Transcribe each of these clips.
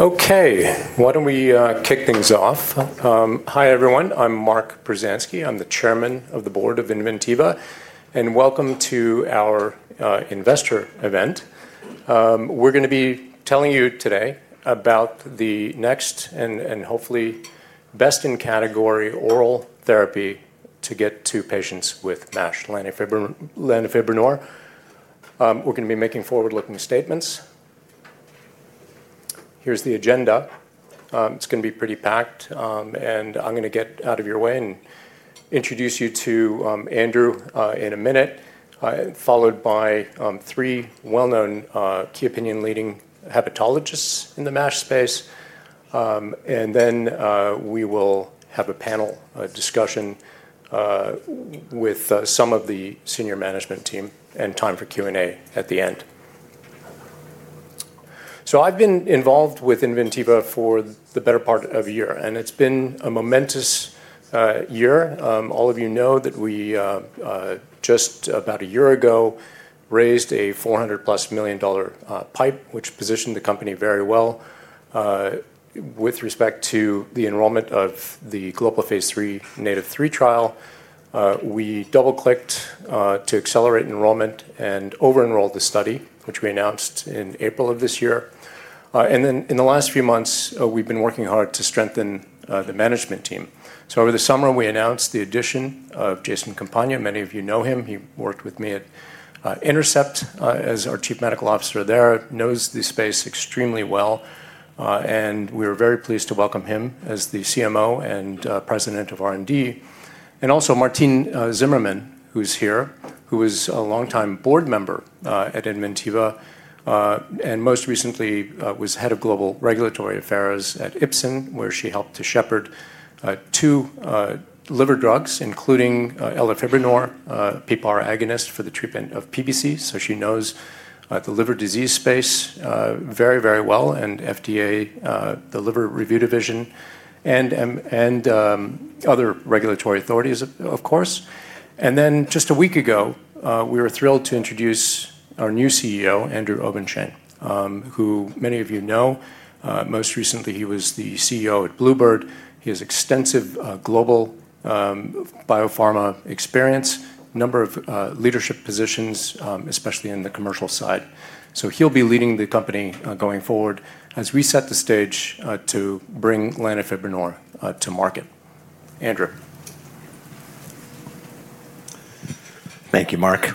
Okay, why don't we kick things off? Hi everyone, I'm Mark Pruzanski, I'm the Chairman of the Board of Inventiva and welcome to our investor event. We're going to be telling you today about the next and hopefully best in category oral therapy to get to patients with MASH, lanifibranor. We're going to be making forward-looking statements. Here's the agenda. It's going to be pretty packed and I'm going to get out of your way and introduce you to Andrew in a minute, followed by three well-known key opinion leading hepatologists in the MASH space. We will have a panel discussion with some of the senior management team and time for Q&A at the end. I've been involved with Inventiva for the better part of a year and it's been a momentous year. All of you know that we just about a year ago raised a $400+ million pipe, which positioned the company very well with respect to the enrollment of the global phase III NATiV3 trial. We double clicked to accelerate enrollment and over-enrolled the study, which we announced in April of this year. In the last few months we've been working hard to strengthen the management team. Over the summer we announced the addition of Jason Campagna. Many of you know him, he worked with me at Intercept as our Chief Medical Officer there, knows the space extremely well and we are very pleased to welcome him as the CMO and President of R&D. Also, Martine Zimmermann, who's here, was a longtime board member at Inventiva and most recently was Head of Global Regulatory Affairs at Ipsen, where she helped to shepherd two liver drugs, including elafibranor, a PPAR agonist for the treatment of PBC. She knows the liver disease space very, very well and FDA, the liver review division, and other regulatory authorities of course. Just a week ago we were thrilled to introduce our new CEO, Andrew Obenshain, who many of you know. Most recently he was the CEO at bluebird. He has extensive global biopharma experience, a number of leadership positions, especially in the commercial side. He'll be leading the company going forward as we set the stage to bring lanifibranor to market. Andrew? Thank you. Mark.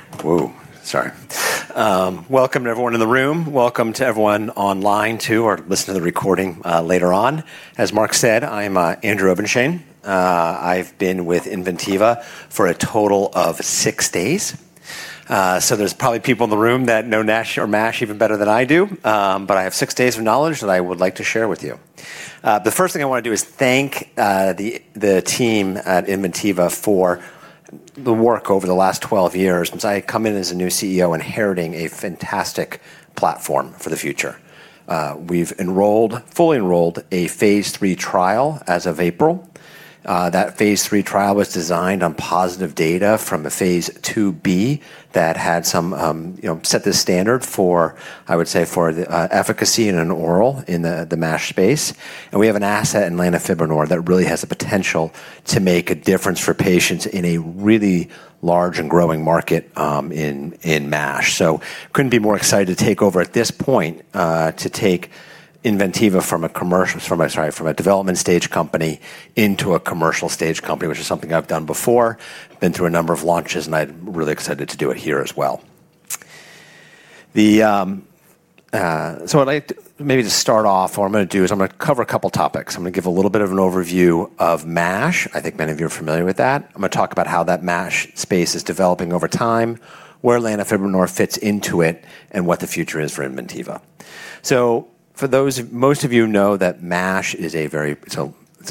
Whoa. Sorry. Welcome to everyone in the room. Welcome to everyone online to or listen to the recording later on. As Mark said, I'm Andrew Obenshain. I've been with Inventiva for a total of six days. There's probably people in the room that know NASH or MASH even better than I do. I have six days of knowledge that I would like to share with you. The first thing I want to do is thank the team at Inventiva for the work over the last 12 years. Since I come in as a new CEO, inheriting a fantastic platform for the future. We've enrolled, fully enrolled, a phase III trial as of April. That phase III trial was designed on positive data from a phase II-B that had some, you know, set the standard for, I would say, for the efficacy in an oral in the MASH space. We have an asset in lanifibranor that really has the potential to make a difference for patients in a really large and growing market in MASH. I couldn't be more excited to take over at this point to take Inventiva from a development stage company into a commercial stage company, which is something I've done before, been through a number of launches, and I'm really excited to do it here as well. I'd like to, maybe to start off, what I'm going to do is I'm going to cover a couple topics. I'm going to give a little bit of an overview of MASH. I think many of you are familiar with that. I'm going to talk about how that MASH space is developing over time, where lanifibranor fits into it, and what the future is for Inventiva. For those, most of you know that MASH is a very, it's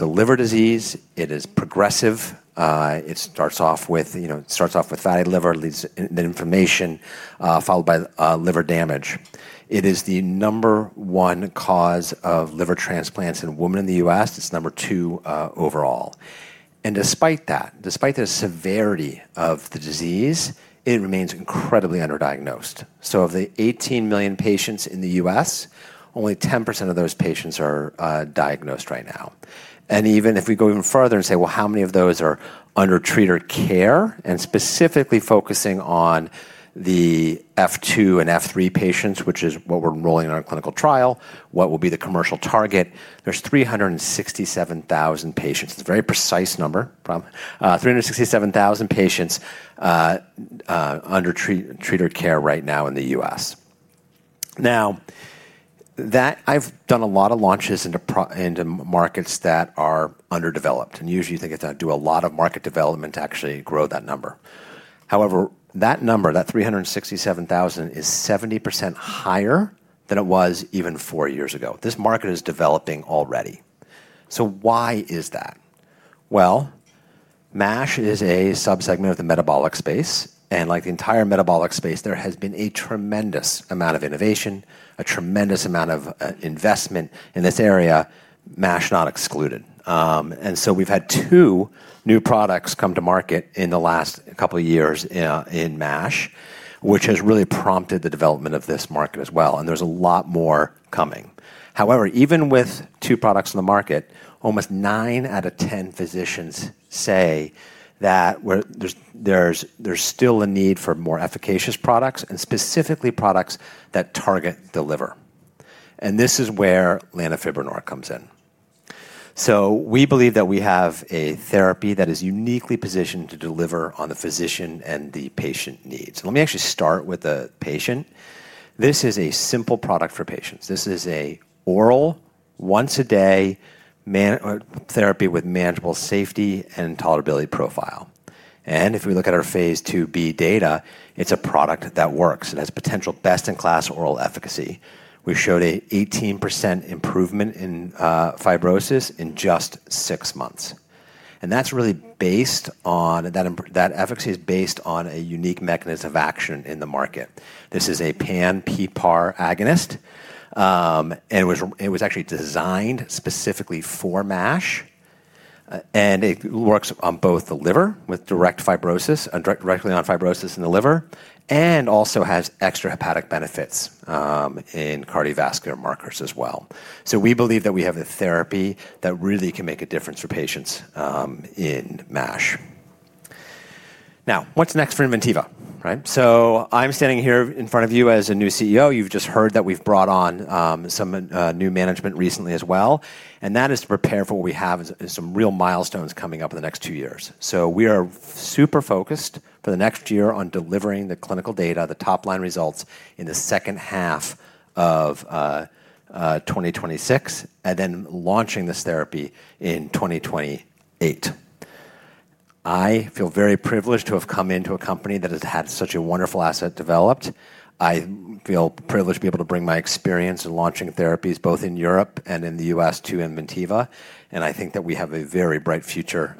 a liver disease. It is progressive. It starts off with, you know, it starts off with fatty liver, leads, inflammation followed by liver damage. It is the number one cause of liver transplant in women in the U.S. It's number two overall. Despite that, despite the severity of the disease, it remains incredibly underdiagnosed. Of the 18 million patients in the U.S., only 10% of those patients are diagnosed right now. Even if we go even further and say, how many of those are under treated care and specifically focusing on the F2 and F3 patients, which is what we're enrolling on a clinical trial, what will be the commercial target? There's 367,000, it's a very precise number, 367,000 patients under treated care right now in the U.S. I've done a lot of launches into markets that are underdeveloped and usually they get to do a lot of market development to actually grow that number. However, that number, that 367,000, is 70% higher than it was even four years ago. This market is developing already. Why is that? MASH is a subsegment of the metabolic space. Like the entire metabolic space, there has been a tremendous amount of innovation, a tremendous amount of investment in this area, MASH not excluded. We've had two new products come to market in the last couple years in MASH, which has really prompted the development of this market as well. There's a lot more coming. However, even with two products on the market, almost nine out of ten physicians say that there's still a need for more efficacious products and specifically products that target the liver. This is where lanifibranor comes in. We believe that we have a therapy that is uniquely positioned to deliver on the physician and the patient needs. Let me actually start with the patient. This is a simple product for patients. This is an oral once a day, therapy with manageable safety and tolerability profile. If we look at our phase II-B data, it's a product that works, it has potential best in class oral efficacy. We showed an 18% improvement in fibrosis in just six months. That efficacy is based on a unique mechanism of action in the market. This is a pan-PPAR agonist and it was actually designed specifically for MASH. It works on both the liver with direct fibrosis, directly on fibrosis in the liver, and also has extrahepatic benefits in cardiovascular markers as well. We believe that we have the therapy that really can make a difference for patients in MASH. Now, what's next for Inventiva? Right. I'm standing here in front of you as a new CEO. You've just heard that we've brought on some new management recently as well. That is to prepare for what we have as real milestones coming up in the next two years. We are super focused for the next year on delivering the clinical data, the top line results in the second half of 2026, and then launching this therapy in 2028. I feel very privileged to have come into a company that has had such a wonderful asset developed. I feel privileged to be able to bring my experience in launching therapies both in Europe and in the U.S. to Inventiva. I think that we have a very bright future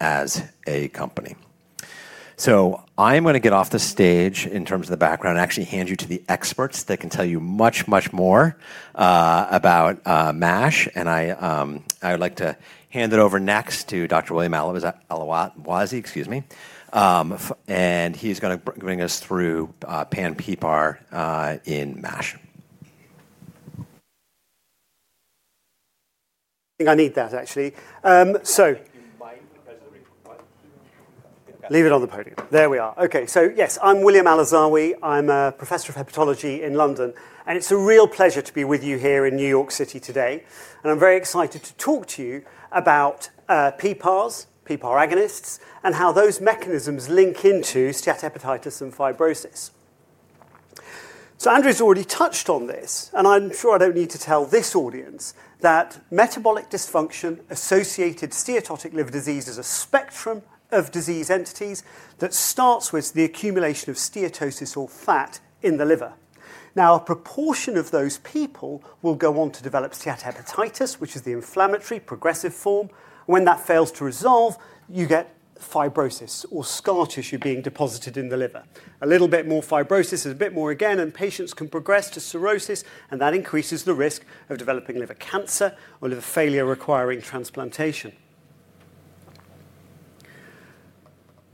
as a company. I'm going to get off the stage in terms of the background, actually hand you to the experts that can tell you much, much more about MASH. I would like to hand it over next to Dr. William Alazawi. Excuse me. He's going to bring us through pan-PPAR in MASH. I think I need that actually, so leave it on the podium. There we are. Okay. Yes, I'm William Alazawi. I'm a Professor of Hepatology in London. It's a real pleasure to be with you here in New York City today. I'm very excited to talk to you about PPARs, PPAR agonists, and how those mechanisms link into steat, hepatitis, and fibrosis. Andrew's already touched on this, and I'm sure I don't need to tell this audience that metabolic dysfunction-associated steatotic liver disease is a spectrum of disease entities that starts with the accumulation of steatosis or fat in the liver. A proportion of those people will go on to develop steatohepatitis, which is the inflammatory, progressive form. When that fails to resolve, you get fibrosis, or scar tissue being deposited in the liver a little bit more, fibrosis is a bit more again, and patients can progress to cirrhosis. That increases the risk of developing liver cancer or liver failure requiring transplantation.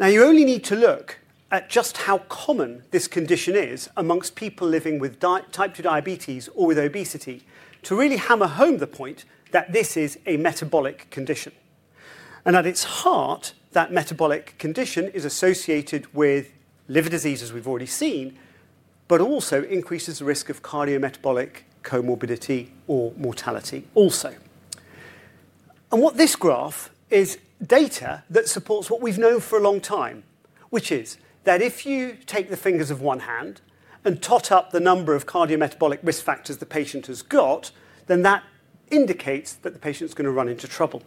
You only need to look at just how common this condition is amongst people living with type 2 diabetes or with obesity to really hammer home the point that this is a metabolic condition. At its heart, that metabolic condition is associated with liver disease, as we've already seen, but also increases the risk of cardiometabolic comorbidity or mortality also. What this graph is data that supports what we've known for a long time, which is that if you take the fingers of one hand and tot up the number of cardiometabolic risk factors the patient has got, then that indicates that the patient's going to run into trouble.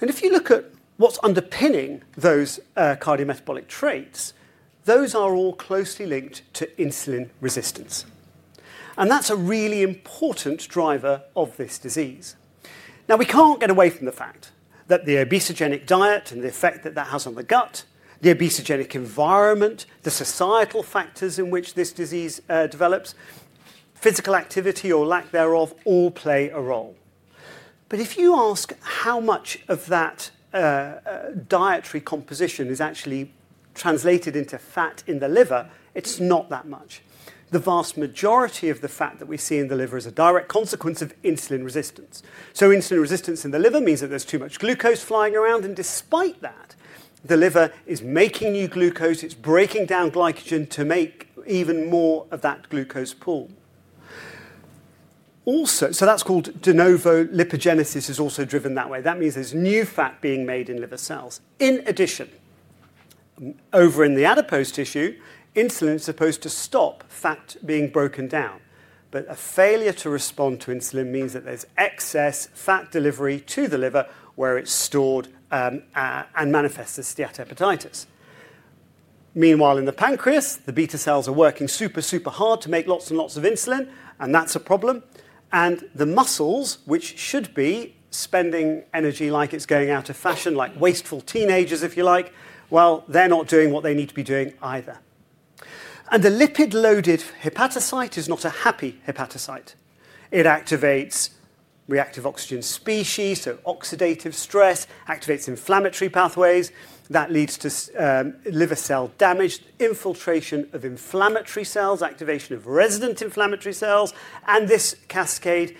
If you look at what's underpinning those cardiometabolic traits, those are all closely linked to insulin resistance. That's a really important driver of this disease. We can't get away from the fact that the obesogenic diet and the effect that that has on the gut, the obesogenic environment, the societal factors in which this disease develops, physical activity, or lack thereof, all play a role. If you ask how much of that dietary composition is actually translated into fat in the liver, it's not that much. The vast majority of the fat that we see in the liver is a direct consequence of insulin resistance. Insulin resistance in the liver means that there's too much glucose flying around. Despite that, the liver is making new glucose, it's breaking down glycogen to make even more of that glucose pulling also. That's called De novo lipogenesis, which is also driven that way. That means there's new fat being made in liver cells. In addition, over in the adipose tissue, insulin is supposed to stop fat being broken down. A failure to respond to insulin means that there's excess fat delivery to the liver where it's stored and manifests as steatohepatitis. Meanwhile, in the pancreas, the beta cells are working super, super hard to make lots and lots of insulin and that's a problem. The muscles, which should be spending energy like it's going out of fashion, like wasteful teenagers if you like, are not doing what they need to be doing either. The lipid-loaded hepatocyte is not a happy hepatocyte. It activates reactive oxygen species, so oxidative stress activates inflammatory pathways that lead to liver cell damage, infiltration of inflammatory cells, and activation of resident inflammatory cells. This cascade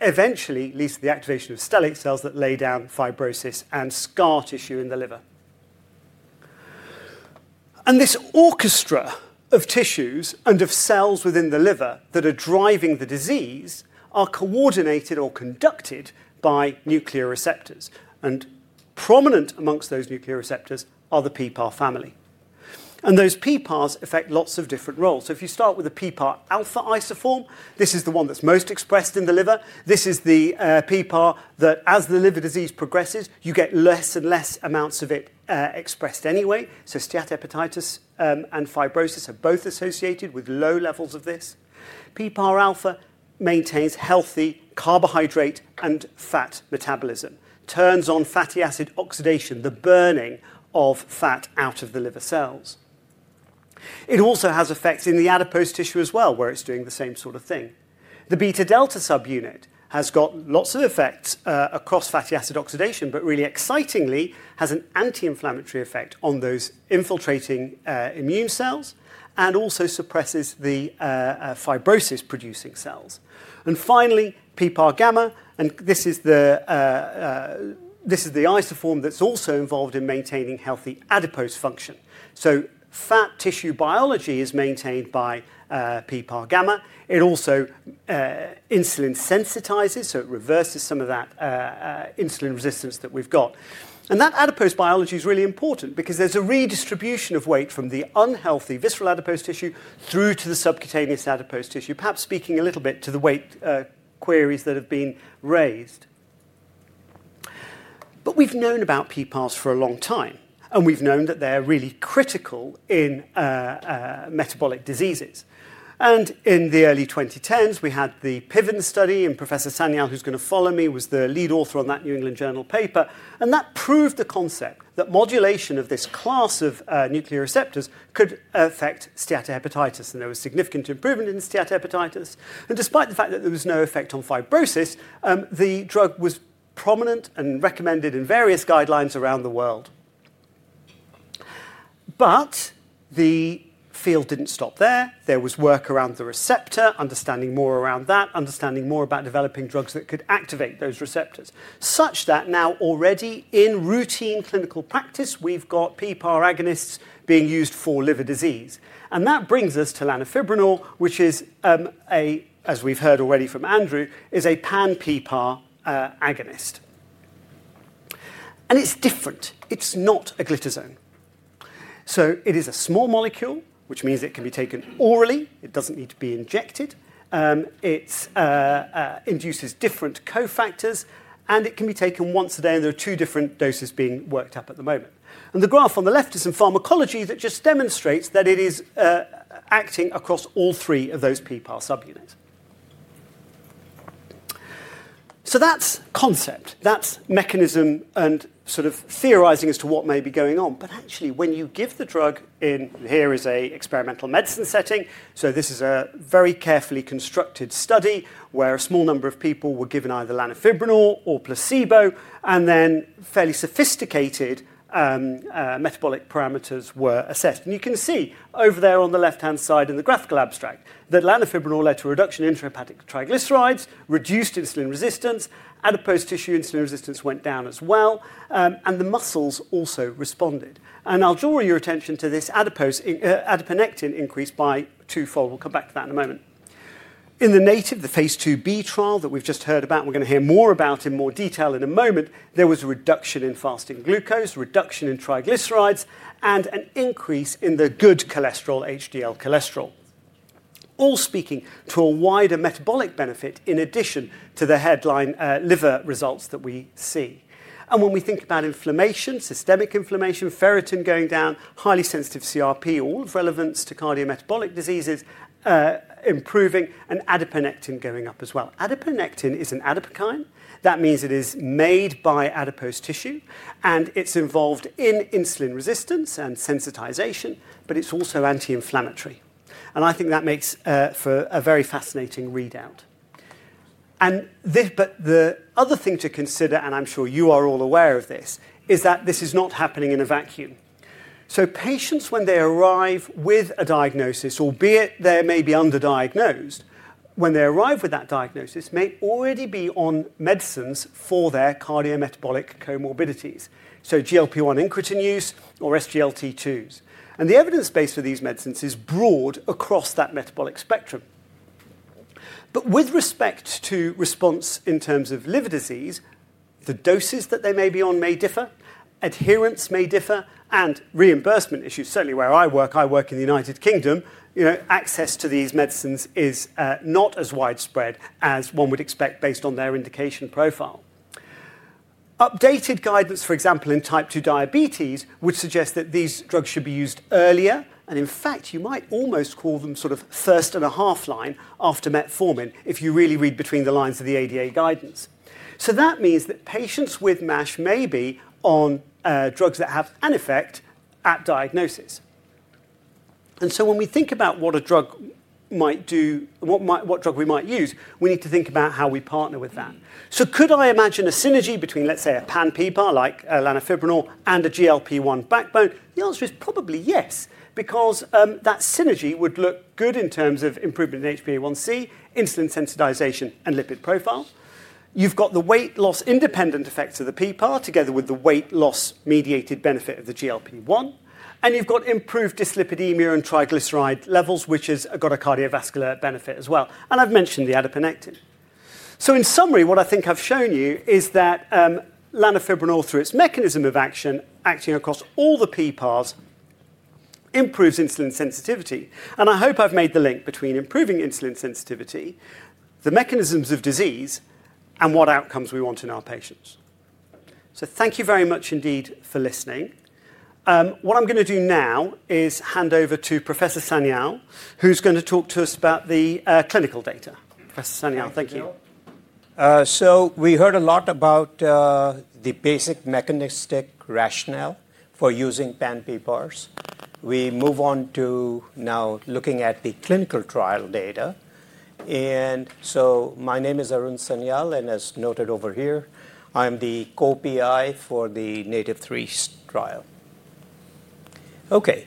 eventually leads to the activation of stellate cells that lay down fibrosis and scar tissue in the liver. This orchestra of tissues and of cells within the liver that are driving the disease are coordinated or conducted by nuclear receptors. Prominent among those nuclear receptors is the PPAR family. Those PPARs affect lots of different roles. If you start with a PPAR alpha isoform, this is the one that's most expressed in the liver. This is the PPAR that, as the liver disease progresses, you get less and less amounts of it expressed anyway. Steatohepatitis and fibrosis are both associated with low levels of this PPAR alpha. It maintains healthy carbohydrate and fat metabolism, turns on fatty acid oxidation, the burning of fat out of the liver cell. It also has effects in the adipose tissue as well, where it's doing the same sort of thing. The beta delta subunit has got lots of effects across fatty acid oxidation, but really excitingly has an anti-inflammatory effect on those infiltrating immune cells and also suppresses the fibrosis-producing cells. Finally, PPAR gamma is the isoform that's also involved in maintaining healthy adipose function. Fat tissue biology is maintained by PPAR gamma. It also insulin-sensitizes, so it reverses some of that insulin resistance that we've got. That adipose biology is really important because there's a redistribution of weight from the unhealthy visceral adipose tissue through to the subcutaneous adipose tissue, perhaps speaking a little bit to the weight queries that have been raised. We've known about PPARs for a long time and we've known that they're really critical in metabolic diseases. In the early 2010s we had the PIVENS study and Professor Sanyal, who's going to follow me, was the lead author on that New England Journal paper and that proved the concept that modulation of this class of nuclear receptors could affect steatohepatitis. There was significant improvement in steatohepatitis. Despite the fact that there was no effect on fibrosis, the drug was prominent and recommended in various guidelines around the world. The field didn't stop there. There was work around the receptor understanding, more around that, understanding more about developing drugs that could activate those receptors, such that now already in routine clinical practice we've got PPAR agonists being used for liver disease. That brings us to lanifibranor, which is, as we've heard already from Andrew, is a pan-PPAR agonist. It's different, it's not a glitazone. It is a small molecule, which means it can be taken orally, it doesn't need to be injected, it induces different cofactors and it can be taken once a day. There are two different doses being worked up at the moment. The graph on the left is in pharmacology that just demonstrates that it is acting across all three of those PPAR subunits. That's concept, that's mechanism and sort of theorizing as to what may be going on. Actually, when you give the drug in, here is an experimental medicine setting. This is a very carefully constructed study where a small number of people were given either lanifibranor or placebo and then fairly sophisticated metabolic parameters were assessed. You can see over there on the left-hand side in the graphical abstract that lanifibranor led to a reduction. Intrahepatic triglycerides reduced, reduced insulin resistance. Adipose tissue insulin resistance went down as well and the muscles also responded. I'll draw your attention to this adiponectin increase by twofold. We'll come back to that in a moment. In the native, the phase II-B trial that we've just heard about, we're going to hear more about in more detail in a moment. There was a reduction in fasting glucose, reduction in triglycerides, and an increase in the good cholesterol, HDL cholesterol, all speaking to a wider metabolic benefit in addition to the headline liver results that we see. When we think about inflammation, systemic inflammation, ferritin going down, highly sensitive CRP, all of relevance to cardiometabolic diseases improving, and adiponectin going up as well. Adiponectin is an adipokine, that means it is made by adipose tissue and it's involved in insulin resistance and sensitization, but it's also anti-inflammatory. I think that makes for a very fascinating readout. The other thing to consider, and I'm sure you are all aware of this, is that this is not happening in a vacuum. Patients, when they arrive with a diagnosis, albeit they may be underdiagnosed when they arrive with that diagnosis, may already be on medicines for their cardiometabolic comorbidities, so GLP-1 incretin use or SGLT2s. The evidence base for these medicines is broad across that metabolic spectrum. With respect to response in terms of liver disease, the doses that they may be on may differ, adherence may differ, and reimbursement issues. Certainly where I work, I work in the United Kingdom, you know, access to these medicines is not as widespread as one would expect based on their indication profile. Updated guidance, for example, in type 2 diabetes would suggest that these drugs should be used earlier. In fact, you might almost call them sort of first and a half line after metformin if you really read between the lines of the ADA guidance. That means that patients with MASH may be on drugs that have an effect at diagnosis. When we think about what a drug might do, what drug we might use, we need to think about how we partner with that. Could I imagine a synergy between, let's say, a pan-PPAR like lanifibranor and a GLP-1 backbone? The answer is probably yes, because that synergy would look good in terms of improvement in HbA1c, insulin sensitization, and lipid profile. You've got the weight loss independent effects of the PPAR, together with the weight loss mediated benefit of the GLP-1. You've got improved dyslipidemia and triglyceride levels, which has got a cardiovascular benefit as well. I've mentioned the adiponectin. In summary, what I think I've shown you is that lanifibranor, through its mechanism of action, acting across all the PPARs, improves insulin sensitivity. I hope I've made the link between improving insulin sensitivity, the mechanisms of disease, and what outcomes we want in our patients. Thank you very much indeed for listening. What I'm going to do now is hand over to Professor Sanyal, who's going to talk to us about the clinical data. Professor Sanyal, thank you. We heard a lot about the basic mechanistic rationale for using pan-PPARs. We move on to now looking at the clinical trial data. My name is Arun Sanyal and as noted over here, I'm the Co-PI for the NATiV3 trial. The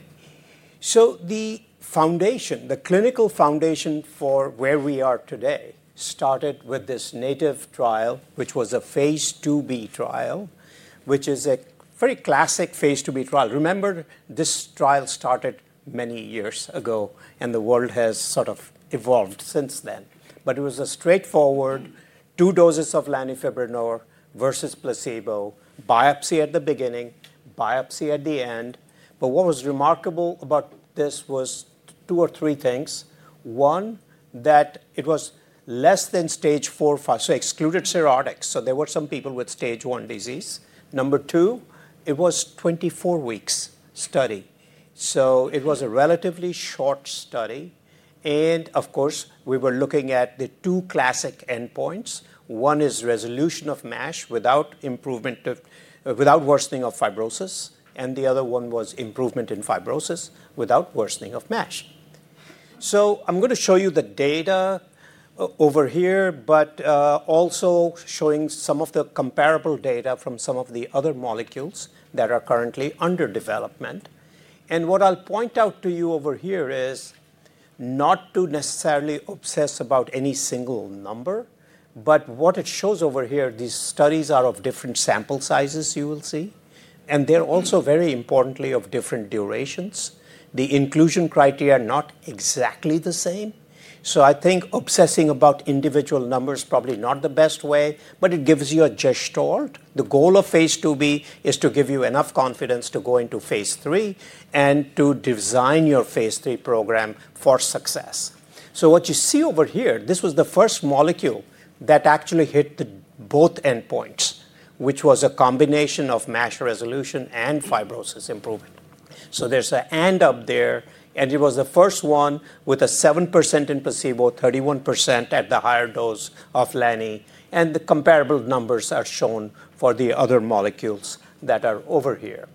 clinical foundation for where we are today started with this NATiV trial, which was a phase II-B trial, which is a very classic phase II-B trial. Remember, this trial started many years ago and the world has sort of evolved since then. It was a straightforward two doses of lanifibranor vs placebo, biopsy at the beginning, biopsy at the end. What was remarkable about this was two or three things. One, that it was less than stage four or five, so excluded cirrhotics. There were some people with stage one disease. Number two, it was a 24-week study, so it was a relatively short study. We were looking at the two classic endpoints. One is resolution of MASH without worsening of fibrosis. The other one was improvement in fibrosis without worsening of MASH. I'm going to show you the data over here, but also showing some of the comparable data from some of the other molecules that are currently under development. What I'll point out to you over here is not to necessarily obsess about any single number, but what it shows over here. These studies are of different sample sizes, you will see, and they're also very importantly of different durations. The inclusion criteria are not exactly the same. I think obsessing about individual numbers is probably not the best way, but it gives you a gesture. The goal of phase II-B is to give you enough confidence to go into phase III and to design your phase III program for success. What you see over here, this was the first molecule that actually hit both endpoints, which was a combination of MASH resolution and fibrosis improvement. There's an AND up there, and it was the first one with a 7% in placebo, 31% at the higher dose of lani. The comparable numbers are shown for the other molecules that are over here.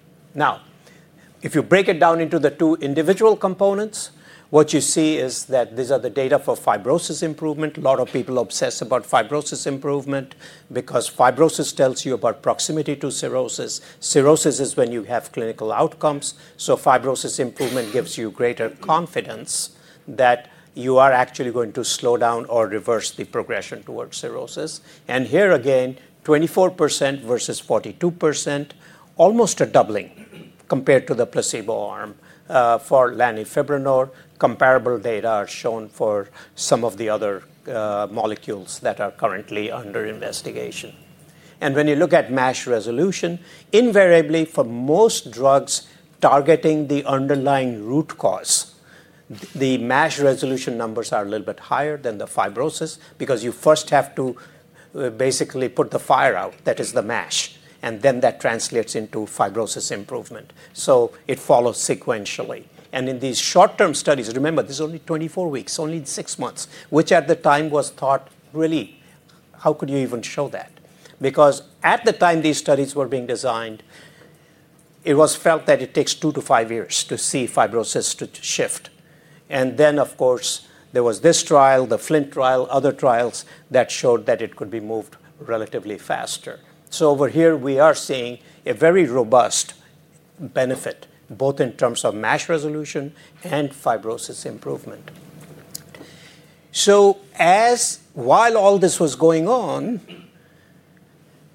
If you break it down into the two individual components, what you see is that these are the data for fibrosis improvement. A lot of people obsess about fibrosis improvement because fibrosis tells you about proximity to cirrhosis. Cirrhosis is when you have clinical outcomes. Fibrosis improvement gives you greater confidence that you are actually going to slow down or reverse the progression towards cirrhosis. Here again, 24% vs 42%, almost a doubling compared to the placebo arm for lanifibranor. Comparable data are shown for some of the other molecules that are currently under investigation. When you look at MASH resolution, invariably for most drugs targeting the underlying root cause, the MASH resolution numbers are a little bit higher than the fibrosis because you first have to basically put the fire out, that is the MASH, and then that translates into fibrosis improvement. It follows sequentially. In these short term studies, remember, this is only 24 weeks, only six months, which at the time was thought, really, how could you even show that? At the time these studies were being designed, it was felt that it takes 2-5 years to see fibrosis to shift. There was this trial, the FLINT trial, other trials that showed that it could be moved relatively faster. Over here we are seeing a very robust benefit both in terms of MASH resolution and fibrosis improvement. While all this was going on,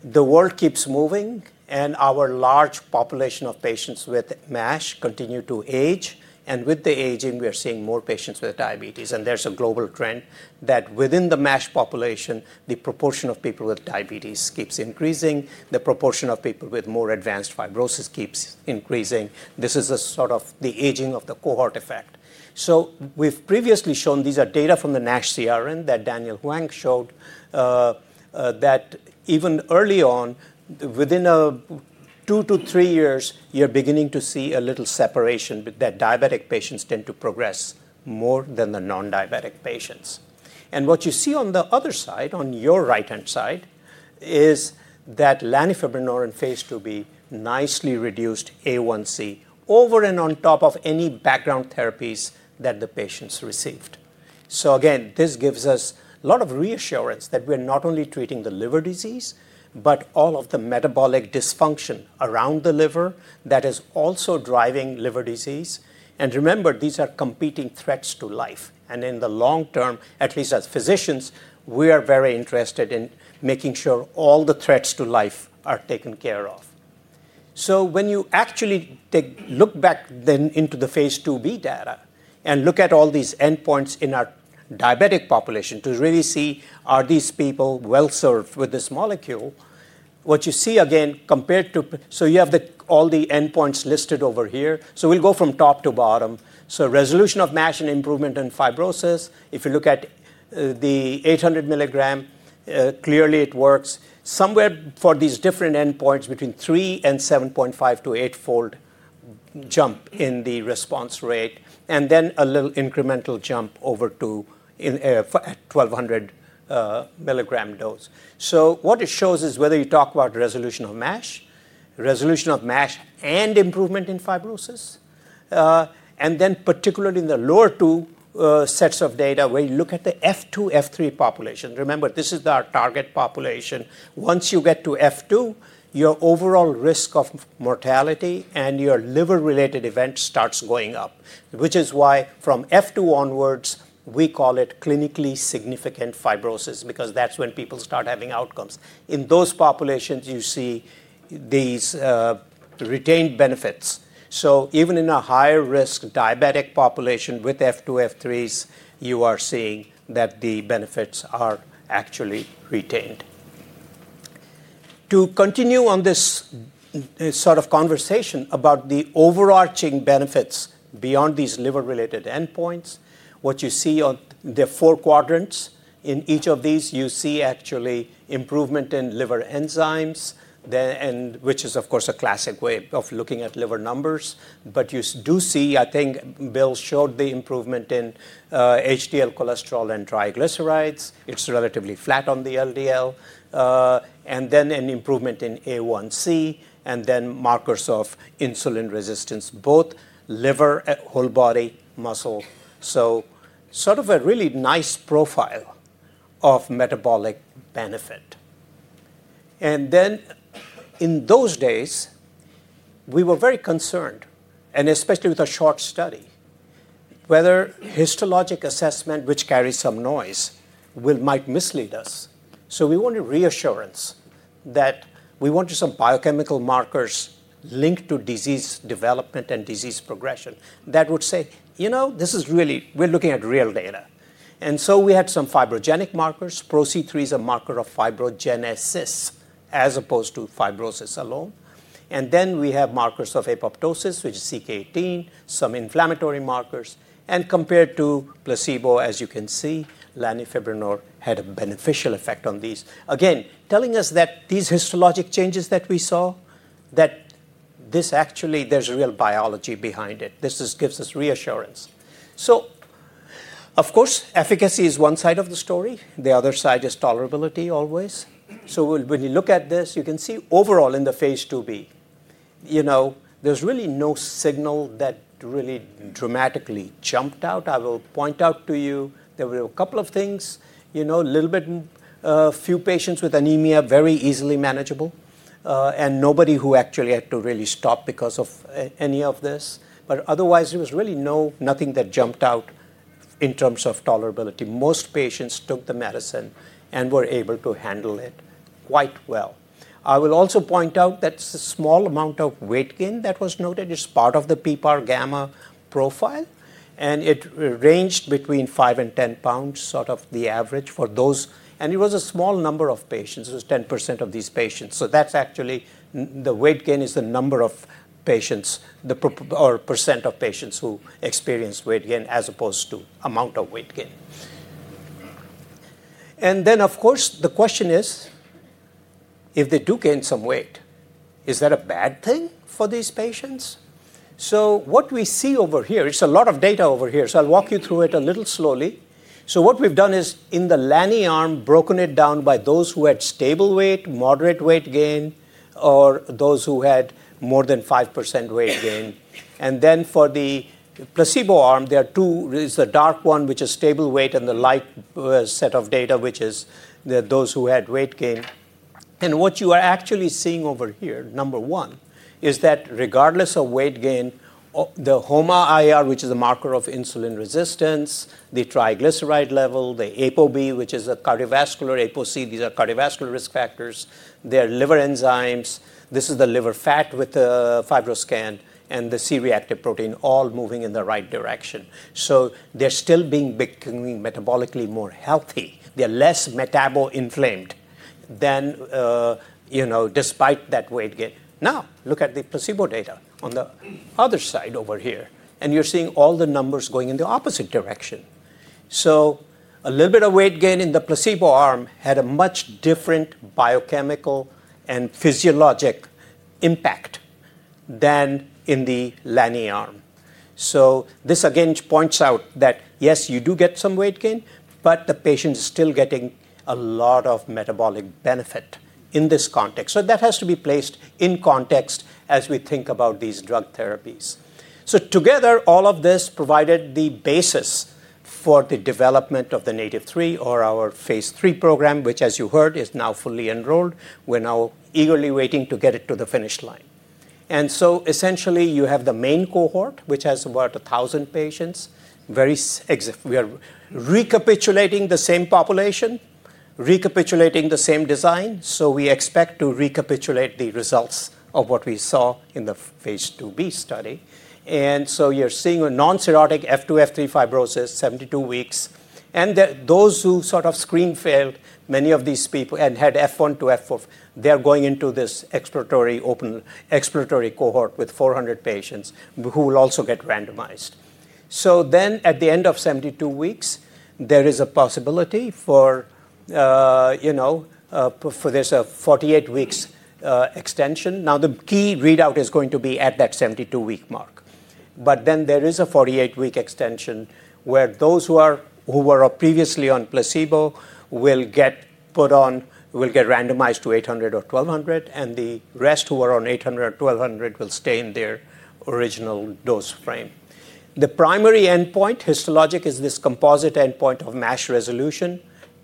the world keeps moving and our large population of patients with MASH continue to age. With the aging, we are seeing more patients with diabetes. There's a global trend that within the MASH population, the proportion of people with diabetes keeps increasing, the proportion of people with more advanced fibrosis keeps increasing. This is sort of the aging of the cohort effect. We've previously shown, these are data from the NASH CRN that Daniel Huang showed, that even early on, within 2-3 years, you're beginning to see a little separation, that diabetic patients tend to progress more than the non-diabetic patients. What you see on the other side, on your right hand side, is that lanifibranor in phase II-B nicely reduced A1C over and on top of any background therapies that the patients received. This gives us a lot of reassurance that we're not only treating the liver disease, but all of the metabolic dysfunction around the liver that is also driving liver disease. Remember, these are competing threats to life. In the long term, at least as physicians, we are very interested in making sure all the threats to life are taken care of. When you actually take a look back then into the phase II-B data and look at all these endpoints in our diabetic population to really see are these people well served with this molecule, what you see again compared to, you have all the endpoints listed over here. We'll go from top to bottom. Resolution of MASH and improvement in fibrosis, if you look at the 800 mg, clearly it works somewhere for these different endpoints between 3 and 7.5 to 8-fold jump in the response rate, and then a little incremental jump over to the 1200 mg dose. What it shows is whether you talk about resolution of MASH, resolution of MASH and improvement in fibrosis, and then particularly in the lower two sets of data where you look at the F2, F3 population, remember this is our target population. Once you get to F2, your overall risk of mortality and your liver-related event starts going up, which is why from F2 onwards we call it clinically significant fibrosis, because that's when people start having outcomes in those populations. You see these retained benefits. Even in a higher risk diabetic population with F2, F3s, you are seeing that the benefits are actually retained. To continue on this sort of conversation about the overarching benefits beyond these liver-related endpoints, what you see on the four quadrants in each of these, you see actually improvement in liver enzymes, which is of course a classic way of looking at liver numbers. You do see, I think Bill showed the improvement in HDL cholesterol and triglycerides. It's relatively flat on the LDL, and then an improvement in A1C and then markers of insulin resistance, both liver, whole body, muscle. Sort of a really nice profile of metabolic benefit. In those days we were very concerned, and especially with a short study, whether histologic assessment, which carries some noise, might mislead us. We wanted reassurance that we wanted some biochemical markers linked to disease development and disease progression that would say, you know, this is really, we're looking at real data. We had some fibrogenic markers. Pro-C3 is a marker of fibrogenesis as opposed to fibrosis alone, and then we have markers of apoptosis, which is CK18, some inflammatory markers, and compared to placebo, as you can see, lanifibranor had a beneficial effect on these, again telling us that these histologic changes that we saw, that this actually, there's real biology behind it. This just gives us reassurance. Of course, efficacy is one side of the story. The other side is tolerability, always. When you look at this, you can see overall in the phase II-B, there's really no signal that really dramatically jumped out. I will point out to you there were a couple of things, a little bit, few patients with anemia, very easily manageable, and nobody who actually had to really stop because of any of this. Otherwise, there was really nothing that jumped out. In terms of tolerability, most patients took the medicine and were able to handle it quite well. I will also point out that small amount of weight gain that was noted. It's part of the PPAR gamma profile, and it ranged between 5 lbs and 10 lbs, sort of the average for those. It was a small number of patients. It was 10% of these patients. That's actually the weight gain as the number of patients or percent of patients who experienced weight gain as opposed to amount of weight gain. The question is, if they do gain some weight, is that a bad thing for these patients? What we see over here, it's a lot of data over here. I'll walk you through it a little slowly. What we've done is in the lanifibranor arm, broken it down by those who had stable weight, moderate weight gain, or those who had more than 5% weight gain. For the placebo arm, there are two. The dark one, which is stable weight, and the light set of data, which is those who had weight gain. What you are actually seeing over here, number one, is that regardless of weight gain, the HOMA-IR, which is a marker of insulin resistance, the triglyceride level, the ApoB, which is a cardiovascular ApoC, these are cardiovascular risk factors. They are liver enzymes. This is the liver fat with the FibroScan and the C-reactive protein all moving in the right direction. They're still becoming metabolically more healthy. They're less metabolically inflamed than, you know, despite that weight gain. Now look at the placebo data on the other side over here, and you're seeing all the numbers going in the opposite direction. A little bit of weight gain in the placebo arm had a much different biochemical and physiologic impact than in the lanifibranor arm. This again points out that, yes, you do get some weight gain, but the patient is still getting a lot of metabolic benefit in this context. That has to be placed in context as we think about these drug therapies. Together, all of this provided the basis for the development of the NATiV3 or our phase III program, which, as you heard, is now fully enrolled. We're now eagerly waiting to get it to the finish line. Essentially, you have the main cohort which has about 1,000 patients. We are recapitulating the same population, recapitulating the same design. We expect to recapitulate the results of what we saw in the phase II-B study. You're seeing a non-cirrhotic F2/F3 fibrosis, 72 weeks. Those who sort of screen failed, many of these people had F1-F4, they're going into this exploratory cohort with 400 patients who will also get randomized. At the end of 72 weeks, there is a possibility for this 48-week extension. The key readout is going to be at that 72-week mark, but then there is a 48-week extension where those who were previously on placebo will get randomized to 800 mg or 1200 mg and the rest who are on 800 mg, 1200 mg will stay in their original dose frame. The primary endpoint histologic is this composite endpoint of MASH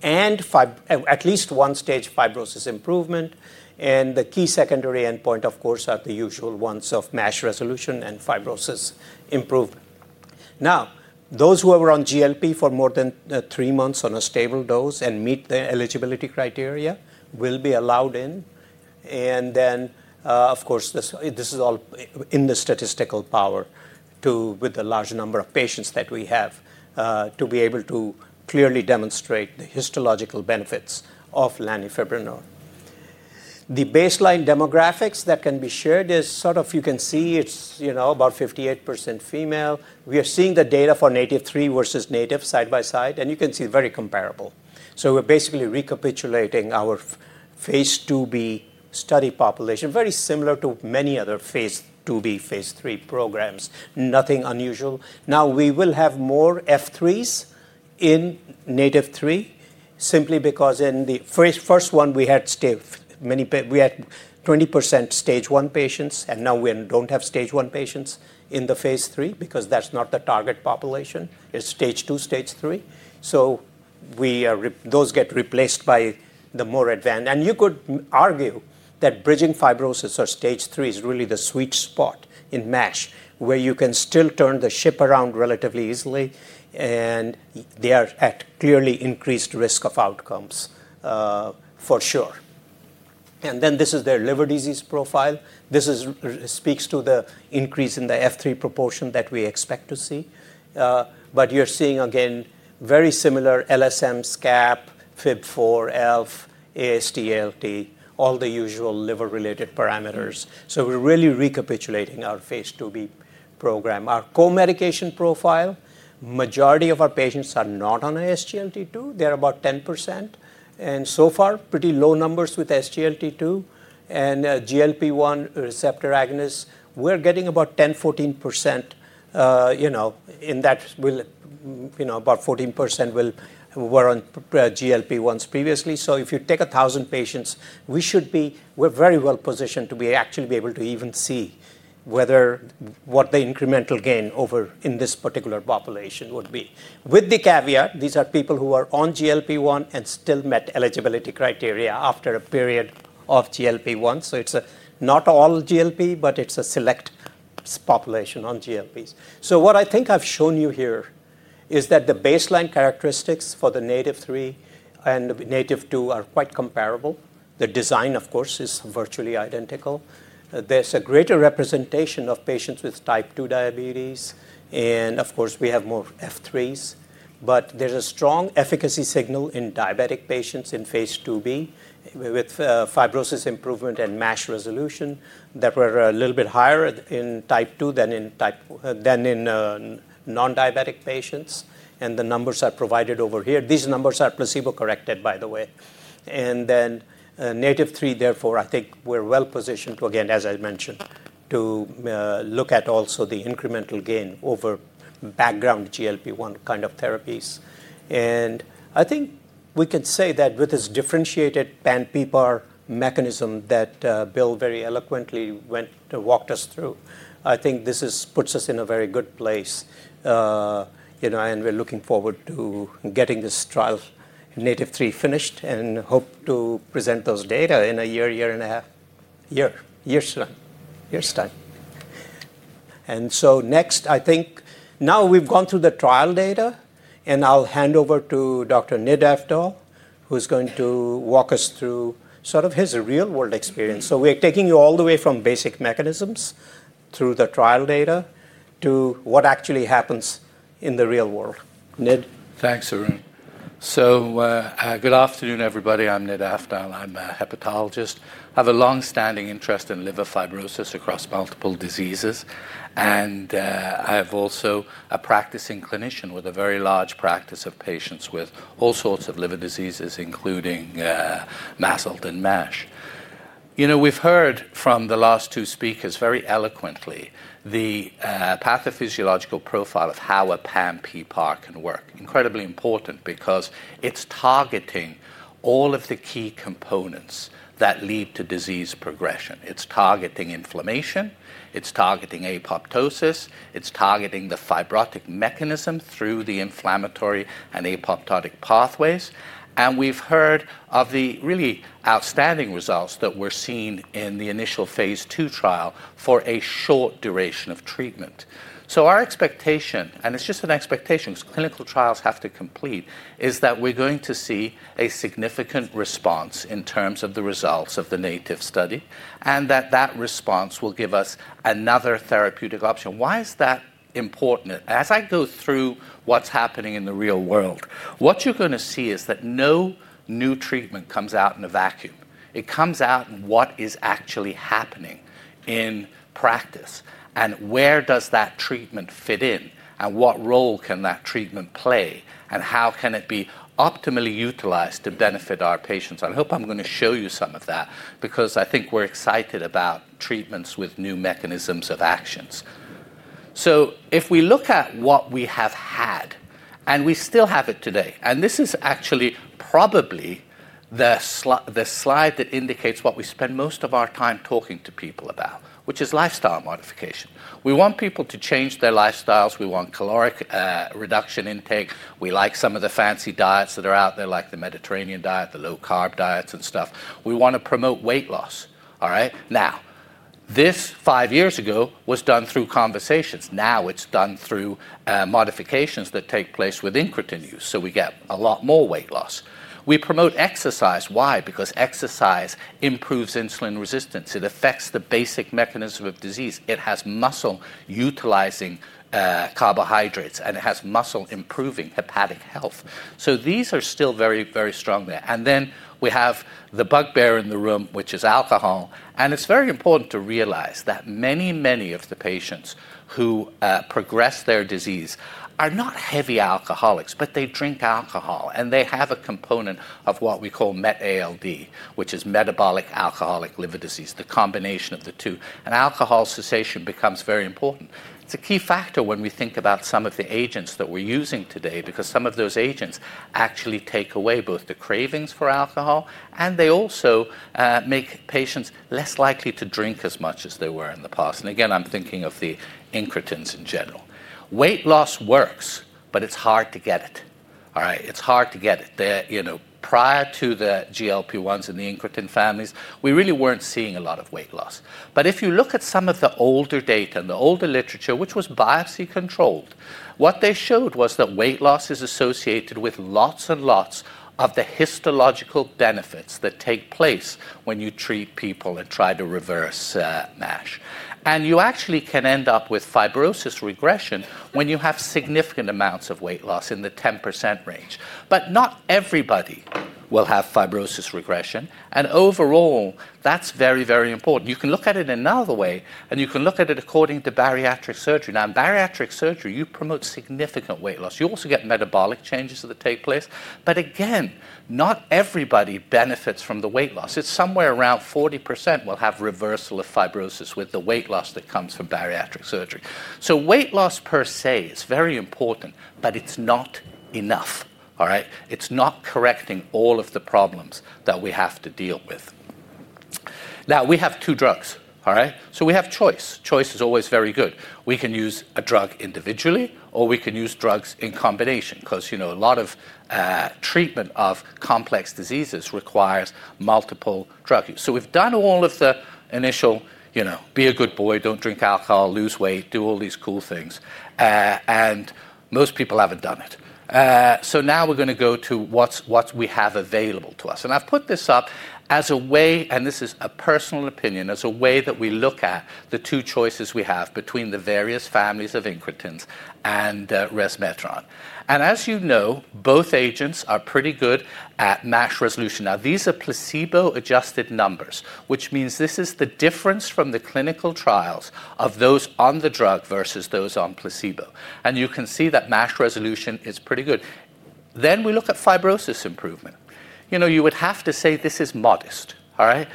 resolution and at least one stage fibrosis improvement. The key secondary endpoint, of course, are the usual ones of MASH resolution and fibrosis improved. Those who are on GLP-1 agonists for more than three months on a stable dose and meet the eligibility criteria will be allowed in. This is all in the statistical power with a large number of patients that we have to be able to clearly demonstrate the histological benefits of lanifibranor. The baseline demographics that can be shared is sort of, you can see it's about 58% female. We are seeing the data for NATiV3 vs NATiV side by side and you can see very comparable. We're basically recapitulating our phase II-B study population, very similar to many other phase II-B, phase III programs, nothing unusual. We will have more F3s in NATiV3 simply because in the first one we had 20% stage 1 patients. Now we don't have stage 1 patients in the phase III because that's not the target population. It's stage 2, stage 3. Those get replaced by the more advanced. You could argue that bridging fibrosis or stage 3 is really the sweet spot in MASH where you can still turn the ship around relatively easily and they are at clearly increased risk of outcomes for sure. This is their liver disease profile. This speaks to the increase in the F3 proportion that we expect to see. You're seeing again very similar LSM, SCAP, FIB-4, ELF, AST, ALT, all the usual liver-related parameters. We're really recapitulating our phase II-B program. Our co-medication profile: the majority of our patients are not on SGLT2, they're about 10%, and so far pretty low numbers with SGLT2 and GLP-1 receptor agonists. We're getting about 10%, 14% in that, about 14% were on GLP-1s previously. If you take 1,000 patients, we're very well positioned to actually be able to even see what the incremental gain over in this particular population would be. With the caveat these are people who are on GLP-1 and still met eligibility criteria after a period of time of GLP-1. It's not all GLP, but it's a select population on GLPs. What I think I've shown you here is that the baseline characteristics for the NATiV3 and NATiV2 are quite comparable. The design, of course, is virtually identical. There's a greater representation of patients with type 2 diabetes, and we have more F3s, but there's a strong efficacy signal in diabetic patients in phase II-B with fibrosis improvement and MASH resolution that were a little bit higher in type 2 than in non-diabetic patients. The numbers are provided over here. These numbers are placebo-corrected, by the way, and then NATiV3. Therefore, I think we're well positioned to, again, as I mentioned, look at also the incremental gain over background GLP-1 kind of therapies. I think we can say that with this differentiated pan-PPAR mechanism that Bill very eloquently walked us through, this puts us in a very good place. We're looking forward to getting this trial, NATiV3, finished and hope to present those data in a year, year and a half, year's time. Next, I think now we've gone through the trial data and I'll hand over to Dr. Nid Afdhal, who's going to walk us through sort of his real-world experience. We are taking you all the way from basic mechanisms through the trial data to what actually happens in the real world. Nid? Thanks, Arun. Good afternoon everybody. I'm Nid Afdhal. I'm a hepatologist. I have a longstanding interest in liver fibrosis across multiple diseases and I am also a practicing clinician with a very large practice of patients with all sorts of liver diseases, including MASLD and MASH. We've heard from the last two speakers very eloquently the pathophysiological profile of how a pan-PPAR can work. Incredibly important because it's targeting all of the key components that lead to disease progression. It's targeting inflammation, it's targeting apoptosis, it's targeting the fibrotic mechanism through the inflammatory and apoptotic pathways. We've heard of the really outstanding results that were seen in the initial phase II-B trial for a short duration of treatment. Our expectation, and it's just an expectation because clinical trials have to complete, is that we're going to see a significant response in terms of the results of the NATiV study, and that that response will give us another therapeutic option. Why is that important? As I go through what's happening in the real world, what you're going to see is that no new treatment comes out in a vacuum. It comes out in what is actually happening in practice. Where does that treatment fit in, and what role can that treatment play, and how can it be optimally utilized to benefit our patients? I hope I'm going to show you some of that because I think we're excited about treatments with new mechanisms of action. If we look at what we have had, and we still have it today, and this is actually probably the slide that indicates what we spend most of our time talking to people about, which is lifestyle modification. We want people to change their lifestyles. We want caloric reduction, intake. We like some of the fancy diets that are out there, like the Mediterranean diet, the low carb diets and stuff. We want to promote weight loss. This five years ago was done through conversations. Now it's done through modifications that take place with incretin use. We get a lot more weight loss. We promote exercise. Why? Because exercise improves insulin resistance. It affects the basic mechanism of disease. It has muscle utilizing carbohydrates, and it has muscle improving hepatic health. These are still very, very strong there. We have the bugbear in the room, which is alcohol. It's very important to realize that many, many of the patients that progress their disease are not heavy alcoholics, but they drink alcohol and they have a component of what we call MET ALD, which is metabolic alcoholic liver disease. The combination of the two and alcohol cessation becomes very important. It's a key factor when we think about some of the agents that we're using today, because some of those agents actually take away both the cravings for alcohol. They also make patients less likely to drink as much as they were in the past. I'm thinking of the incretins in general. Weight loss works, but it's hard to get it. All right? It's hard to get it. Prior to the GLP-1 agonists and the incretin families, we really weren't seeing a lot of weight loss. If you look at some of the older data and the older literature, which was biopsy controlled, what they showed was that weight loss is associated with lots and lots of the histological benefits that take place when you treat people and try to reverse MASH. You actually can end up with fibrosis regression when you have significant amounts of weight loss in the 10% range. Not everybody will have fibrosis regression. Overall, that's very, very important. You can look at it another way, and you can look at it according to bariatric surgery. In bariatric surgery, you promote significant weight loss. You also get metabolic changes that take place. Not everybody benefits from the weight loss. It's somewhere around 40% will have reversal of fibrosis with the weight loss that comes from bariatric surgery. Weight loss per se is very important, but it's not enough, all right? It's not correcting all of the problems that we have to deal with. Now we have two drugs, all right? We have choice. Choice is always very good. We can use a drug individually or we can use drugs in combination because a lot of treatment of complex diseases requires multiple drug use. We've done all of the initial, you know, be a good boy, don't drink alcohol, lose weight, do all these cool things, and most people haven't done it. Now we're going to go to what we have available to us. I've put this up as a way, and this is a personal opinion, as a way that we look at the two choices we have between the various families of incretins and resmetirom. As you know, both agents are pretty good at MASH resolution. These are placebo-adjusted numbers, which means this is the difference from the clinical trials of those on the drug versus those on placebo. You can see that MASH resolution is pretty good. Then we look at fibrosis improvement. You would have to say this is modest, all right?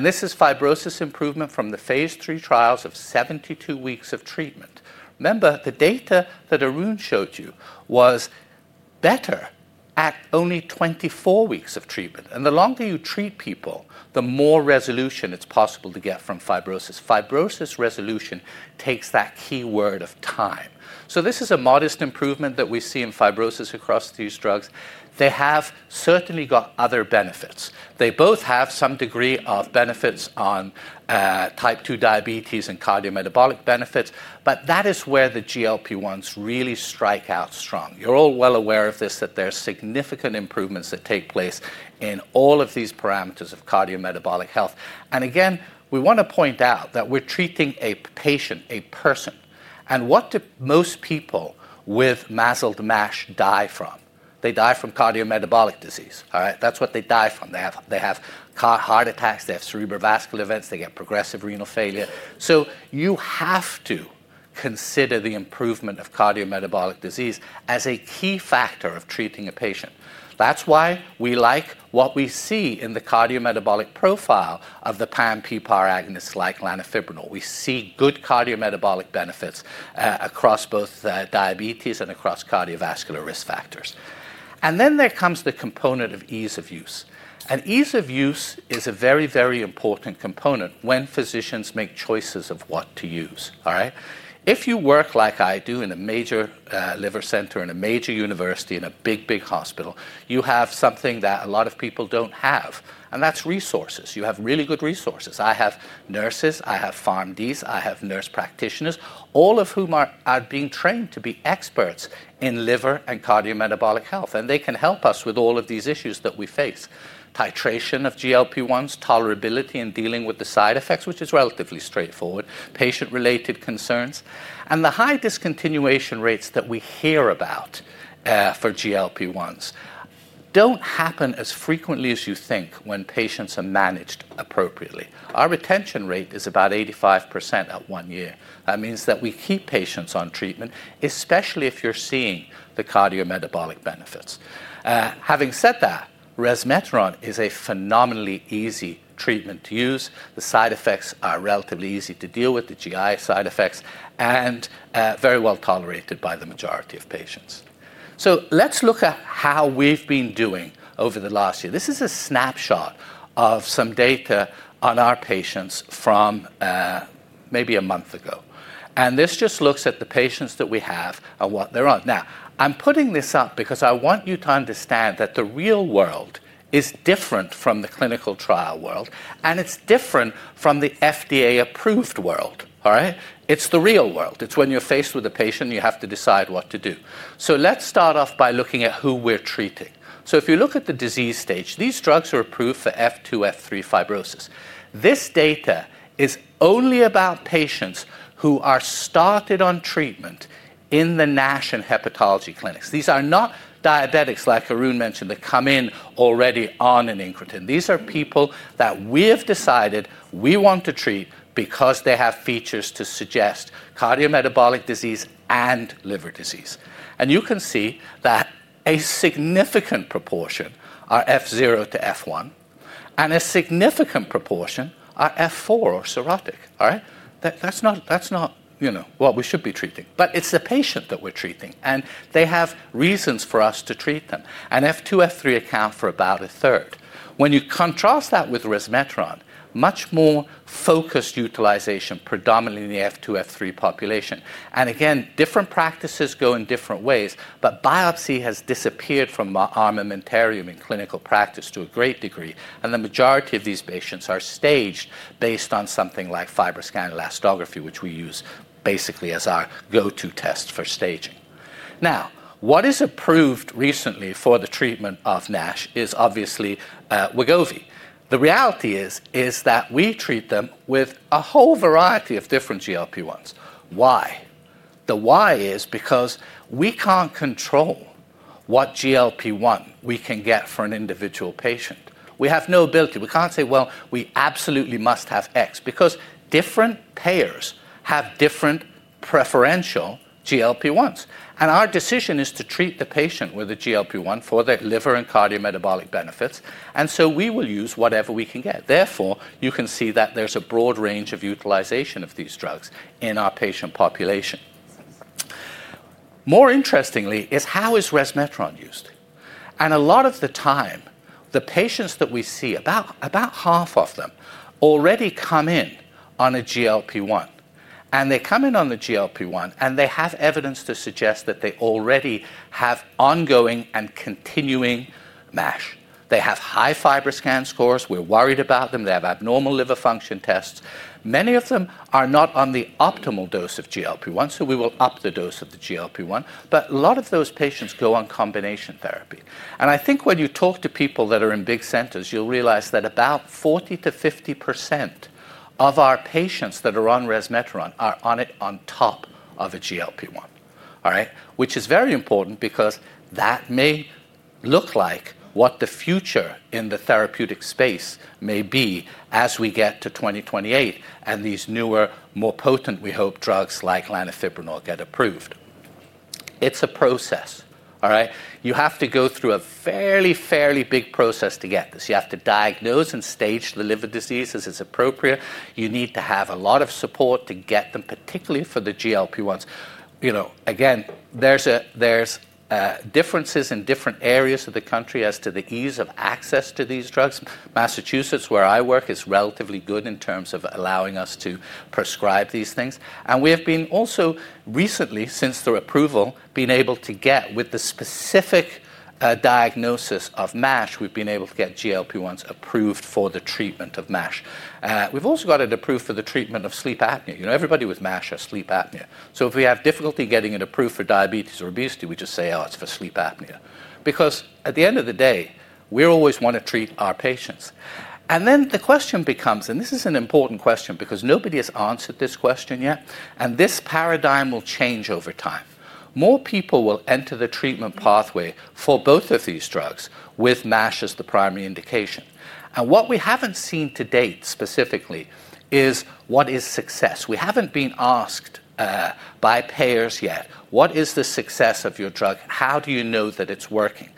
This is fibrosis improvement from the phase III trials of 72 weeks of treatment. Remember, the data that Arun showed you was better at only 24 weeks of treatment. The longer you treat people, the more resolution it's possible to get from fibrosis. Fibrosis resolution takes that key word of time. This is a modest improvement that we see in fibrosis across these drugs. They have both certainly got other benefits. They both have some degree of benefits on type 2 diabetes and cardiometabolic benefits. That is where the GLP-1 agonists really strike out strong. You're all well aware of this, that there's significant improvements that take place in all of these parameters of cardiometabolic health. We want to point out that we're treating a patient, a person. What do most people with MASH die from? They die from cardiometabolic disease, all right? That's what they die from. They have heart attacks, they have cerebrovascular events, they get progressive renal failure. You have to consider the improvement of cardiometabolic disease as a key factor of treating a patient. That's why we like what we see in the cardiometabolic profile of the pan-PPAR agonists like lanifibranor. We see good cardiometabolic benefits across both diabetes and across cardiovascular risk factors. There comes the component of ease of use. Ease of use is a very, very important component when physicians make choices of what to use. All right, if you work like I do in a major liver center, in a major university, in a big, big hospital, you have something that a lot of people don't have, and that's resources. You have really good resources. I have nurses, I have PharmDs, I have nurse practitioners, all of whom are being trained to be experts in liver and cardiometabolic health. They can help us with all issues that we face. Titration of GLP-1 agonists, tolerability in dealing with the side effects, which is relatively straightforward, patient-related concerns, and the high discontinuation rates that we hear about for GLP-1 agonists don't happen as frequently as you think. When patients are managed appropriately, our retention rate is about 85% at one year. That means that we keep patients on treatment, especially if you're seeing the cardiometabolic benefits. Having said that, resmetirom is a phenomenally easy treatment to use. The side effects are relatively easy to deal with, the GI side effects, and very well tolerated by the majority of patients. Let's look at how we've been doing over the last year. This is a snapshot of some data on our patients from maybe a month ago. This just looks at the patients that we have and what they're on. I'm putting this up because I want you to understand that the real world is different from the clinical trial world and it's different from the FDA approved world. All right? It's the real world. It's when you're faced with a patient, you have to decide what to do. Let's start off by looking at who we're treating. If you look at the disease stage, these drugs are approved for F2, F3 fibrosis. This data is only about patients who are started on treatment in the MASH and hepatology clinics. These are not diabetics like Arun mentioned that come in already on an incretin. These are people that we have decided we want to treat because they have features to suggest cardiometabolic disease and liver disease. You can see that a significant proportion are F0-F1 and a significant proportion are F4 or cirrhotic. That's not what we should be treating, but it's the patient that we're treating and they have reasons for us to treat them. F2, F3 account for about a third. When you contrast that with resmetirom, much more focused utilization, predominantly in the F2, F3 population. Different practices go in different ways. Biopsy has disappeared from armamentarium in clinical practice to a great degree. The majority of these patients are staged based on something like FibroScan elastography, which we use basically as our go-to test for staging. What is approved recently for the treatment of MASH is obviously Wegovy. The reality is that we treat them with a whole variety of different GLP-1s. Why? The why is because we can't control what GLP-1 we can get for an individual patient. We have no ability. We can't say, well, we absolutely must have X because different payers have different preferential GLP-1s. Our decision is to treat the patient with a GLP-1 for their liver and cardiometabolic benefits. We will use whatever we can get. Therefore, you can see that there's a broad range of utilization of these drugs in our patient population. More interestingly is how is resmetirom used? A lot of the time the patients that we see, about half of them already come in on a GLP-1 and they come in on the GLP-1 and they have evidence to suggest that they already have ongoing and continuing MASH. They have high FibroScan scores. We're worried about them. They have abnormal liver function tests, many of them are not on the optimal dose of GLP-1. We will up the dose of the GLP-1. A lot of those patients go on combination therapy. I think when you talk to people that are in big centers, you'll realize that about 40%-50% of our patients that are on resmetirom are on it on top of a GLP-1, which is very important because that may look like what the future in the therapeutic space may be as we get to 2028 and these newer, more potent, we hope, drugs like lanifibranor get approved. It's a process. You have to go through a fairly big process to get this. You have to diagnose and stage the liver diseases as appropriate. You need to have a lot of support to get them, particularly for the GLP-1. There are differences in different areas of the country as to the ease of access to these drugs. Massachusetts, where I work, is relatively good in terms of allowing us to prescribe these things. We have been also, recently since the approval, able to get, with the specific diagnosis of MASH, GLP-1s approved for the treatment of MASH. We've also got it approved for the treatment of sleep apnea. Everybody with MASH has sleep apnea. If we have difficulty getting it approved for diabetes, do we just say, oh, it's for sleep apnea? At the end of the day, we always want to treat our patients. The question becomes, and this is an important question because nobody has answered this question yet, this paradigm will change over time. More people will enter the treatment pathway for both of these drugs with MASH as the primary indication. What we haven't seen to date specifically is what is success? We haven't been asked by payers yet, what is the success of your drug? How do you know that it's working?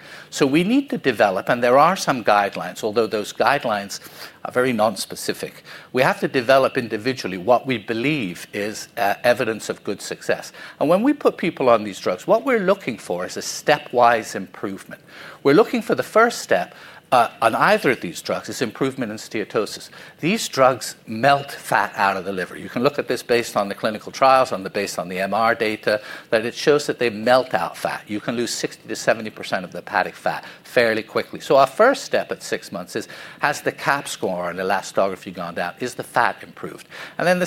We need to develop, and there are some guidelines, although those guidelines are very nonspecific. We have to develop individually what we believe is evidence of good success. When we put people on these drugs, what we're looking for is a stepwise improvement. We're looking for the first step on either of these drugs as improvement in steatosis. These drugs melt fat out of the liver. You can look at this based on the clinical trials, based on the MR data that shows that they melt out fat. You can lose 60%-70% of the hepatic fat fairly quickly. Our first step at six months is has the CAP score and elastography gone down? Is the fat improved?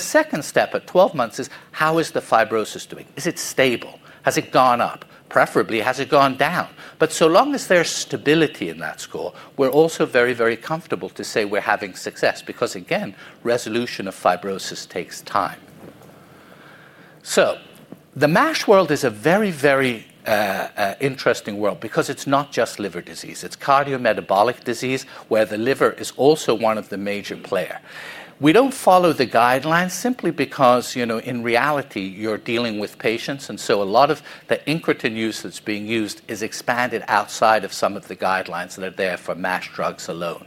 The second step at 12 months is how is the fibrosis doing? Is it stable? Has it gone up? Preferably, has it gone down? As long as there's stability in that score, we're also very, very comfortable to say we're having success because, again, resolution of fibrosis takes time. The MASH world is a very, very interesting world because it's not just liver disease, it's cardiometabolic disease, where the liver is also one of the major players. We don't follow the guidelines simply because, you know, in reality you're dealing with patients. A lot of the incretin use that's being used is expanded outside of some of the guidelines that are there for MASH drugs alone.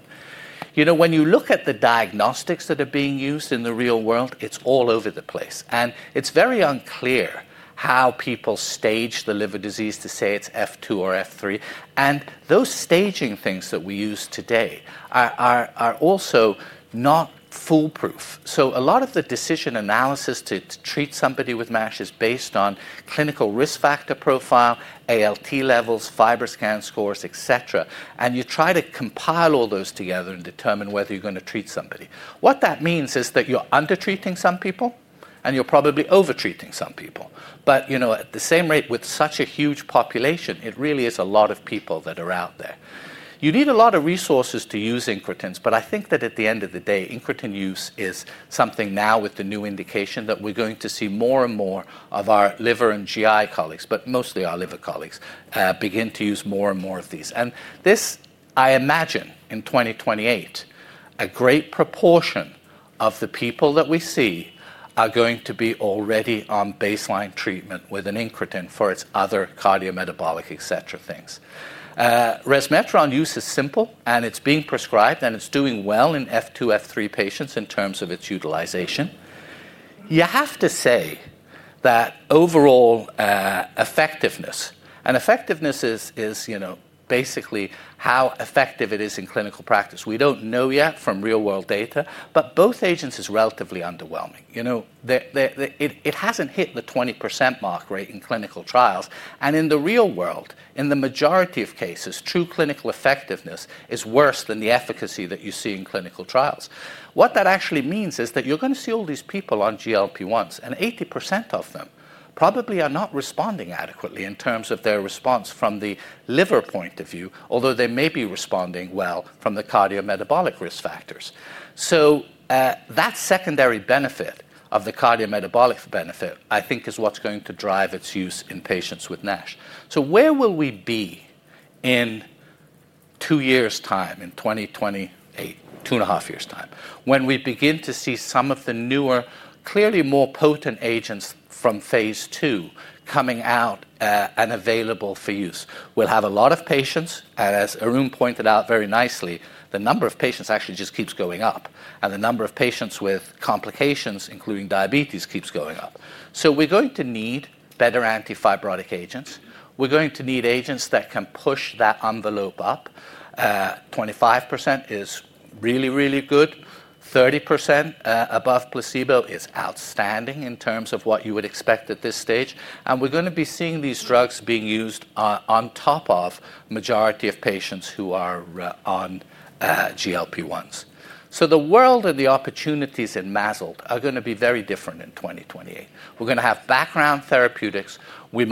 When you look at the diagnostics that are being used in the real world, it's all over the place and it's very uncommon, clear how people stage the liver disease to say it's F2 or F3. Those staging things that we use today are also not foolproof. A lot of the decision analysis to treat somebody with MASH is based on clinical risk factor profile, ALT levels, FibroScan scores, etc. You try to compile all those together and determine whether you're going to treat somebody. What that means is that you're under treating some people and you're probably over treating some people, but at the same rate with such a huge population, it really is a lot of people that are out there. You need a lot of resources to use incretins. I think that at the end of the day, incretin use is something now with the new indication that we're going to see more and more of our liver and GI colleagues, but mostly our liver colleagues, begin to use more and more of these. I imagine in 2028, a great proportion of the people that we see are going to be already on baseline treatment with an incretin for its other cardiometabolic, etc things. Resmetirom use is simple and it's being prescribed and it's doing well in F2, F3 patients in terms of its utilization. You have to say that overall effectiveness is basically how effective it is in clinical practice. We don't know yet from real-world data, but both agents are relatively underwhelming. It hasn't hit the 20% mark rate in clinical trials. In the real world, in the majority of cases, true clinical effectiveness is worse than the efficacy that you see in clinical trials. What that actually means is that you're going to see all these people on GLP-1 agonists and 80% of them probably are not responding adequately in terms of their response from the liver point of view, although they may be responding well from the cardiometabolic risk factors. That secondary benefit of the cardiometabolic benefit, I think, is what's going to drive its use in patients with MASH. Where will we be in two years' time in 2028, 2.5 years' time when we begin to see some of the newer, clearly more potent agents from phase II coming out and available for use? We'll have a lot of patients, and as Arun pointed out very nicely, the number of patients actually just keeps going up and the number of patients with complications, including diabetes, keeps going up. We're going to need better antifibrotic agents. We're going to need agents that can push that envelope up. 25% is really, really good. 30% above placebo is outstanding in terms of what you would expect at this stage. We're going to be seeing these drugs being used on top of the majority of patients who are on GLP-1 agonists. The world and opportunities in MASH are going to be very different in 2028. We're going to have background therapeutics. We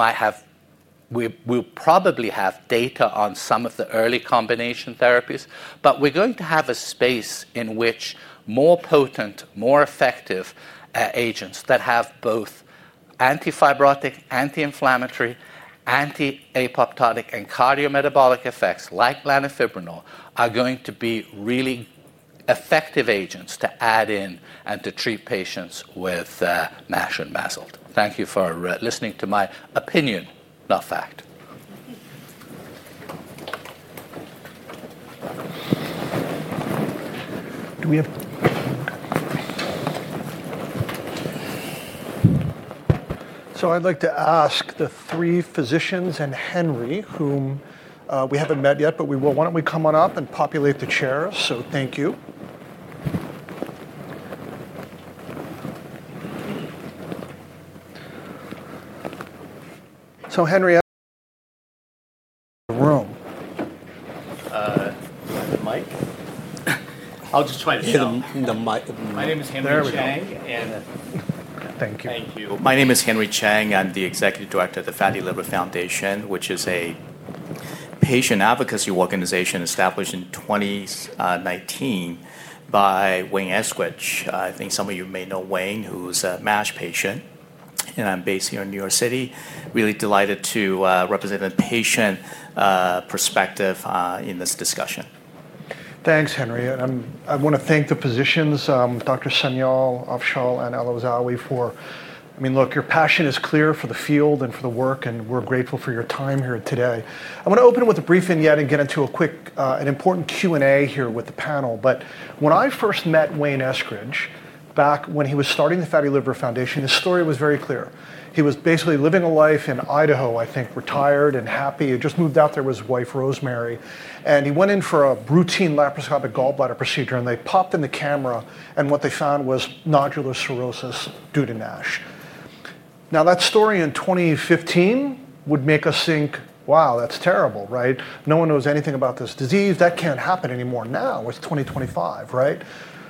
probably have data on some of the early combination therapies, but we're going to have a space in which more potent, more effective agents that have both anti-fibrotic, anti-inflammatory, anti-apoptotic, and cardiometabolic effects like lanifibranor are going to be really revealing effective agents to add in and to treat patients with MASH and MASLD. Thank you for listening to my opinion, not fact. Do we have. I'd like to ask the three physicians and Henry, whom we haven't met yet, but we will, why don't we come on up and populate the chair. Thank you. Henry up, the room. Do I have a mic? My name is Henry Chang and thank you. My name is Henry Chang. I'm the Executive Director of the Fatty Liver Foundation, which is a patient advocacy organization established in 2019 by Wayne Eskridge. I think some of you may know Wayne, who's a MASH patient, and I'm based here in New York City. Really delighted to represent the patient perspective in this discussion. Thanks, Henry. I want to thank the physicians, Dr. Sanyal, Afdhal, and Alazawi. Your passion is clear for the field and for the work, and we're grateful for your time here today. I'm going to open with a briefing yet, get into a quick, an important Q and A here with the panel. When I first met Wayne Eskridge, back when he was starting the Fatty Liver Foundation, his story was very clear. He was basically living a life in Idaho, I think retired and happy, just moved out there with his wife Rosemary, and he went in for a routine laparoscopic gallbladder procedure. They popped in the camera and what they found was nodular cirrhosis due to NASH. That story in 2015 would make us think, wow, that's terrible, right? No one knows anything about this disease. That can't happen anymore. Now it's 2025, right?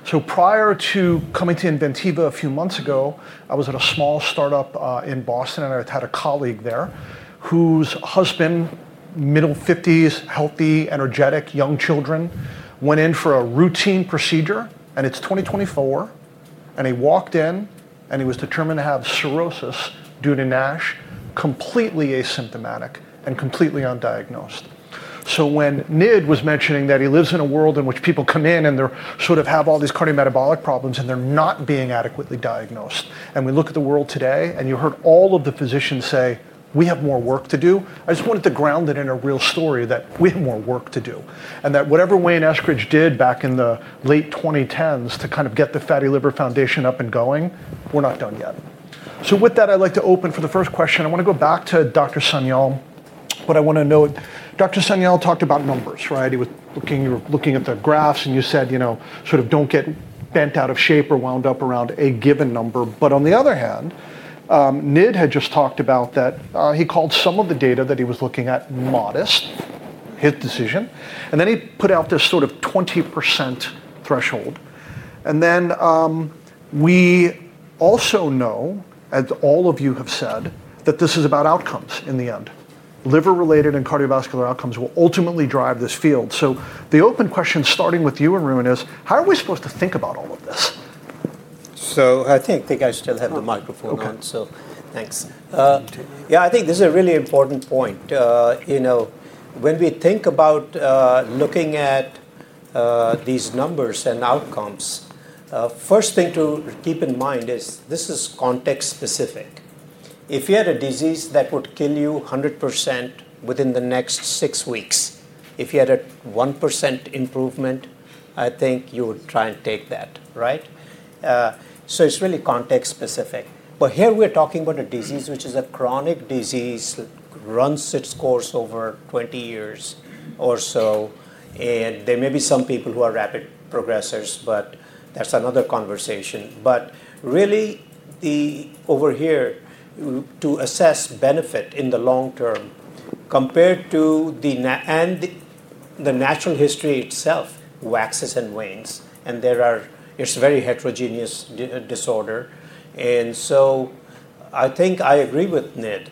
Prior to coming to Inventiva a few months ago, I was at a small startup in Boston and I had a colleague there whose husband, middle 50s, healthy, energetic, young children, went in for a routine procedure and it's 2024. He walked in and he was determined to have cirrhosis due to NASH, completely asymptomatic and completely undiagnosed. When Nid was mentioning that he lives in a world in which people come in and they sort of have all these cardiometabolic problems and they're not being adequately diagnosed, and we look at the world today and you heard all of the physicians say we have more work to do. I just wanted to ground it in a real story that we have more work to do and that whatever Wayne Eskridge did back in the late 2010s to kind of get the Fatty Liver Foundation up and going, we're not done yet. With that, I'd like to open for the first question. I want to go back to Dr. Sanyal, but I want to note Dr. Sanyal talked about numbers, right? He was looking. You were looking at the graphs and you said, you know, sort of don't get bent out of shape or wound up around a given number. On the other hand, Nid had just talked about that. He called some of the data that he was looking at modest, his decision. He put out this sort of 20% threshold. We also know, as all of you have said, that this is about outcomes. In the end, liver-related and cardiovascular outcomes will ultimately drive this field. The open question, starting with you, Arun, is how are we supposed to think about all of this? I think I still have the microphone on, so thanks. I think this is a really important point. When we think about looking at these numbers and outcomes, the first thing to keep in mind is this is context specific. If you had a disease that would kill you 100% within the next six weeks, if you had a 1% improvement, I think you would try and take that, right. It is really context specific. Here we are talking about a disease which is a chronic disease, runs its course over 20 years or so, and there may be some people who are rapid progressors, but that's another conversation. Over here, to assess benefit in the long term compared to the natural history itself, which waxes and wanes, it is a very heterogeneous disorder. I think I agree with Nid,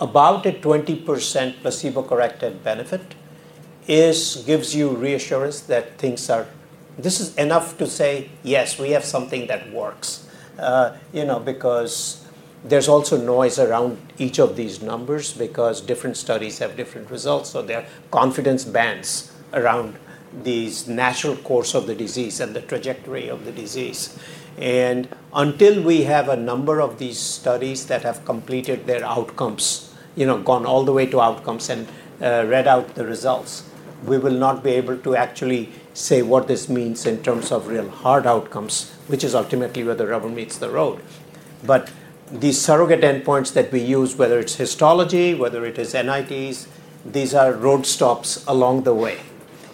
about a 20% placebo-corrected benefit gives you reassurance that this is enough to say, yes, we have something that works because there's also noise around each of these numbers because different studies have different results. There are confidence bands around the natural course of the disease and the trajectory of the disease. Until we have a number of these studies that have completed their outcomes, gone all the way to outcomes and read out the results, we will not be able to actually say what this means in terms of real hard outcomes, which is ultimately where the rubber meets the road. These surrogate endpoints that we use, whether it's histology or NITs, these are road stops along the way.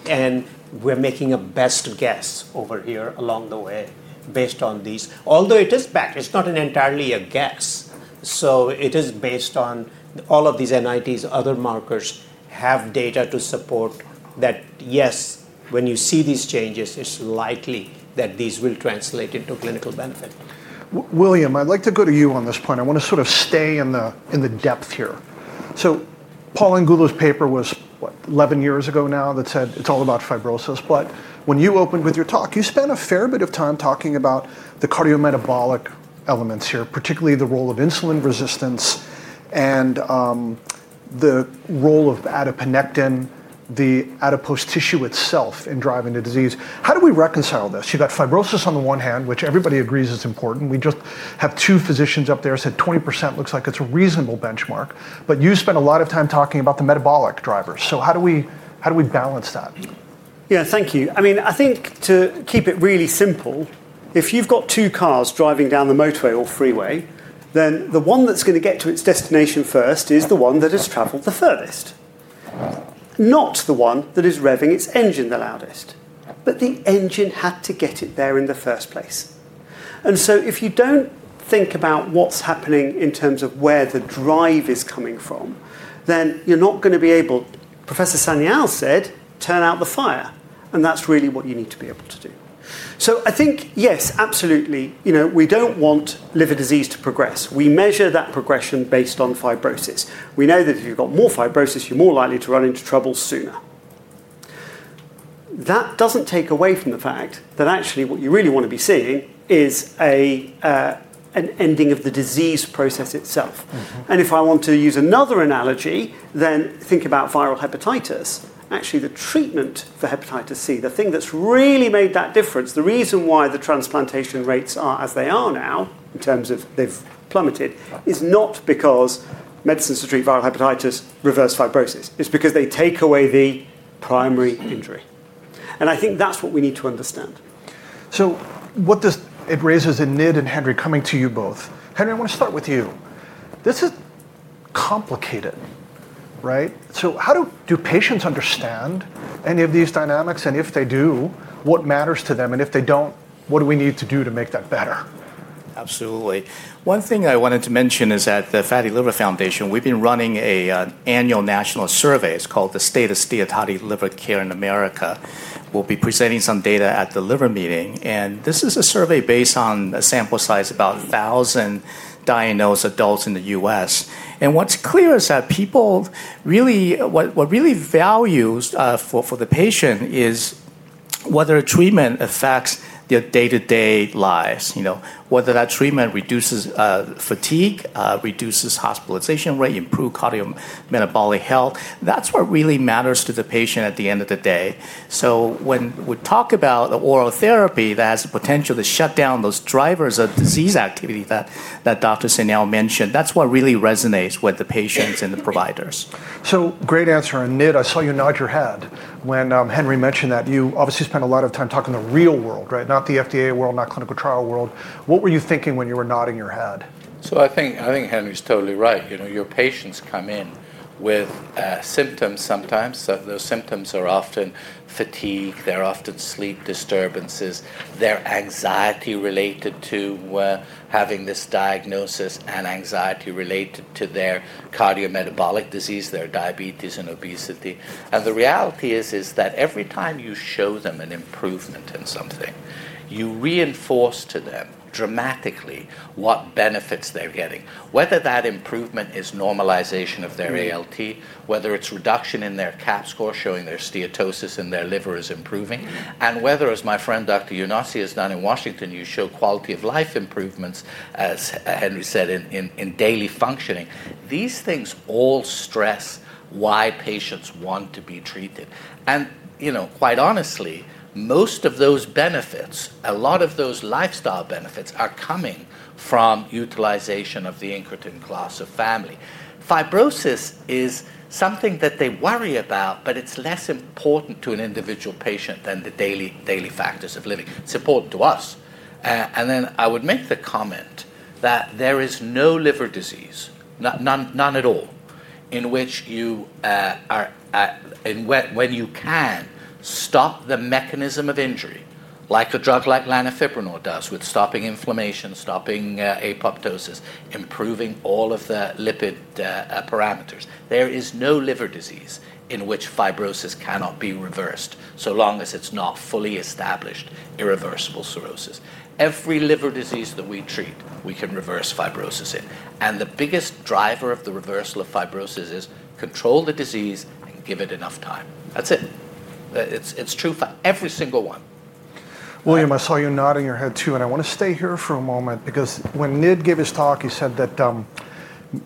We're making a best guess over here along the way based on these. Although it is not entirely a guess, it is based on all of these NITs. Other markers have data to support that, yes, when you see these changes, it's likely that these will translate into clinical benefit. William, I'd like to go to you on this point. I want to sort of stay in the depth here. Paul Angulo's paper was what, 11 years ago now that said it's all about fibrosis. When you opened with your talk, you spent a fair bit of time talking about the cardiometabolic elements here, particularly the role of insulin resistance and the role of adiponectin, the adipose tissue itself, in driving the disease. How do we reconcile this? You got fibrosis on the one hand, which everybody agrees is important. We just have two physicians up there said 20% looks like it's a reasonable benchmark. You spent a lot of time talking about the metabolic drivers. How do we balance that? Thank you. I mean, I think to keep it really simple, if you've got two cars driving down the motorway or freeway, the one that's going to get to its destination first is the one that has traveled the furthest, not the one that is revving its engine the loudest. The engine had to get it there in the first place. If you don't think about what's happening in terms of where the drive is coming from, you're not going to be able, as Professor Sanyal said, to turn out the fire. That's really what you need to. Be able to do. I think, yes, absolutely. You know, we don't want liver disease to progress. We measure that progression based on fibrosis. We know that if you've got more fibrosis, you're more likely to run into trouble sooner. That doesn't take away from the fact that actually what you really want to be seeing is an ending of the disease process itself. If I want to use another analogy, then think about viral hepatitis. Actually, the treatment for hepatitis C, the thing that's really made that difference, the reason why the transplantation rates are as they are now in terms of they've plummeted, is not because medicines to treat viral hepatitis reverse fibrosis, it's because they take away the primary injury. I think that's what we need to understand. What does it raise in Nid and Henry? Coming to you both. Henry, I want to start with you. This is complicated, right? How do patients understand any of these dynamics, and if they do, what matters to them? If they don't, what do we need to do to make that better? Absolutely. One thing I wanted to mention is that the Fatty Liver Foundation, we've been running an annual national survey. It's called the State of Steatotic Liver Care in America. We'll be presenting some data at the liver meeting. This is a survey based on a sample size, about 1,000 diagnosed adults in the U.S., and what's clear is that people really, what really values for the patient is whether a treatment affects their day to day lives. You know, whether that treatment reduces fatigue, reduces hospitalization rate, improves cardiometabolic health. That's what really matters to the patient at the end of the day. When we talk about the oral therapy that has the potential to shut down those drivers of disease activity that doctors sent out mentioned, that's what really resonates with the patients and the providers. Great answer. Nid, I saw you nod your head when Henry mentioned that. You obviously spent a lot of time talking the real world, right? Not the FDA world, not clinical trial world. What were you thinking when you were nodding your head? I think Henry's totally right. Your patients come in with symptoms. Sometimes those symptoms are often fatigue, they're often sleep disturbances, their anxiety related to having this diagnosis, and anxiety related to cardiometabolic disease, their diabetes and obesity. The reality is that every time you show them an improvement in something, you reinforce to them dramatically what benefits they're getting. Whether that improvement is normalization of their ALT, whether it's reduction in their CAP score, showing their steatosis in their liver is improving, and whether, as my friend Dr. Younossi has done in Washington, you show quality of life improvements, as Henry said, in daily functioning. These things all stress why patients want to be treated. Quite honestly, most of those benefits, a lot of those lifestyle benefits are coming from utilization of the incretin class of family. Fibrosis is something that they worry about, but it's less important to an individual patient than the daily factors of living support to us. I would make the comment that there is no liver disease, none at all, in which you are. When you can stop the mechanism of injury like a drug like lanifibranor does with stopping inflammation, stopping apoptosis, improving all of the lipid parameters. There is no liver disease in which fibrosis cannot be reversed so long as it's not fully established, irreversible cirrhosis. Every liver disease that we treat, we can reverse fibrosis in. The biggest driver of the reversal of fibrosis is control the disease and give it enough time. That's it. It's true for every single one. William, I saw you nodding your head too, and I want to stay here for a moment because when Nid gave his talk, he said that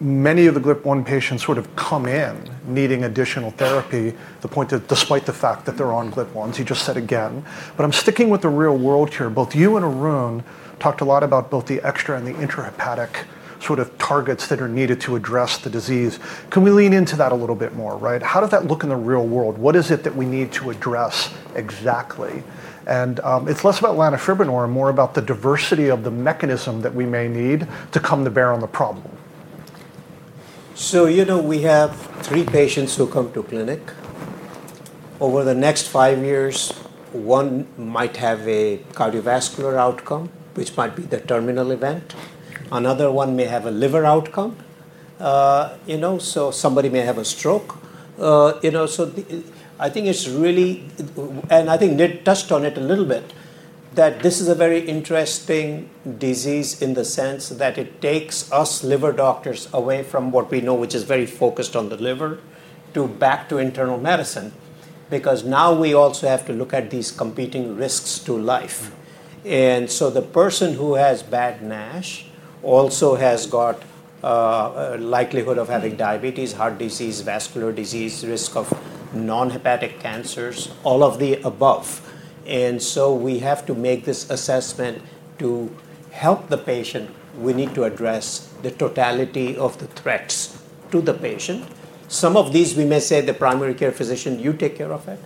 many of the GLP-1 agonist patients sort of come in needing additional therapy. The point that despite the fact that they're on GLP-1s, he just said again, but I'm sticking with the real-world here. Both you and Arun talked a lot about the extra and the intrahepatic sort of targets that are needed to address the disease. Can we lean into that a little bit more? Right. How does that look in the real world? What is it that we need to address exactly? It's less about lanifibranor and more about the diversity of the mechanism that we may need to come to bear on the problem. You know, we have three patients who come to clinic over the next five years. One might have a cardiovascular outcome, which might be the terminal event. Another one may have a liver outcome, you know, so somebody may have a stroke, you know. I think it's really, and I think Nid touched on it a little bit, that this is a very interesting disease in the sense that it takes us liver doctors away from what we know, which is very focused on the liver, to back to internal medicine, because now we also have to look at these competing risks to life. The person who has bad MASH also has got likelihood of having diabetes, heart disease, vascular disease, risk of non-hepatic cancers, all of the above. We have to make this assessment to help the patient. We need to address the totality of the threats to the patient. Some of these, we may say the primary care physician, you take care of it.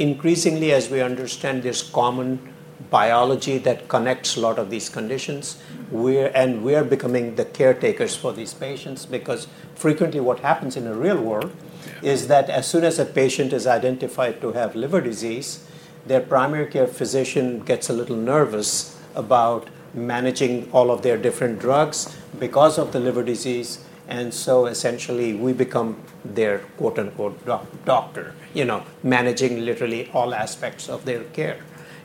Increasingly, as we understand this common biology that connects a lot of these conditions, we are becoming the caretakers for these patients, because frequently what happens in the real world is that as soon as a patient is identified to have liver disease, their primary care physician gets a little nervous about managing all of their different drugs because of the liver disease. Essentially, we become their quote, unquote doctor, you know, managing literally all aspects of their care.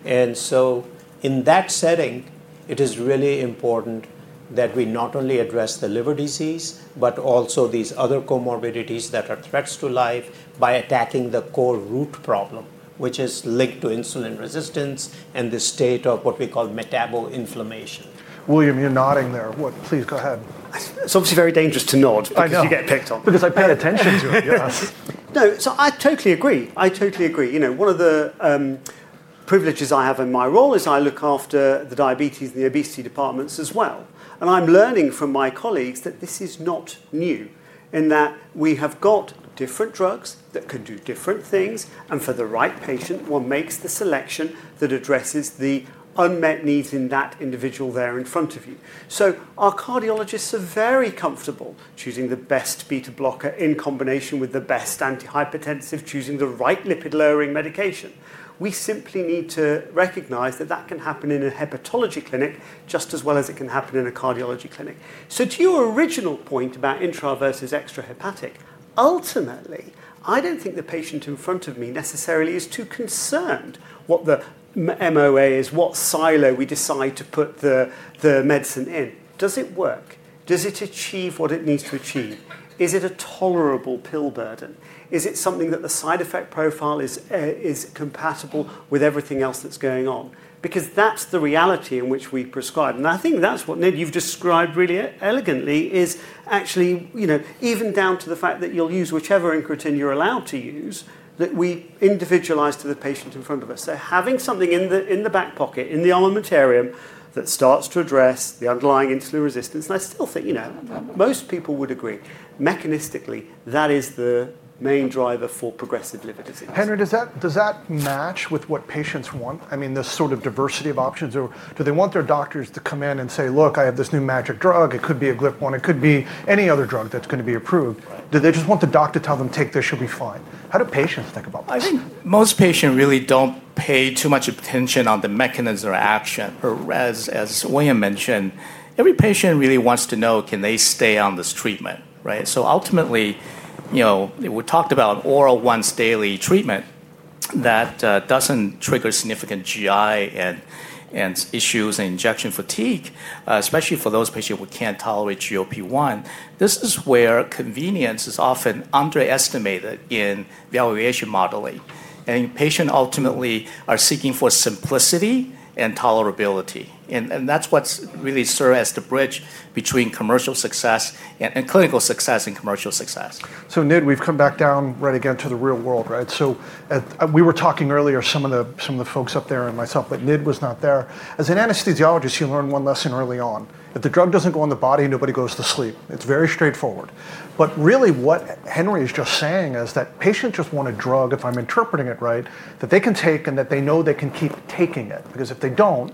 In that setting, it is really important that we not only address the liver disease, but also these other comorbidities that are threats to life by attacking the core root problem, which is linked to insulin resistance and the state of what we call metabo inflammation. William, you're nodding there. Please go ahead. It's obviously very dangerous to nod. You get picked on. Because I pay attention to it. Yes. I totally agree. One of the privileges I have in my role is I look after the diabetes and the obesity departments as well. I'm learning from my colleagues that this is not new in that we have got different drugs that can do different things. For the right patient, one makes the selection that addresses the unmet needs in that individual there in front of you. Our cardiologists are very comfortable choosing the best beta blocker in combination with the best antihypertensive, choosing the right lipid lowering medication. We simply need to recognize that can happen in a hepatology clinic just as well as it can happen in a cardiology clinic. To your original point about intra versus extrahepatic, ultimately, I don't think the patient in front of me necessarily is too concerned what the MOA is, what silo we decide to put the medicine in, does it work, does it achieve what it needs to achieve, is it a tolerable pill burden, is it something that the side effect profile is compatible with everything else that's going on. That's the reality in which we prescribe. I think that's what Nid, you've described really elegantly, is actually even down to the fact that you'll use whichever incretin you're allowed to use, that we individualize to the patient in front of us. Having something in the back pocket in the armamentarium that starts to address the underlying insulin resistance, I still think most people would agree mechanistically that is the main driver for progressive liver disease. Henry, does that match with what patients want? I mean, this sort of diversity of options? Do they want their doctors to come in and say, look, I have this new magic drug. It could be a GLP-1 agonist, it could be any other drug that's going to be a. Do they just want the doctor to tell them take this, should be fine? How do patients think about this? I think most patients really don't pay too much attention on the mechanism or action. As William mentioned, every patient really wants to know, can they stay on this treatment? Right. Ultimately, we talked about oral once daily treatment that doesn't trigger significant GI issues and injection fatigue, especially for those patients who can't tolerate GLP-1. This is where convenience is often underestimated in evaluation modeling, and patients ultimately are seeking simplicity and tolerability. That's what's really served as the bridge between commercial success and clinical success and commercial success. We've come back down, right again to the real world. We were talking earlier, some of the folks up there and myself, but Nid was not there. As an anesthesiologist, you learn one lesson early on. If the drug doesn't go in the body, nobody goes to sleep. It's very straightforward. What Henry is just saying is that patients just want a drug, if I'm interpreting it right, that they can take and that they know they can keep taking it because if they don't,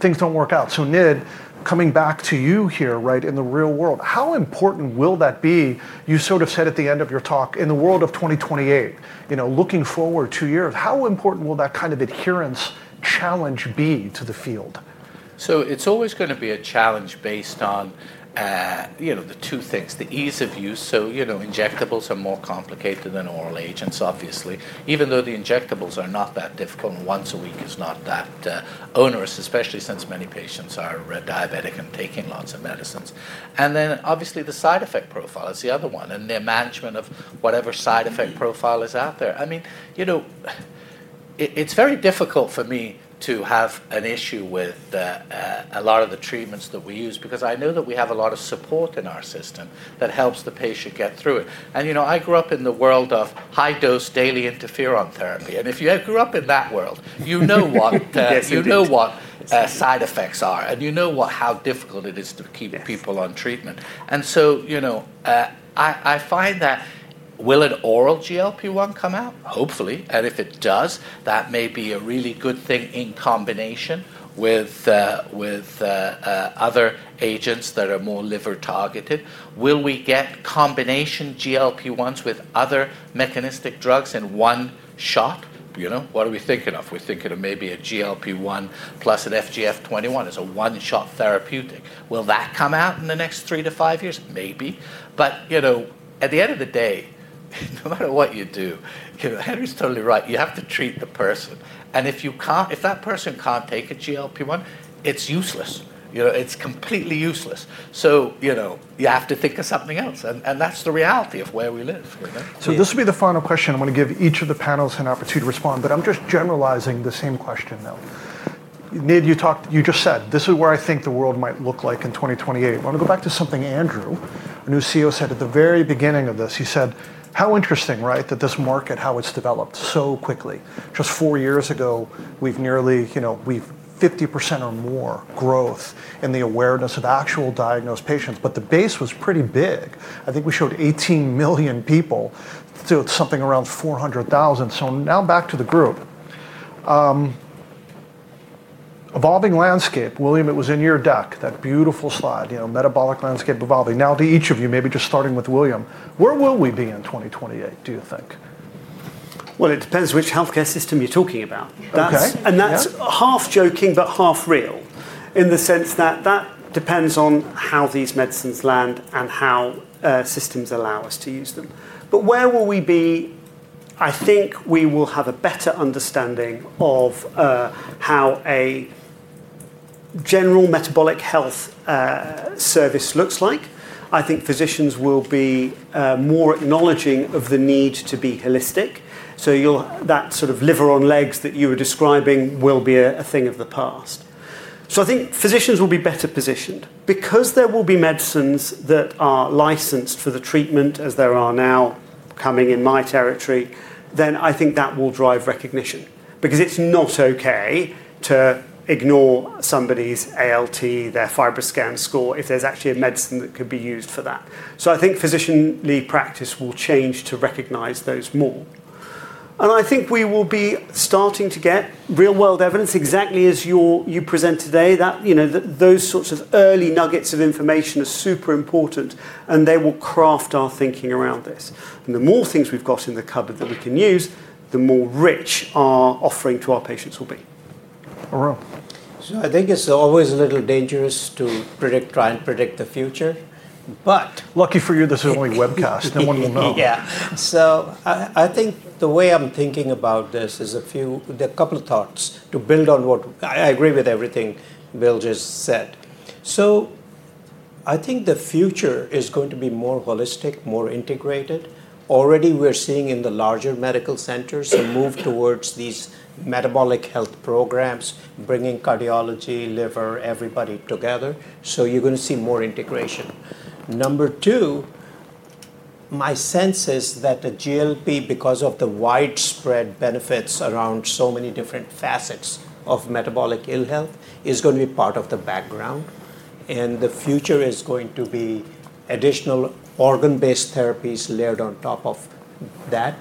things don't work out. Nid, coming back to you here, right in the real world, how important will that be? You sort of said at the end of your talk, in the world of 2028, you know, looking forward two years, how important will that kind of adherence challenge be to the future? It is always going to be a challenge based on two things, the ease of use. Injectables are more complicated than oral agents, obviously, even though the injectables are not that difficult and once a week is not that onerous, especially since many patients are diabetic and taking lots of medicines. Obviously, the side effect profile is the other one and their management of whatever side effect profile is out there. It is very difficult for me to have an issue with a lot of the treatments that we use because I know that we have a lot of support in our system that helps the patient get through it. I grew up in the world of high dose daily interferon therapy. If you grew up in that world, you know what side effects are and you know how difficult it is to keep people on treatment. I find that. Will an oral GLP-1 come out? Hopefully. If it does, that may be a really good thing in combination with other agents that are more liver targeted. Will we get combination GLP-1s with other mechanistic drugs in one shot? What are we thinking of? We are thinking of maybe a GLP-1 plus an FGF21 as a one shot therapeutic. Will that come out in the next three to five years? Maybe. At the end of the day, no matter what you do, Henry is totally right. You have to treat the person. If that person cannot take a GLP-1, it is useless. It is completely useless. You have to think of something else. That is the reality of where we live. This will be the final question. I'm going to give each of the panelists an opportunity to respond. I'm just generalizing the same question, though. Nid, you just said this is where I think the world might look like in 2028. I want to go back to something Andrew, a new CEO, said at the very beginning of this. He said, how interesting, right, that this market, how it's developed so quickly. Just four years ago, we've nearly, you know, we've 50% or more growth in the awareness of actual diagnosed patients. The base was pretty big. I think we showed 18 million people to something around 400,000. Now back to the group evolving landscape. William, it was in your deck, that beautiful slide, you know, metabolic landscape evolving. Now to each of you, maybe just starting with William, where will we be in 2028, do you think? It depends which healthcare system you're talking about, okay, and that's half joking but half real in the sense that depends on how these medicines land and how systems allow us to use them. Where will we be? I think we will have a better understanding of how a general metabolic health service looks like. I think physicians will be more acknowledging of the need to be holistic. That sort of liver on legs that you were describing will be a thing of the past. I think physicians will be better positioned because there will be medicines that are licensed for the treatment as there are now coming in my territory. I think that will drive recognition because it's not okay to ignore somebody's ALT, their FibroScan score, if there's actually a medicine that could be used for that. I think physician practice will change to recognize those more and I think we will be starting to get real-world evidence exactly as you present today. You know, those sorts of early nuggets of information are super important and they will craft our thinking around this. The more things we've got in the cupboard that we can use, the more rich our offering to our patients will be. Arun? I think it's always a little dangerous to try and predict the future. Fortunately for you, this is only webcast. No one will know. Yeah. I think the way I'm thinking about this is a few. A couple of thoughts to build on what I agree with everything Will just said. I think the future is going to be more holistic, more integrated. Already we're seeing in the larger medical centers a move towards these metabolic health programs, bringing cardiology, liver, everybody together. You're going to see more integration. Integration number two, my sense is that the GLP-1 agonists, because of the widespread benefits around so many different facets of metabolic ill health, are going to be part of the background and the future is going to be additional organ-based therapies layered on top of that.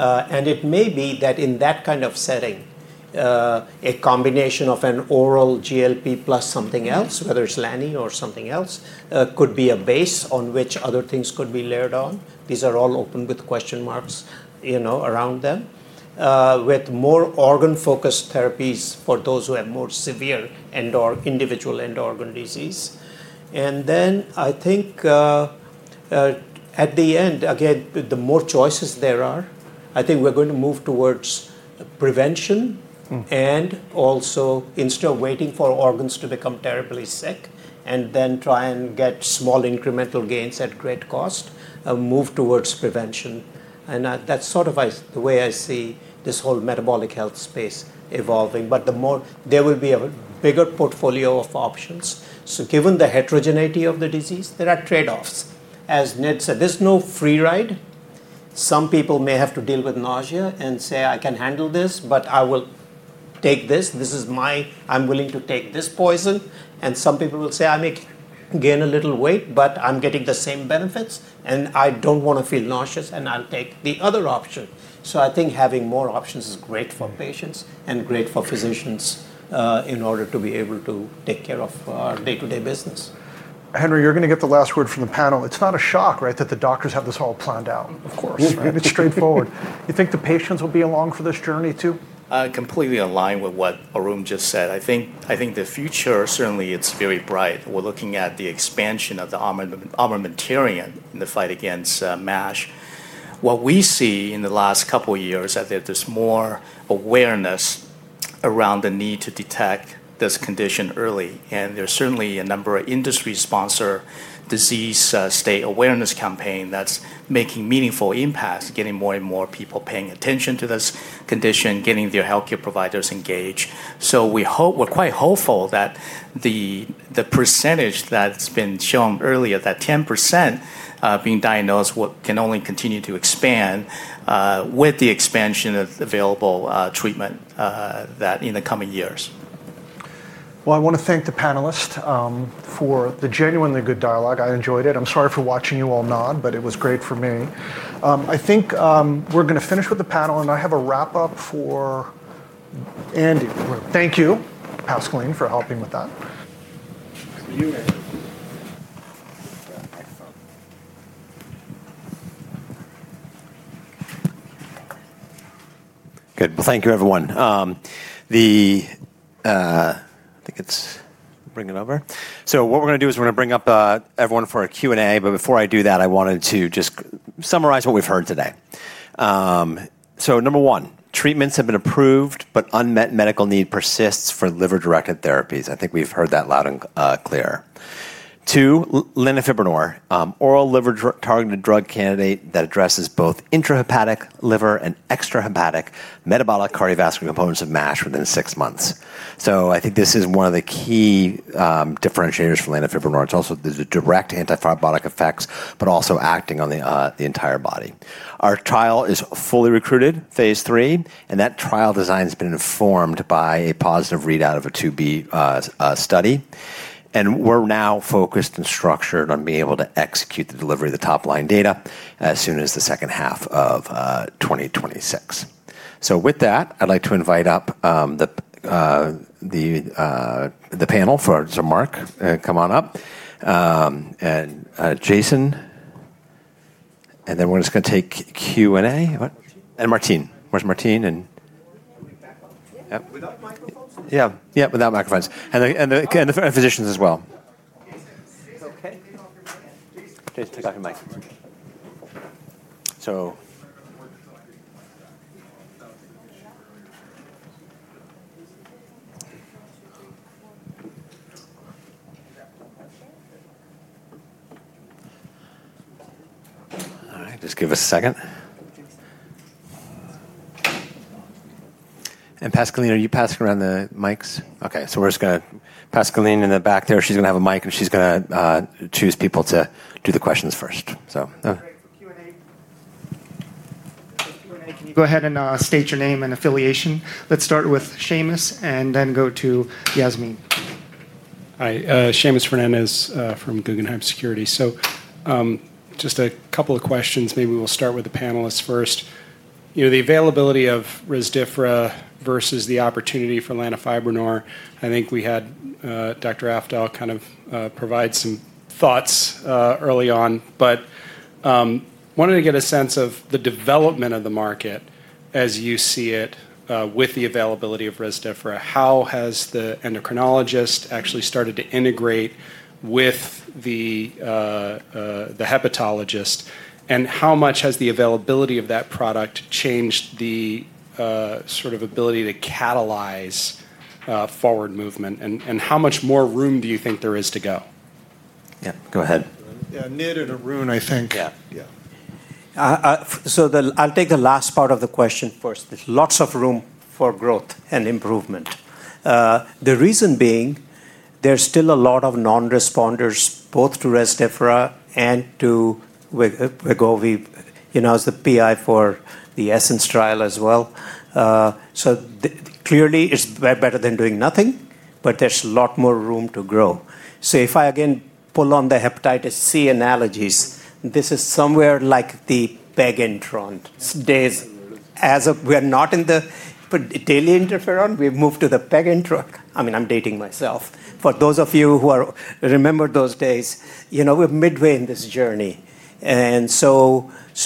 It may be that in that kind of setting a combination of an oral GLP-1 agonist plus something else, whether it's lanifibranor or something else, could be a base on which other things could be layered on. These are all open with question marks around them with more organ-focused therapies for those who have more severe individual end organ disease. I think at the end, again, the more choices there are, I think we're going to move towards prevention and also instead of waiting for organs to become terribly sick and then try and get small incremental gains at great cost, move towards prevention. That's sort of the way I see this whole metabolic health space evolving, but the more there will be a bigger portfolio of options. Given the heterogeneity of the disease, there are trade-offs. As Nid said, there's no free ride. Some people may have to deal with nausea and say I can handle this but I will take this, this is my, I'm willing to take this poison. Some people will say I may gain a little weight but I'm getting the same benefits and I don't want to feel nauseous and I'll take the other option. I think having more options is great for patients and great for physicians in order to be able to take care of our day-to-day business. Henry, you're going to get the last word from the panel. It's not a shock, right, that the doctors have this all planned out? Of course, it's straightforward. You think the patients will be along. For this journey, too. I'm completely aligned with what Arun just said, I think the future certainly is very bright. We're looking at the expansion of the armamentarium in the fight against MASH. What we see in the last couple of years is that there's more awareness around the need to detect this condition early, and there's certainly a number of industry-sponsored disease state awareness campaigns that are making meaningful impact, getting more and more people paying attention to this condition, getting their healthcare providers engaged. We're quite hopeful that the percentage that's been shown earlier, that 10% being diagnosed, can only continue to expand with the expansion of available treatment in the coming years. I want to thank the panelists for the genuinely good dialogue. I enjoyed it. I'm sorry for watching you all nod, but it was great for me. I think we're going to finish with the panel, and I have a wrap up for Andy. Thank you, Pascaline, for helping with that. Good. Thank you everyone. I think it's bring it over. What we're going to do is. We're going to bring up everyone for a Q and A. Before I do that, I wanted to just summarize what we've heard today. Number one, treatments have been approved but unmet medical need persists for liver-directed therapies. I think we've heard that loud and clear. Two, lanifibranor, oral liver-targeted drug candidate, addresses both intrahepatic liver and extrahepatic metabolic cardiovascular components of MASH within six months. I think this is one of the key differentiators for lanifibranor. It's also the direct antifibrotic effects but also acting on the entire body. Our trial is fully recruited, phase III. That trial design has been informed by a positive readout of a phase II-B study. We're now focused and structured on being able to execute the delivery of the top-line data as soon as the second half of 2026. With that, I'd like to invite up the panel. Mark, come on up. And Jason. We're just going to take Q and A. What? And Martine. Where's Martine? Yeah, yeah. Without microphones and the physicians as well. Please take off your mic. So. All right, just give a second. Pascaline, are you passing around the mics? Okay, we're going to Pascaline in the back there. She's going to have a mic and she's going to choose people to do the questions first. So. Go ahead and state your name and affiliation. Let's start with Seamus and then go to Yasmin. Hi, Seamus Fernandez from Guggenheim Security. Just a couple of questions. Maybe we'll start with the panelists first. You know, the availability of resmetirom vs the opportunity for lanifibranor. I think we had Dr. Afdhal provide some thoughts early on, but wanted to get a sense of the development of the market as you see. With the availability of resmetirom, how has the endocrinologist actually started to? Integrate with the hepatologist, and how much has the availability of that product changed the ability to catalyze forward movement, and how much more room do you think there is to go? Yeah, go ahead. Yeah, Nid and Arun, I think. Yeah. I'll take the last part of the question first. There's lots of room for growth and improvement. The reason being there's still a lot of non-responders both to resmetirom and to GLP-1 agonists, you know, as the PI for the ESSENCE trial as well. Clearly it's better than doing nothing, but there's a lot more room to grow. If I again pull on the hepatitis C analogies, this is somewhere like the Peginterferon days. We are not in the daily interferon. We've moved to the Peginterferon. I'm dating myself for those of you who remember those days. We're midway in this journey and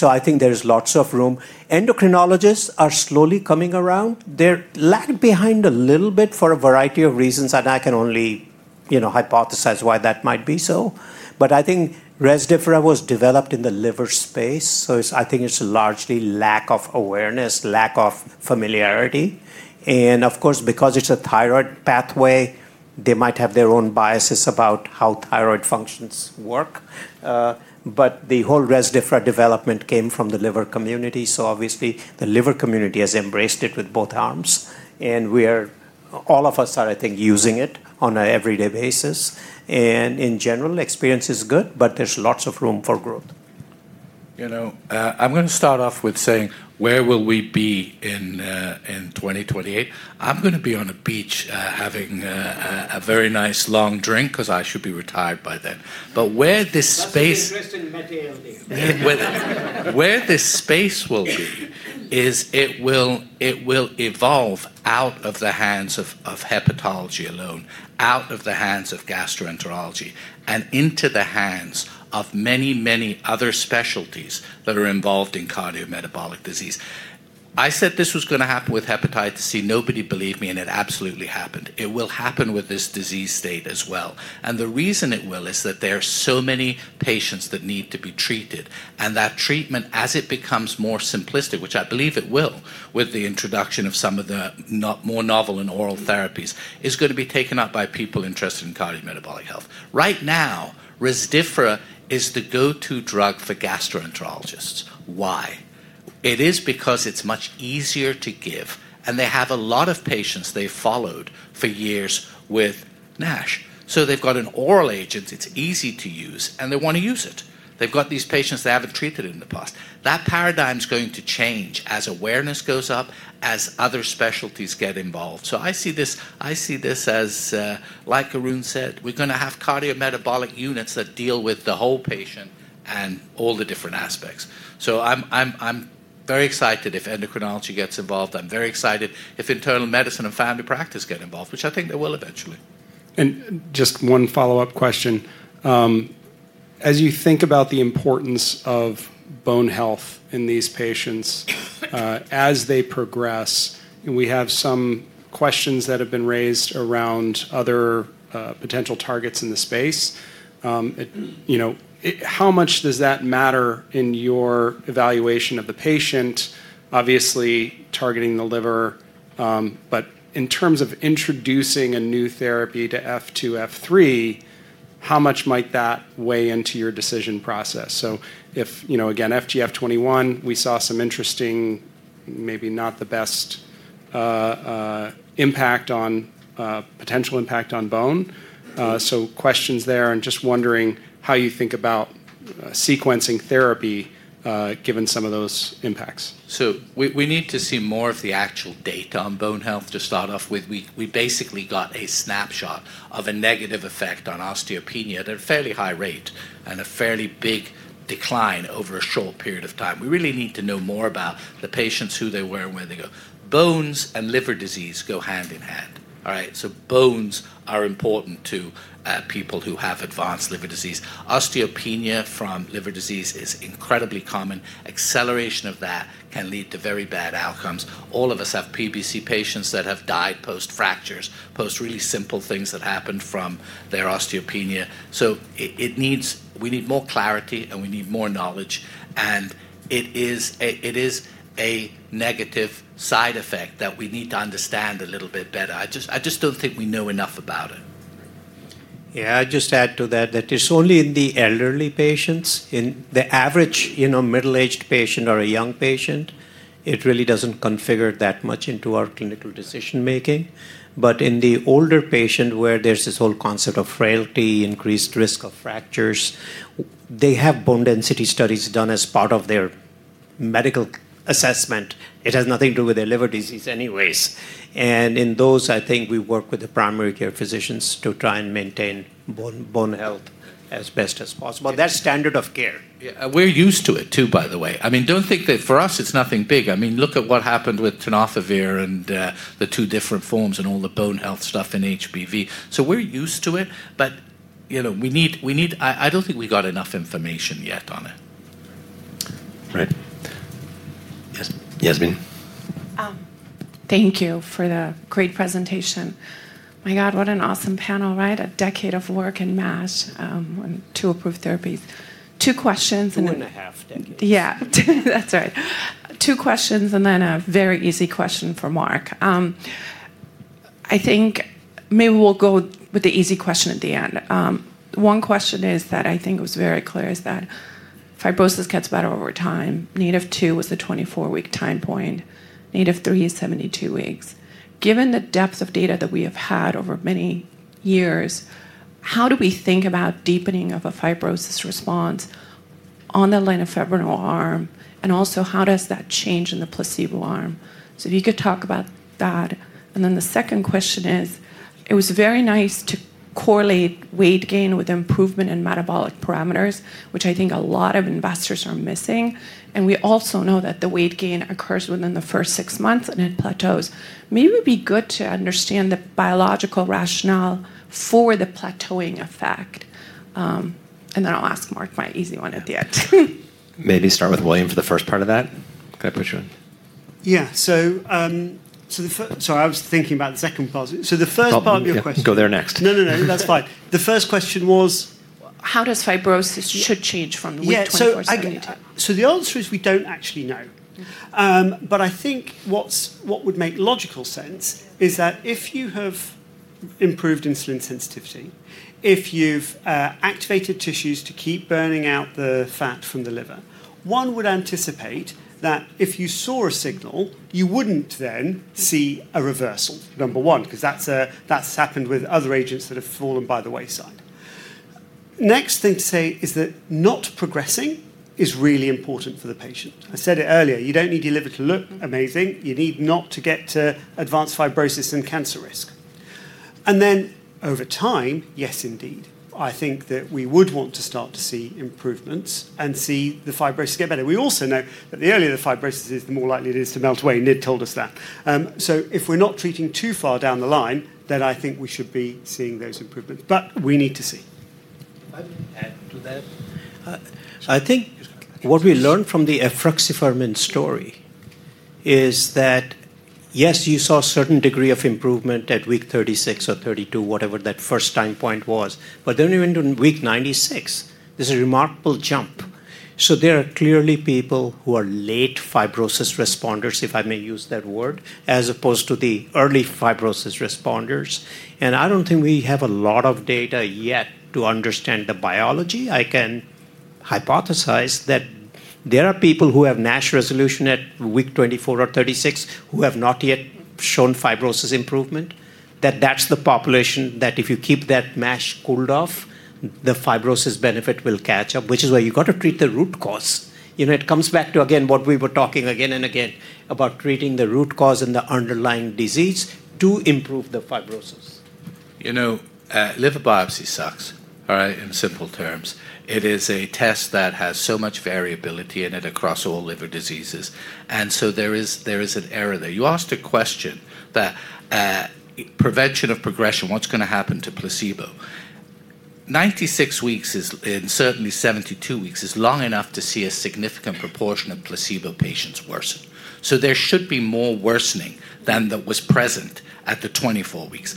I think there's lots of room. Endocrinologists are slowly coming around. They're lagged behind a little bit for a variety of reasons and I can only hypothesize why that might be so. I think Rezdiffra was developed in the liver space, so I think it's largely lack of awareness, lack of familiarity. Of course, because it's a thyroid pathway, they might have their own biases about how thyroid functions work. The whole Rezdiffra development came from the liver community, so obviously the liver community has embraced it with both arms and all of us are, I think, using it on an everyday basis. In general, experience is good, but there's lots of room for growth. I'm going to start off with saying, where will we be in 2028? I'm going to be on a beach having a very nice long drink because I should be retired by then. Where this space will be is it will evolve out of the hands of hepatology alone, out of the hands of gastroenterology and into the hands of many, many other specialties that are involved in cardiometabolic disease. I said this was going to happen with hepatitis C, nobody believed me. It absolutely happened. It will happen with this disease state as well. The reason it will is that there are so many patients that need to be treated. That treatment, as it becomes more simplistic, which I believe it will, with introduction of some of the more novel and oral therapies, is going to be taken up by people interested in cardiometabolic health. Right now, Rezdiffra is the go-to drug for gastroenterologists. Why? It is because it's much easier to give. They have a lot of patients they followed for years with MASH. They've got an oral agent, it's easy to use and they want to use it. They've got these patients they haven't treated in the past. That paradigm's going to change as awareness goes up, as other specialties get involved. I see this as, like Arun Sanyal said, we're going to have cardiometabolic units that deal with the whole patient and all the different aspects. I'm very excited if endocrinology gets involved. I'm very excited if internal medicine and family practice get involved, which I think they will eventually. Just one follow up question. As you think about the importance of bone health in these patients, patients as they progress, we have some questions that have been raised around other potential targets in the space. How much does that matter. In your evaluation of the patient? Obviously targeting the liver, but in terms of introducing a new therapy to F2, F3, how much might that weigh into your decision process? If you know, again, FGF21, we saw some interesting, maybe not the best impact on potential impact on bone. Questions there and just wondering how you think about sequencing therapy given some of those impacts. We need to see more of the actual data on bone health. To start off with, we basically got a snapshot of a negative effect on osteopenia at a fairly high rate and a fairly big decline over a short period of time. We really need to know more about the patients, who they were and where they go. Bones and liver disease go hand in hand. Bones are important to people who have advanced liver disease. Osteopenia from liver disease is incredibly common. Acceleration of that can lead to very bad outcomes. All of us have PBC patients that have died post fractures, post really simple things that happen from their osteopenia. We need more clarity and we need more knowledge and it is a negative side effect that we need to understand a little bit better. I just don't think we know enough about it. Yeah, I'd just add to that that it's only in the elderly patients. In the average middle-aged patient or a young patient, it really doesn't configure that much into our clinical decision making. In the older patient where there's this whole concept of frailty, increased risk of fractures, they have bone density studies done as part of their medical assessment. It has nothing to do with their liver disease anyways. In those, I think we work with the primary care physicians to try and maintain bone health as best as possible. That's standard of care. We're used to it too, by the way. I mean, don't think that for us it's nothing big. I mean, look at what happened with tenofovir and the two different forms and all the bone health stuff in HPV. We're used to it, but we need more information. I don't think we got enough information yet on it. Right, yes. Yasmeen, thank you for the great presentation. My God, what an awesome panel. Right? A decade of work in MASH, two approved therapies, two questions. Two and a half decades. Yeah, that's right, two questions. I think maybe we'll go with the easy question at the end. One question is that I think was very clear is that fibrosis gets better over time. NATiV2 is a 24-week time point. NATiV3 is 72 weeks. Given the depth of data that we have had over many years, how do we think about deepening of a fibrosis response on the lanifibranor arm? Also, how does that change in the placebo arm? If you could talk about that. The second question is, it was very nice to correlate weight gain with improvement in metabolic parameters, which I think a lot of investors are missing. We also know that the weight gain occurs within the first six months and it plateaus. Maybe it'd be good to understand the biological rationale for the plateauing effect. I'll ask Mark my easy one at the end. Maybe start with Will for the first time. Part of that. Can I push you in? Sorry, I was thinking about the second part. The first part of your question. Go there next. No, that's fine. The first question was? How does fibrosis. Should change from the week 24, 70? The answer is we don't actually know. I think what would make logical sense is that if you have improved insulin sensitivity, if you've activated tissues to keep burning out the fat from the liver, one would anticipate that if you saw a signal, you wouldn't then see a reversal, number one, because that's happened with other agents that have fallen by the wayside. Next thing to say is that not progressing is really important for the patient. I said it earlier. You don't need your liver to look amazing. You need not to get to advanced fibrosis and cancer risk. Over time, yes, indeed, I think that we would want to start to see improvements and see the fibrosis get better. We also know that the earlier the fibrosis is, the more likely it is to melt away. Nid told us that. If we're not treating too far down the line, then I think we should be seeing those improvements. We need to see. I think what we learned from the efruxifermin story is that, yes, you saw a certain degree of improvement at week 36 or 32, whatever that first time point was, but then we went to week 96. This is a remarkable jump. There are clearly people who are late fibrosis responders, if I may use that word, as opposed to the early fibrosis responders. I don't think we have a lot of data yet to understand the biology. I can hypothesize that there are people who have NASH resolution at week 24 or 36 who have not yet shown fibrosis improvement. That's the population that if you keep that NASH, the fibrosis benefit will catch up, which is why you have to treat the root cause. It comes back to what we were talking about again and again, about treating the root cause and the underlying disease to improve the fibrosis. You know, liver biopsy sucks. All right. In simple terms, it is a test that has so much variability in it across all liver diseases, and so there is an error there. You asked a question that prevention of progression, what's going to happen to placebo? 96 weeks, and certainly 72 weeks is long enough to see a significant proportion of placebo patients worsen. There should be more worsening than that was present at the 24 weeks.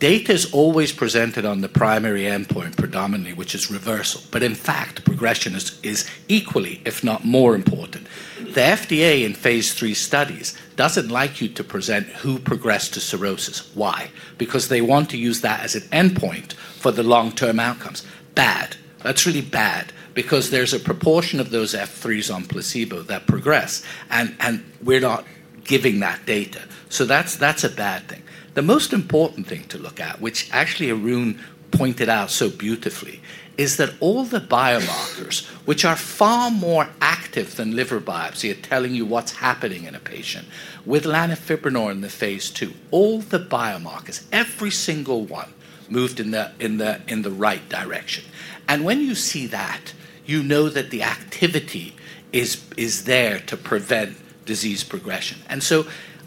Data is always presented on the primary endpoint predominantly, which is reversal. In fact, progression is equally, if not more important. The FDA in phase III studies doesn't like you to present who progressed to cirrhosis. Why? Because they want to use that as an endpoint for the long term outcomes. Bad. That's really bad. Because there's a proportion of those F3s on placebo that progress and we're not giving that data. That's a bad thing. The most important thing to look at, which actually Arun Sanyal pointed out so beautifully, is that all the biomarkers, which are far more active than liver biopsy, are telling you what's happening in a patient with lanifibranor. In the phase II-B, all the biomarkers, every single one, moved in the right direction. When you see that, you know that the activity is there to prevent disease progression.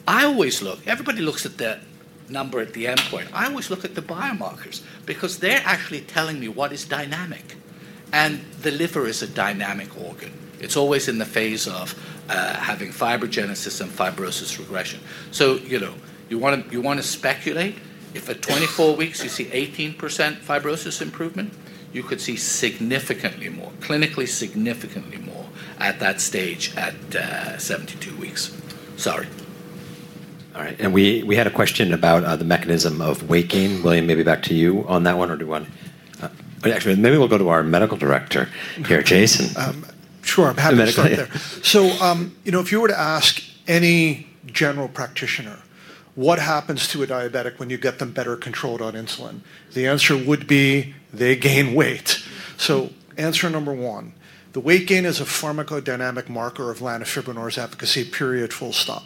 I always look. Everybody looks at the number at the endpoint. I always look at the biomarkers because they're actually telling me what is dynamic. The liver is a dynamic organ. It's always in the phase of having fibrogenesis and fibrosis regression. You want to speculate? If at 24 weeks you see 18% fibrosis improvement, you could see significantly more, clinically significantly more, at that stage at 72 weeks. Sorry. All right. We had a question about the mechanism of weight gain. William, maybe back to you on that one. Do you want to actually, maybe, we'll go to our Medical Director here, Jason. Sure. If you were to ask any general practitioner what happens to a diabetic when you get them better controlled on insulin, the answer would be they gain weight. Answer number one: the weight gain is a pharmacodynamic marker of lanifibranor's efficacy, period, full stop.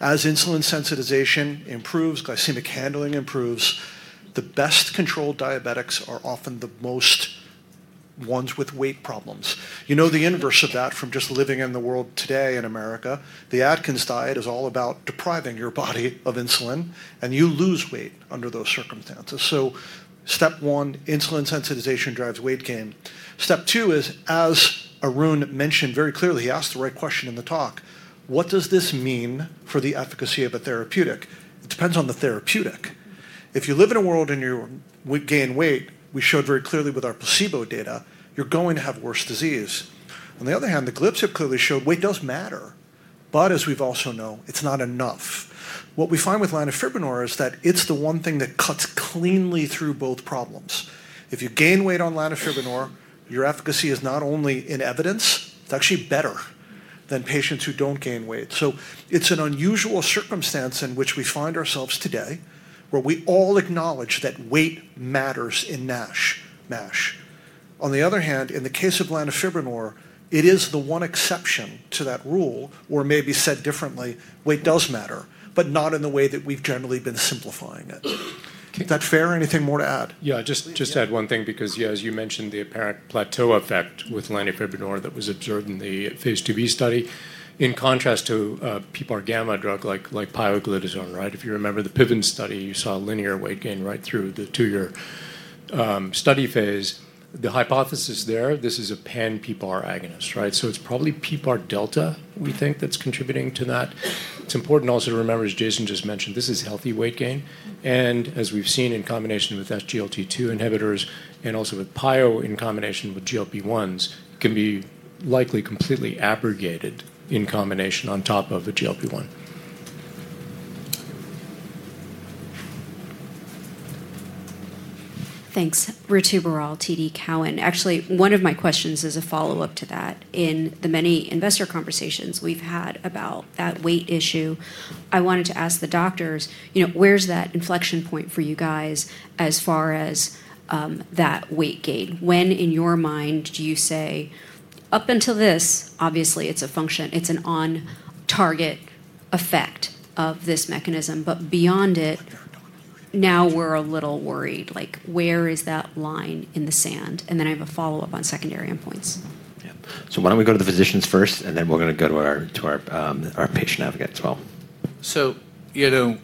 As insulin sensitization improves, glycemic handling improves. The best controlled diabetics are often the ones with weight problems. The inverse of that from just living in the world today in America, the Atkins diet is all about depriving your body of insulin and you lose weight under those circumstances. Step one, insulin sensitization drives weight gain. Step two is, as Arun mentioned very clearly, he asked the right question in the talk. What does this mean for the efficacy of a therapeutic? It depends on the therapeutic. If you live in a world and you gain weight, we showed very clearly with our placebo data, you're going to have worse disease. On the other hand, the GLP-1 agonists have clearly showed weight does matter. As we also know, it's not enough. What we find with lanifibranor is that it's the one thing that cuts cleanly through both problems. If you gain weight on lanifibranor, your efficacy is not only in evidence, it's actually better than patients who don't gain weight. It's an unusual circumstance in which we find ourselves today where we all acknowledge that weight matters. In MASH, on the other hand, in the case of lanifibranor, it is the one exception to that rule or maybe said differently, weight does matter, but not in the way that we've generally been simplifying it. Is that fair? Anything more to add? Yeah, just add one thing because as you mentioned, the apparent plateau effect with lanifibranor that was observed in the phase II-B study in contrast to PPAR gamma drug like pioglitazone. Right? If you remember the Piven study, you saw linear weight gain right through the two-year study phase. The hypothesis there, this is a pan-PPAR agonist, right. So it's probably PPAR delta, we think that's contributing to that. It's important also to remember, as Jason just mentioned, this is healthy weight gain, and as we've seen in combination with SGLT2 inhibitors and also with PIO in combination with GLP-1s, can be likely completely abrogated in combination on top of a GLP-1. Thanks. Ritu Baral TD Cowen. Actually, one of my questions is a follow-up to that. In the many investor conversations we've had about that weight issue, I wanted to ask the doctors, you know, where's that inflection point for you guys as far as that weight gain? When in your mind do you say up until this, obviously it's a function, it's an on-target effect of this mechanism, but beyond it now we're a little worried, like where is that line in the sand? I have a follow-up on secondary endpoints. Yeah. Why don't we go to the physicians first, and then we're going to go to our patient advocate as well. You know,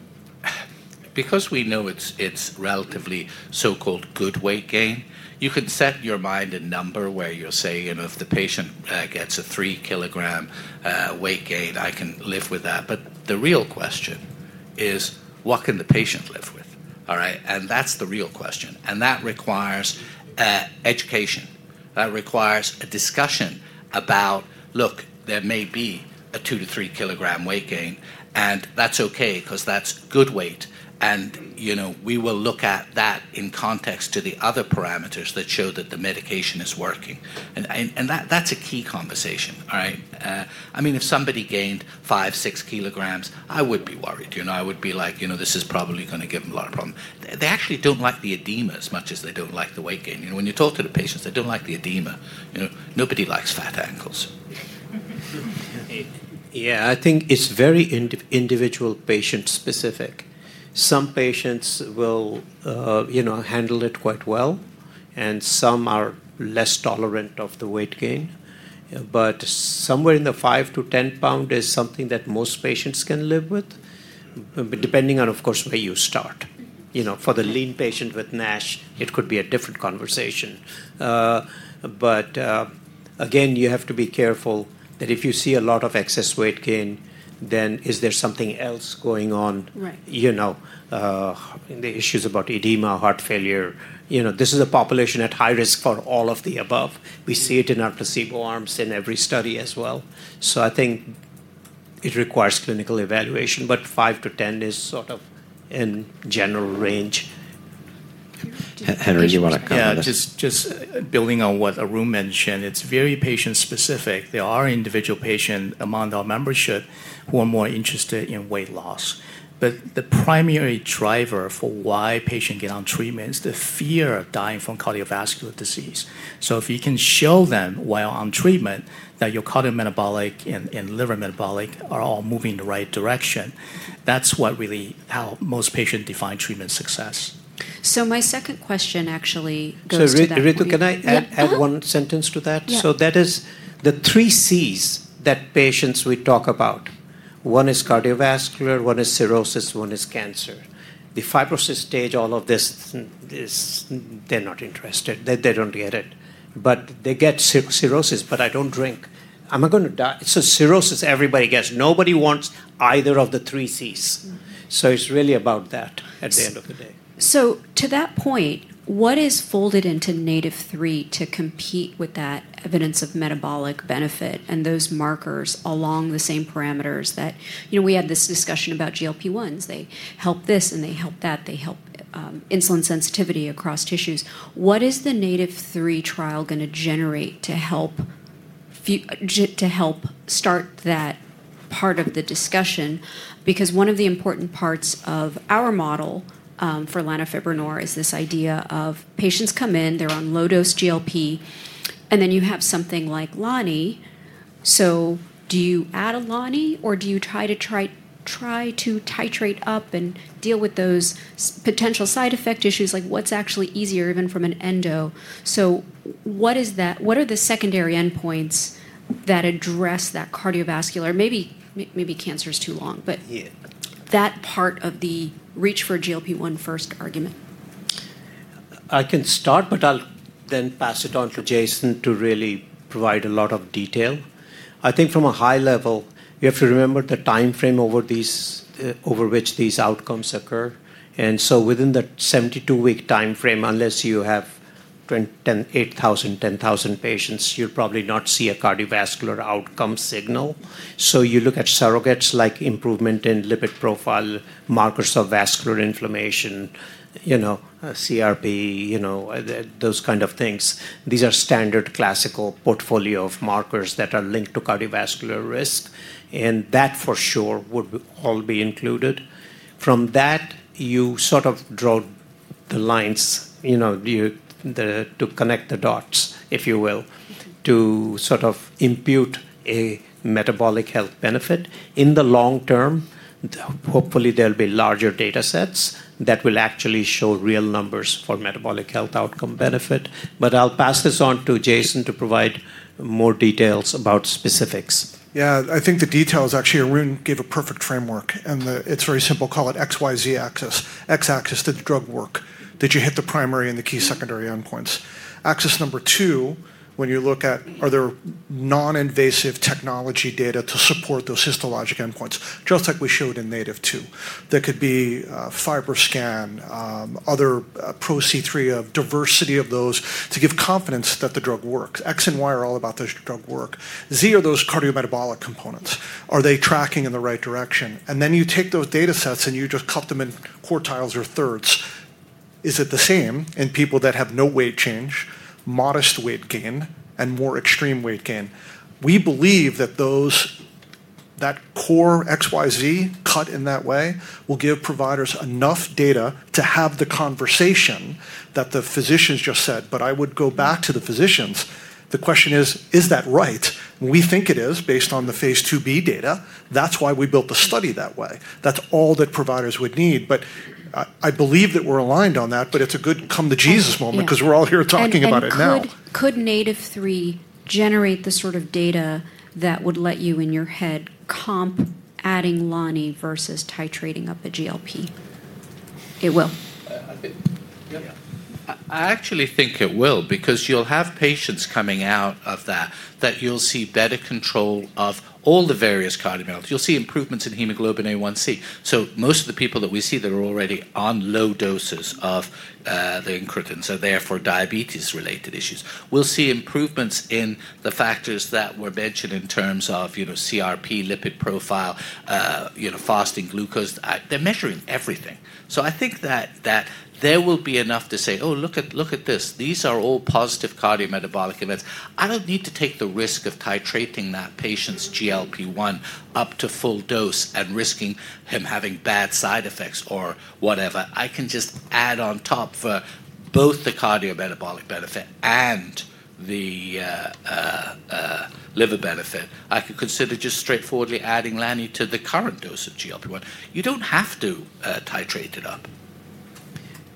because we know it's relatively so-called good weight gain, you could set your mind a number where you'll say, you know, if the patient gets a 3 kg weight gain, I can literally live with that. The real question is, what can the patient live with? All right. That's the real question. That requires education, that requires a discussion about, look, there may be a 2 kg-3 kg weight gain and that's okay, because that's good weight. You know, we will look at that in context to the other parameters that show that the medication is working. That's a key conversation. I mean, if somebody gained 5 kg or 6 kg, I would be worried. I would be like, you know, this is probably going to give them a lot of problem. They actually don't like the edema as much as they don't like the weight gain. You know, when you talk to the patients, they don't like the edema. Nobody likes fat ankles. Yeah, I think it's very individual patient specific. Some patients will, you know, handle it quite well and some are less tolerant of the weight gain. Somewhere in the 5 lbs-10 lbs is something that most patients can live with, depending on, of course, where you start. For the lean patient with MASH, it could be a different conversation. Again, you have to be careful that if you see a lot of excess weight gain, then is there something else going on, you know, in the issues about edema, heart failure? This is a population at high risk for all of the above. We see it in our placebo arms in every study as well. So. I think it requires clinical evaluation, but 5-10 is sort of in general range. Henry, do you want to? Yeah, just. Just building on what Arun mentioned. It's very patient specific. There are individual patients among our membership who are more interested in weight loss. The primary driver for why patients get on treatment is the fear of dying from cardiovascular disease. If you can show them while on treatment that your cardiometabolic and liver metabolic are all moving in the right direction, that's really how most patients define treatment success. My second question actually goes to. Ritu. Can I add one sentence to that? That is the three Cs that patients we talk about. One is cardiovascular, one is cirrhosis, one is cancer. The fibrosis stage, all of this, they're not interested, they don't, I don't get it. They get cirrhosis. I don't drink, am I going to die? Cirrhosis everybody gets. Nobody wants either of the three Cs, so it's really about that at the end of the day. To that point, what is folded into NATiV3 to compete with that evidence of metabolic benefit and those markers along the same parameters that, you know, we had this discussion about GLP-1s, they help this and they help that, they help insulin sensitivity across tissues. What is the NATiV3 trial going to generate to help start that part of the discussion? Because one of the important parts of our model for lanifibranor is this idea of patients come in, they're on low dose GLP-1 and then you have something like lani. Do you add a lani or do you try to titrate up and deal with those potential side effect issues, like what's actually easier even from an endo? What is that? What are the secondary endpoints that address that cardiovascular, maybe cancer is too long, but that part of the reach for GLP-1 first argument? I can start. I'll then pass it on to Jason to really provide a lot of detail. I think from a high level you have to remember the timeframe over which these outcomes occur. Within the 72-week timeframe, unless you have 8,000, 10,000 patients, you'd probably not see a cardiovascular outcome signal. You look at surrogates like improvement in lipid profile, markers of vascular inflammation, you know, CRP, those kind of things. These are standard classical portfolio of markers that are linked to cardiovascular risk. That for sure would all be included. From that you sort of draw the lines to connect the dots, if you will, to sort of impute a metabolic health benefit in the long term. Hopefully there'll be larger data sets that will actually show real numbers for metabolic health outcome benefit. I'll pass this on to Jason to provide more details about specifics. Yeah, I think the details actually Arun gave a perfect framework and it's very simple. Call it XYZ axis, X axis drug work that you hit the primary and the key secondary endpoints. Axis number two, when you look at are there non-invasive technology data to support those histologic endpoints just like we showed in NATiV2, that could be FibroScan, other Pro-C3, a diversity of those to give confidence that the drug works. X and Y are all about this drug work. Z, are those cardiometabolic components, are they tracking in the right direction? You take those data sets and you just cut them in quartiles or thirds. Is it the same in people that have no weight change, modest weight gain, and more extreme weight gain? We believe that those, that core XYZ cut in that way, will give providers enough data to have the conversation that the physicians just said. I would go back to the physicians. The question is, is that right? We think it is based on the phase II-B data. That's why we built the study that way. That's all that providers would need. I believe that we're aligned on that. It's a good come to Jesus moment because we're all here talking about it now. Could NATiV3 generate the sort of data that would let you in your head comp adding lanifibranor versus titrating up a GLP-1 agonist? It will? I actually think it will because you'll have patients coming out of that, that you'll see better control of all the various cardiovascular. You'll see improvements in hemoglobin A1c. Most of the people that we see that are already on low dose of the incretins and therefore diabetes-related issues will see improvements in the factors that were mentioned in terms of CRP, lipid profile, fasting glucose. They're measuring everything. I think that there will be enough to say, oh, look at this, these are all positive cardiometabolic events. I don't need to take the risk of titrating that patient's GLP-1 up to full dose and risking him having bad side effects or whatever. I can just add on top for both the cardiometabolic benefit and the liver benefit. I could consider just straightforwardly adding lanifibranor to the current dose of GLP-1. You don't have to titrate it up.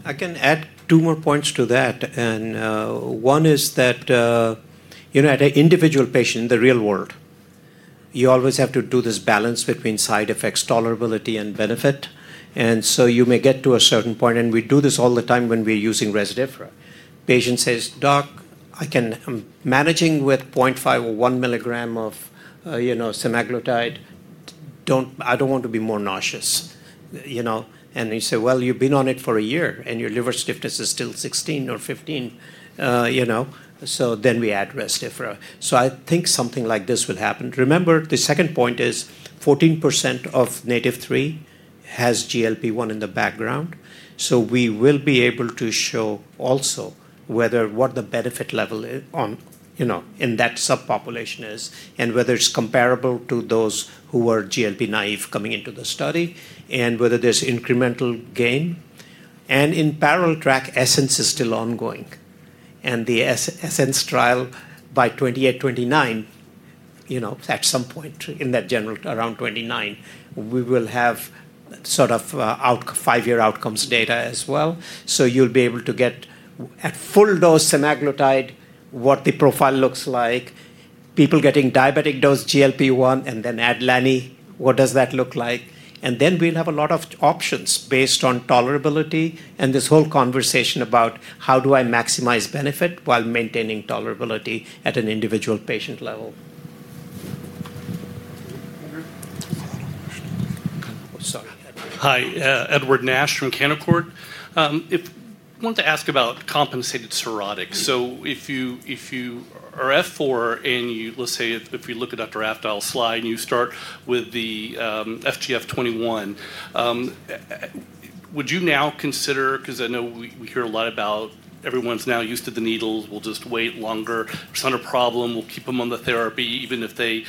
I can add two more points to that. One is that at an individual patient in the real world you always have to do this balance between side effects, tolerability, and benefit. You may get to a certain point. We do this all the time when we are using Rezdiffra. Patient says, doc, I can, I'm managing with 0.5 mg or 1 mg of, you know, semaglutide. I don't want to be more nauseous, you know, and you say, you've been on it for a year and your liver stiffness is still 16 or 15, you know, so then we add Rezdiffra. I think something like this will happen. Remember the second point is 14% of NATiV3 has GLP-1 in the background. We will be able to show also what the benefit level in that subpopulation is and whether it's comparable to those who are GLP-1 naive coming into the study and whether there's incremental gain. In parallel, the ESSENCE trial is still ongoing and the ESSENCE trial by 2028 or 2029, you know, at some point in that general around 2029, we will have sort of five-year outcomes data as well. You'll be able to get at full dose semaglutide what the profile looks like, people getting diabetic dose GLP-1, and then add lanifibranor, what does that look like? We'll have a lot of options based on tolerability and this whole conversation about how do I maximize benefit while maintaining tolerability at an individual patient level. Hi, Edward Nash from Canaccord. I want to ask about compensated cirrhotic, so if you are F4 and you, let's say, if you look at Dr. Afdhal's slide and you start with the FGF21, would you now consider, because I know we hear a lot about everyone's now used to the needles, we'll just wait longer, it's not a problem, we'll keep them on the therapy even if they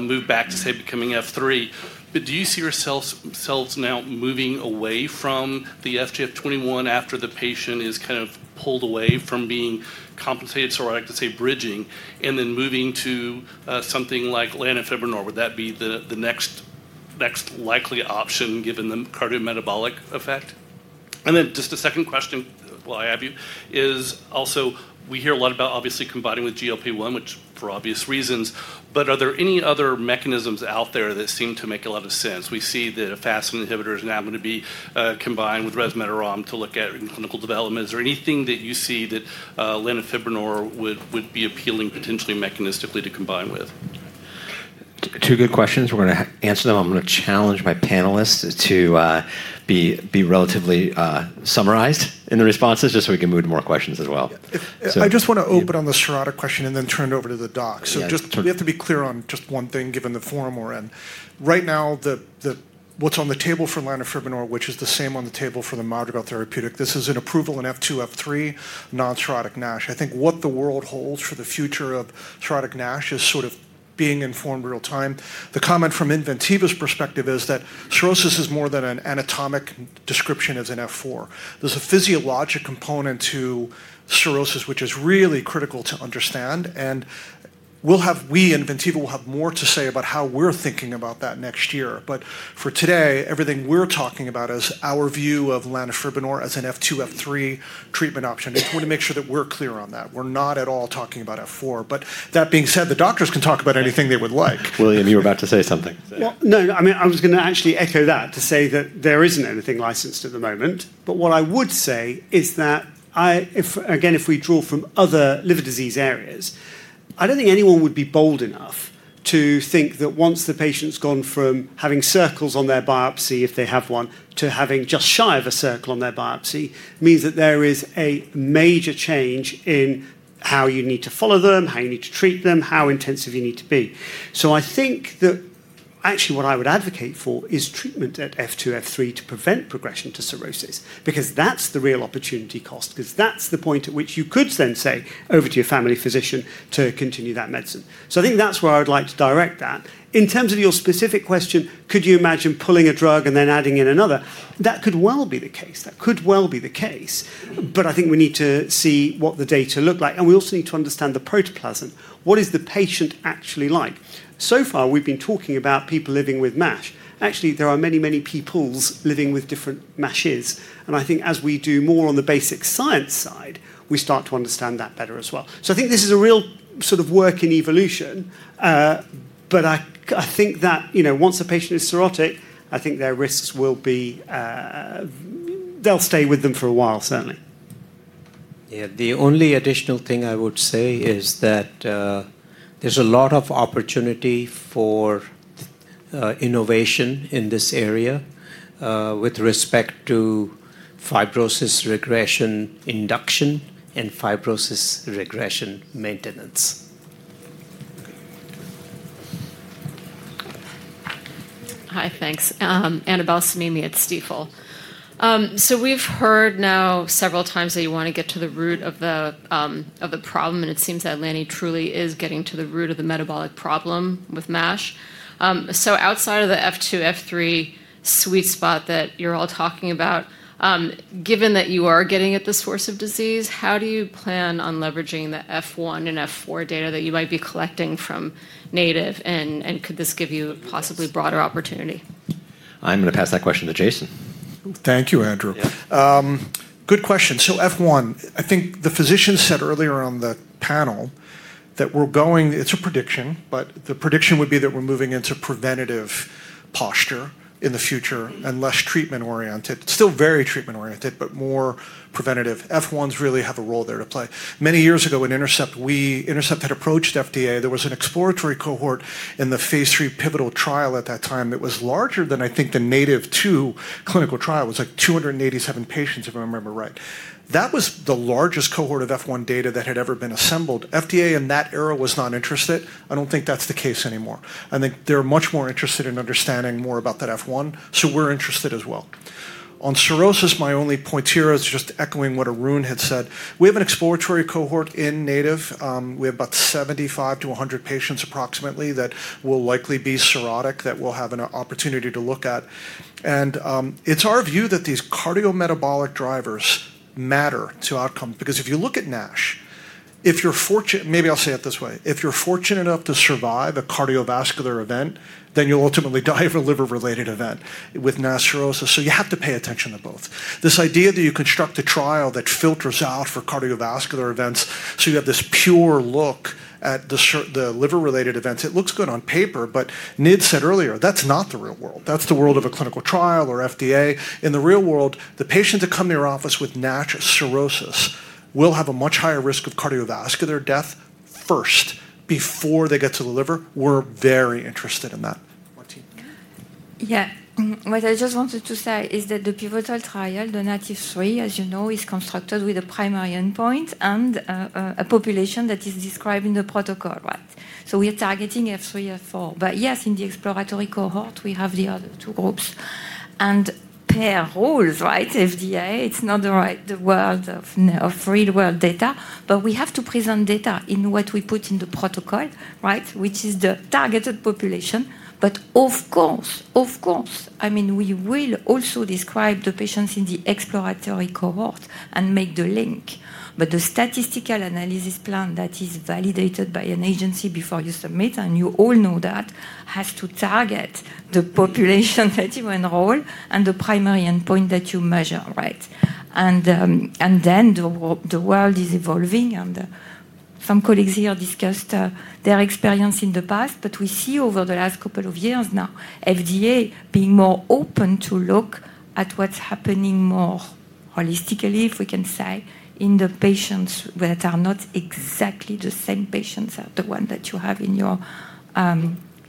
move back to, say, becoming F3. Do you see yourselves now moving away from the FGF21 after the patient is kind of pulled away from being compensated, sort of like to say bridging and then moving to something like lanifibranor? Would that be the next likely option given the cardiometabolic effect? Just a second question while I have you, we hear a lot about obviously combining with GLP-1 agonists, which for obvious reasons, but are there any other mechanisms out there that seem to make a lot of sense? We see that a FAST inhibitor is now going to be combined with resmetirom to look at in clinical development. Is there anything that you see that lanifibranor would be appealing potentially mechanistically to? Combine with two good questions. We're going to answer them. I'm going to challenge my panelists to be relatively summarized in the responses, just so we can move to more questions as well. I just want to open on the cirrhotic question and then turn it over to the doc. We have to be clear on just one thing given the forum we're in right now. What's on the table for lanifibranor, which is the same on the table for the Madrigal Therapeutics. This is an approval in F2, F3, non-cirrhotic MASH. I think what the world holds for the future of cirrhotic MASH is sort of being informed real time. The comment from Inventiva's perspective is that cirrhosis is more than an anatomic description as an F4. There's a physiologic component to cirrhosis, which is really critical to understand. Inventiva will have more to say about how we're thinking about that next year. For today, everything we're talking about is our view of lanifibranor as an F2, F3 treatment option. I want to make sure that we're clear on that. We're not at all talking about F4. That being said, the doctors can talk about anything they would like. William, you were about to say something? I was going to actually echo that to say that there isn't anything licensed at the moment. What I would say is that again, if we draw from other liver disease areas, I don't think anyone would be bold enough to think that once the patient's gone from having circles on their biopsy, if they have one, to having just shy of a circle on their biopsy means that there is a major change in how you need to follow them, how you need to treat them, how intensive you need to be. I think that actually what I would advocate for is treatment at F2/F3 to prevent progression to cirrhosis, because that's the real opportunity, opportunity cost. That's the point at which you could then say over to your family physician to continue that medicine. I think that's where I'd like to direct that. In terms of your specific question, could you imagine pulling a drug and then adding in another? That could well be the case. That could well be the case. I think we need to see what the data look like. We also need to understand the protoplasm. What is the patient actually like? So far we've been talking about people living with MASH. Actually, there are many, many people living with different MASHs. I think as we do more on the basic science side, we start to understand that better as well. I think this is a real sort of work in evolution. I think that, you know, once a patient is cirrhotic, I think their risks will be they'll stay with them for a while. Certainly, yeah. The only additional thing I would say is that there's a lot of opportunity for innovation in this area with respect to fibrosis regression induction and fibrosis regression maintenance. Hi. Thanks, Annabel Samimy at Stifel. We've heard now several times that you want to get to the root of the problem. It seems that lanifibranor truly is getting to the root of the metabolic problem with MASH. Outside of the F2, F3 sweet spot that you're all talking about, given that you are getting at the source of disease, how do you plan on leveraging the F1 and F4 data that you might be collecting from NATiV? Could this give you possibly broader opportunity? I'm going to pass that question to Jason. Thank you, Andrew. Good question. F1, I think the physician said earlier on the panel that we're going, it's a prediction, but the prediction would be that we're moving into preventative posture in the future and less treatment oriented. Still very treatment oriented, but more preventative. F1s really have a role there to play. Many years ago, when Intercept had approached FDA, there was an exploratory cohort in the phase III pivotal trial at that time that was larger than, I think, the NATiV2 clinical trial was, like, 287 patients, if I remember right. That was the largest cohort of F1 data that had ever been assembled. FDA in that era was not interested. I don't think that's the case anymore. I think they're much more interested in understanding more about that F1. We're interested as well on cirrhosis. My only point here is just echoing what Arun had said. We have an exploratory cohort in NATiV We have about 75-100 patients approximately that will likely be cirrhotic that we'll have an opportunity to look at. It's our view that these cardiometabolic drivers matter to outcomes. Because if you look at MASH, if you're fortunate, maybe I'll say it this way, if you're fortunate enough to survive a cardiovascular event, then you'll ultimately die of a liver related event with MASH cirrhosis. You have to pay attention to both. This idea that you construct a trial that filters out for cardiovascular events so you have this pure look at the liver related events looks good on paper, but NID said earlier that's not the real world. That's the world of a clinical trial or FDA. In the real world, the patients that come to your office with natural cirrhosis will have a much higher risk of cardiovascular death first before they get to the liver. We're very interested in that. Martine? Yeah. What I just wanted to say is that the pivotal trial, the NATiV3, as you know, is constructed with a primary endpoint and a population that is described in the priority protocol. Right. We are targeting F3, F4, but yes, in the exploratory cohort, we have the other two groups and pair rules. FDA, it's not the real world data, but we have to present data in what we put in the protocol. Right. Which is the targeted population. Of course, we will also describe the patients in the exploratory cohort and make the link. The statistical analysis plan that is validated by an agency before you submit a new, you all know, has to target the population that you enroll and the primary endpoint that you measure. The world is evolving and some colleagues here discussed their experience in the past, but we see over the last couple of years now FDA being more open to look at what's happening more holistically, if we can say, in the patients that are not exactly the same patients as the ones that you have in your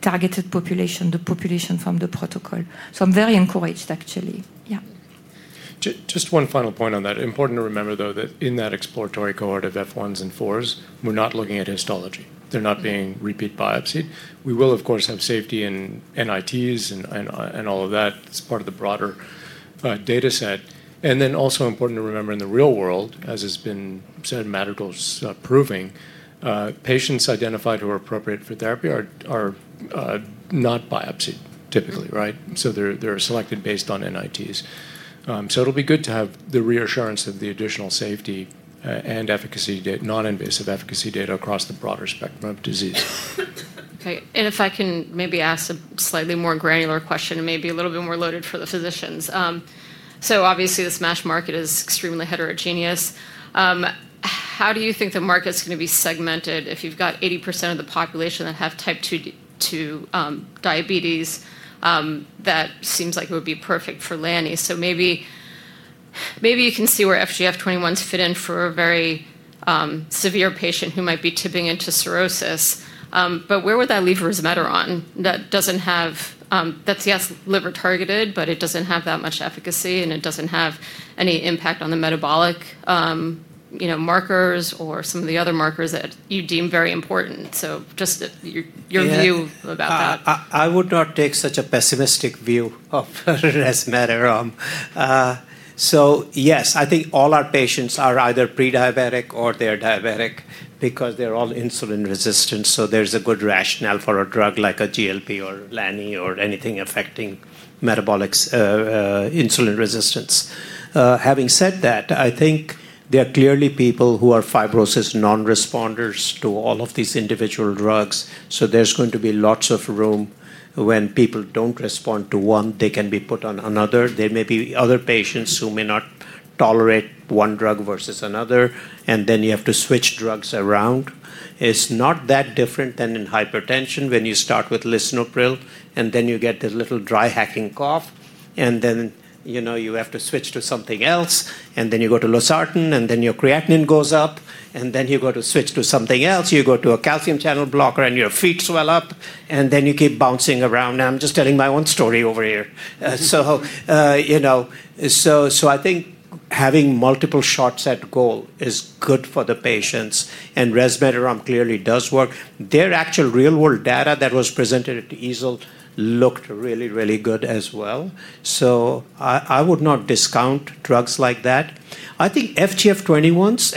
targeted population, the population from the protocol. I'm very encouraged, actually. Yeah. Just one final point on that. Important to remember though, that in that exploratory cohort of F1s and F4s, we're not looking at histology, they're not being repeat biopsied. We will, of course, have safety in NITs and all of that as part of the broader data set. It is also important to remember in the real world, as has been said, many patients identified who are appropriate for therapy are not biopsied typically. Right. They're selected based on NITs. It'll be good to have the reassurance of the additional safety and non-invasive efficacy data across the broader spectrum of disease. Okay. If I can maybe ask a slightly more granular question and maybe a little bit more loaded for the physicians. Obviously, the MASH market is extremely heterogeneous. How do you think the market's going to be segmented if you've got 80% of the population that has type 2 diabetes? That seems like it would be perfect for lanifibranor. Maybe you can see where FGF21s fit in for a very severe patient who might be tipping into cirrhosis. Where would that leave resmetirom? That's, yes, liver targeted, but it doesn't have that much efficacy and it doesn't have any impact on the metabolic markers or some of the other markers that you deem very important. Just your view about that. I would not take such a pessimistic view of resmetirom. Yes, I think all our patients are either prediabetic or they're diabetic because they're all insulin resistant. There's a good rationale for a drug like a GLP-1 agonist or lanifibranor or anything affecting metabolic insulin resistance. Having said that, I think there are clearly people who are fibrosis non-responders to all of these individual drugs. There's going to be lots of room. When people don't respond to one, they can be put on another. There may be other patients who may not tolerate one drug versus another, and then you have to switch drugs around. It's not that different than in hypertension when you start with lisinopril and then you get this little dry hacking cough and then you have to switch to something else. You go to losartan and then your creatinine goes up and then you switch to something else. You go to a calcium channel blocker and your feet swell up and then you keep bouncing around. Now I'm just telling my own story over here. I think having multiple short set goal is good for the patients and resmetirom clearly does work. Their actual real-world data that was presented at EASL looked really, really good as well. I would not discount drugs like that. I think FGF21s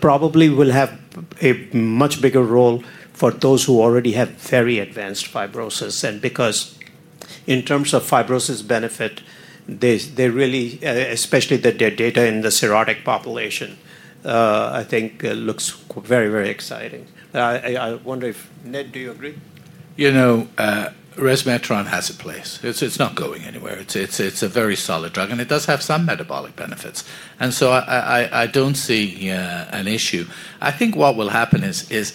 probably will have a much bigger role for those who already have very advanced fibrosis. In terms of fibrosis benefit, especially the data in the cirrhotic population, I think looks very, very exciting. I wonder if Ned, do you agree? You know, resmetirom has a place, it's not going anywhere. It's a very solid drug and it does have some metabolic benefits. I don't see an. I think what will happen is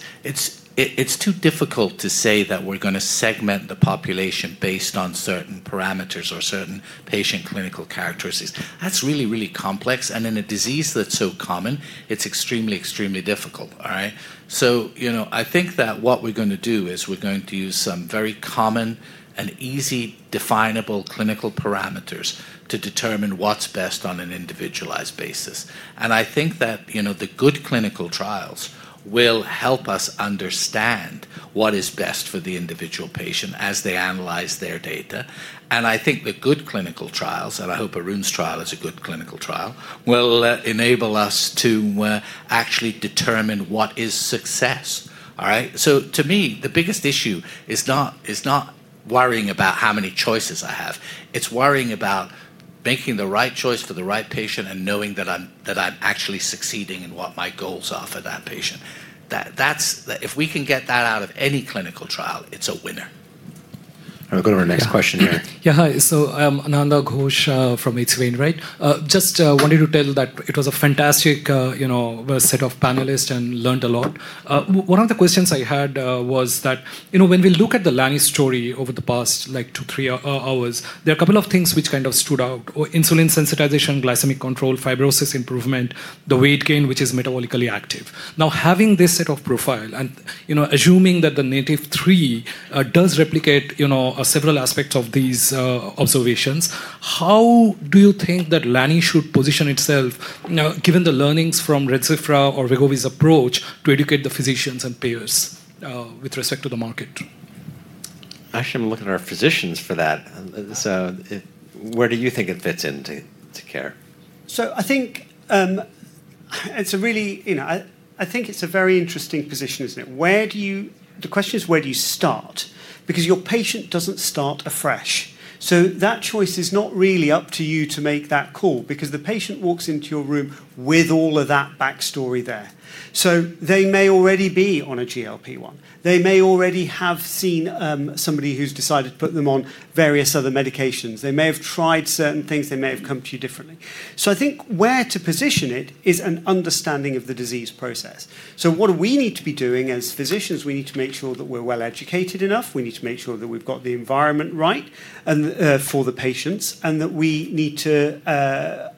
it's too difficult to say that we're going to segment the population based on certain parameters or certain patient clinical characteristics. That's really, really complex. In a disease that's so common, it's extremely, extremely difficult. I think that what we're going to do is we're going to use some very common and easily definable clinical parameters to determine what's best on an individualized basis. I think that the good clinical trials will help us understand what is best for the individual patient as they analyze their data. I think the good clinical trials, and I hope Arun's trial is a good clinical trial, will enable us to actually determine what is success. To me, the biggest issue is not worrying about how many choices I have. It's worrying about making the right choice for the right patient and knowing that I'm actually succeeding in what my goals are for that patient. If we can get that out of any clinical trial, it's a winner. Will go to our next question here. Yeah. Hi. Ananda Ghosh from H.C. Wainwright. Just wanted to tell that it was a fantastic set of panelists and learned a lot. One of the questions I had was that when we look at the lanifibranor story over the past two, three hours. There are a couple of things which kind of stood out: insulin sensitization, glycemic control, fibrosis improvement. Weight gain, which is metabolically active now, having this set of protein profile. Assuming that the NATiV3 does replicate several aspects of these observations, how do you think that lanifibranor should position itself, given the learnings from Rezdiffra or GLP-1 agonists' approach to educate the physicians and payers with respect to the market? Actually, I'm looking at our physicians for that. Where do you think it fits into care? I think it's a very interesting position, isn't it? The question is, where do you start? Your patient doesn't start afresh. That choice is not really up to you to make that call because the patient walks into your room with all of that backstory there. They may already be on a GLP-1 agonist, they may already have seen somebody who's decided to put them on various other medications. They may have tried certain things. They may have come to you differently. I think where to position it is an understanding of the disease process. What we need to be doing as physicians, we need to make sure that we're well educated enough. We need to make sure that we've got the environment right for the patients and that we need to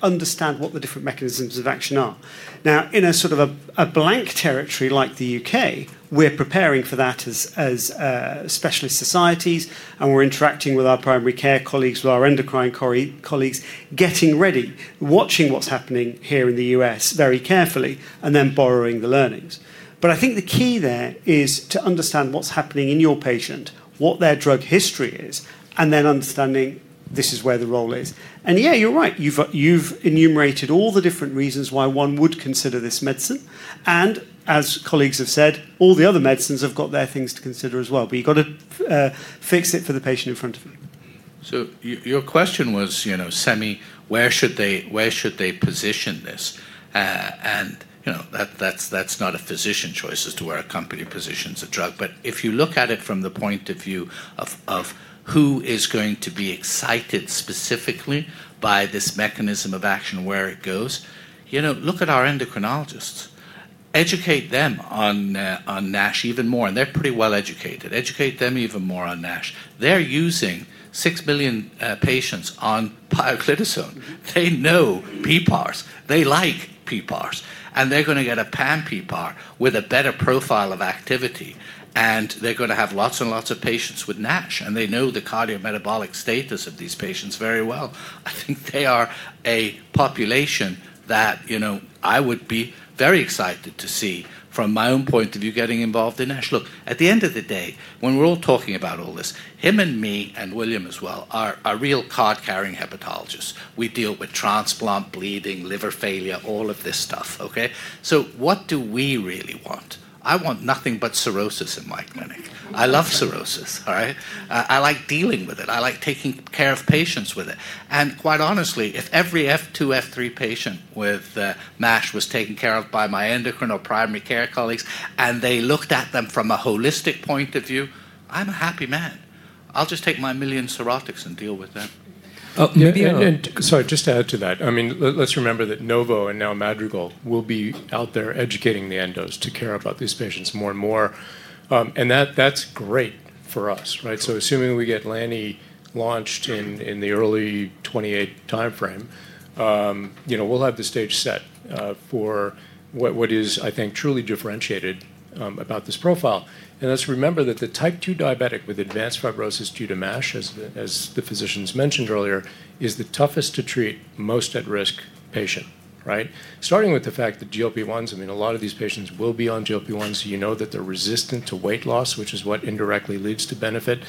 understand what the different mechanisms of action are. Now, in a sort of a blank territory like the U.K., we're preparing for that as specialist societies, and we're interacting with our primary care colleagues, our endocrine colleagues, colleagues getting ready, watching what's happening here in the U.S. very carefully and then borrowing the learnings. I think the key there is to understand what's happening in your patient, what their drug history is and then understanding this is where the role is. Yeah, you're right, you've enumerated all the different reasons why one would consider this medicine. As colleagues have said, all the other medicines have got their things too. Consider as well, you've got to. Fix it for the patient in front of them. Your question was semi, where should they position this? That's not a physician choice as to where a company positions a drug. If you look at it from the point of view of who is going to be excited specifically by this mechanism of action, where it goes, look at our endocrinologists, educate them on MASH even more and they're pretty well educated. Educate them even more on MASH. They're using 6 million patients on pioglitazone, they know PPARs, they like PPARs, and they're going to get a pan-PPAR with a better profile of activity and they're going to have lots and lots of patients with MASH and they know the cardiometabolic status of these patients very well. I think they are a population that, you know, I would be very excited to see from my own point of view getting involved in MASH. At the end of the day when we're all talking about all this, him and me and William as well are real card-carrying hepatologists. We deal with transplant, bleeding, liver failure, all of this stuff. What do we really want? I want nothing but cirrhosis in my clinic. I love cirrhosis, all right? I like dealing with it, I like taking care of patients with it. Quite honestly, if every F2, F3 patient with MASH was taken care of by my endocrine or primary care colleagues and they looked at them from a holistic patient point of view, I'm a happy man. I'll just take my million cirrhotics and deal with that. Sorry, just to add to that, let's remember that Novo and now Madrigal will be out there educating the endos to care about these patients more and more. That's great for us, right? Assuming we get lanifibranor launched in the early 2028 timeframe, we'll have the stage set for what is, I think, truly driven, differentiated about this profile. Let's remember that the type 2 diabetic with advanced fibrosis due to MASH, as the physicians mentioned earlier, is the toughest to treat, most at-risk patient. Starting with the fact that GLP-1 agonists, a lot of these patients will be on GLP-1 agonists, they're resistant to weight loss, which is what indirectly leads to benefit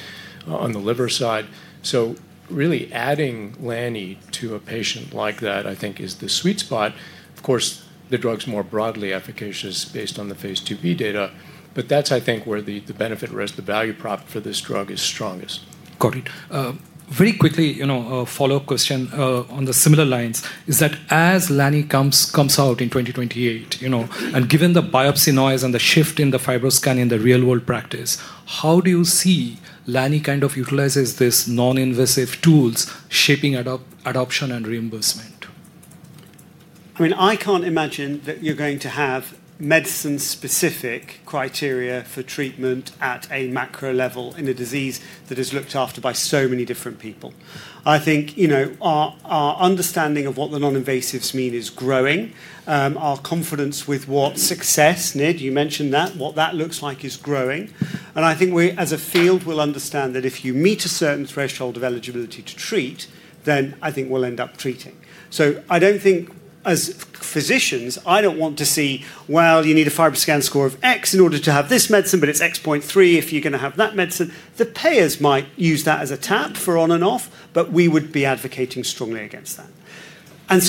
on the liver side. Really, adding lanifibranor to a patient like that I think is the sweet, sweet spot. Of course, the drug's more broadly efficacious based on the phase II-B data, but that's where the benefit, risk, the value prop for this drug is strongest. Got it. Very quickly, you know, a follow up. Question on the similar lines is that as lanifibranor comes out in 2028, you know, and given the biopsy noise. The shift in the FibroScanning, the real. real-world practice, how do you see lani kind of utilizes these non-visible tools shaping adoption and reimbursement? I mean I can't imagine that you're going to have medicine-specific criteria for treatment at a macro-level in a disease that is looked after by so many different people. I think our understanding of what the non-invasives mean is growing, our confidence with what success, Ned, you mentioned that what that looks like is growing, and I think we as a field will understand that if you meet a certain threshold of eligibility to treat, then I think we'll end up treating. I don't think as physicians I don't want to see, you need a FibroScan score of X in order to have this medicine, but it's X3 if you're going to have that medicine. The payers might use that as a tap for on and off, but we would be advocating strongly against that. I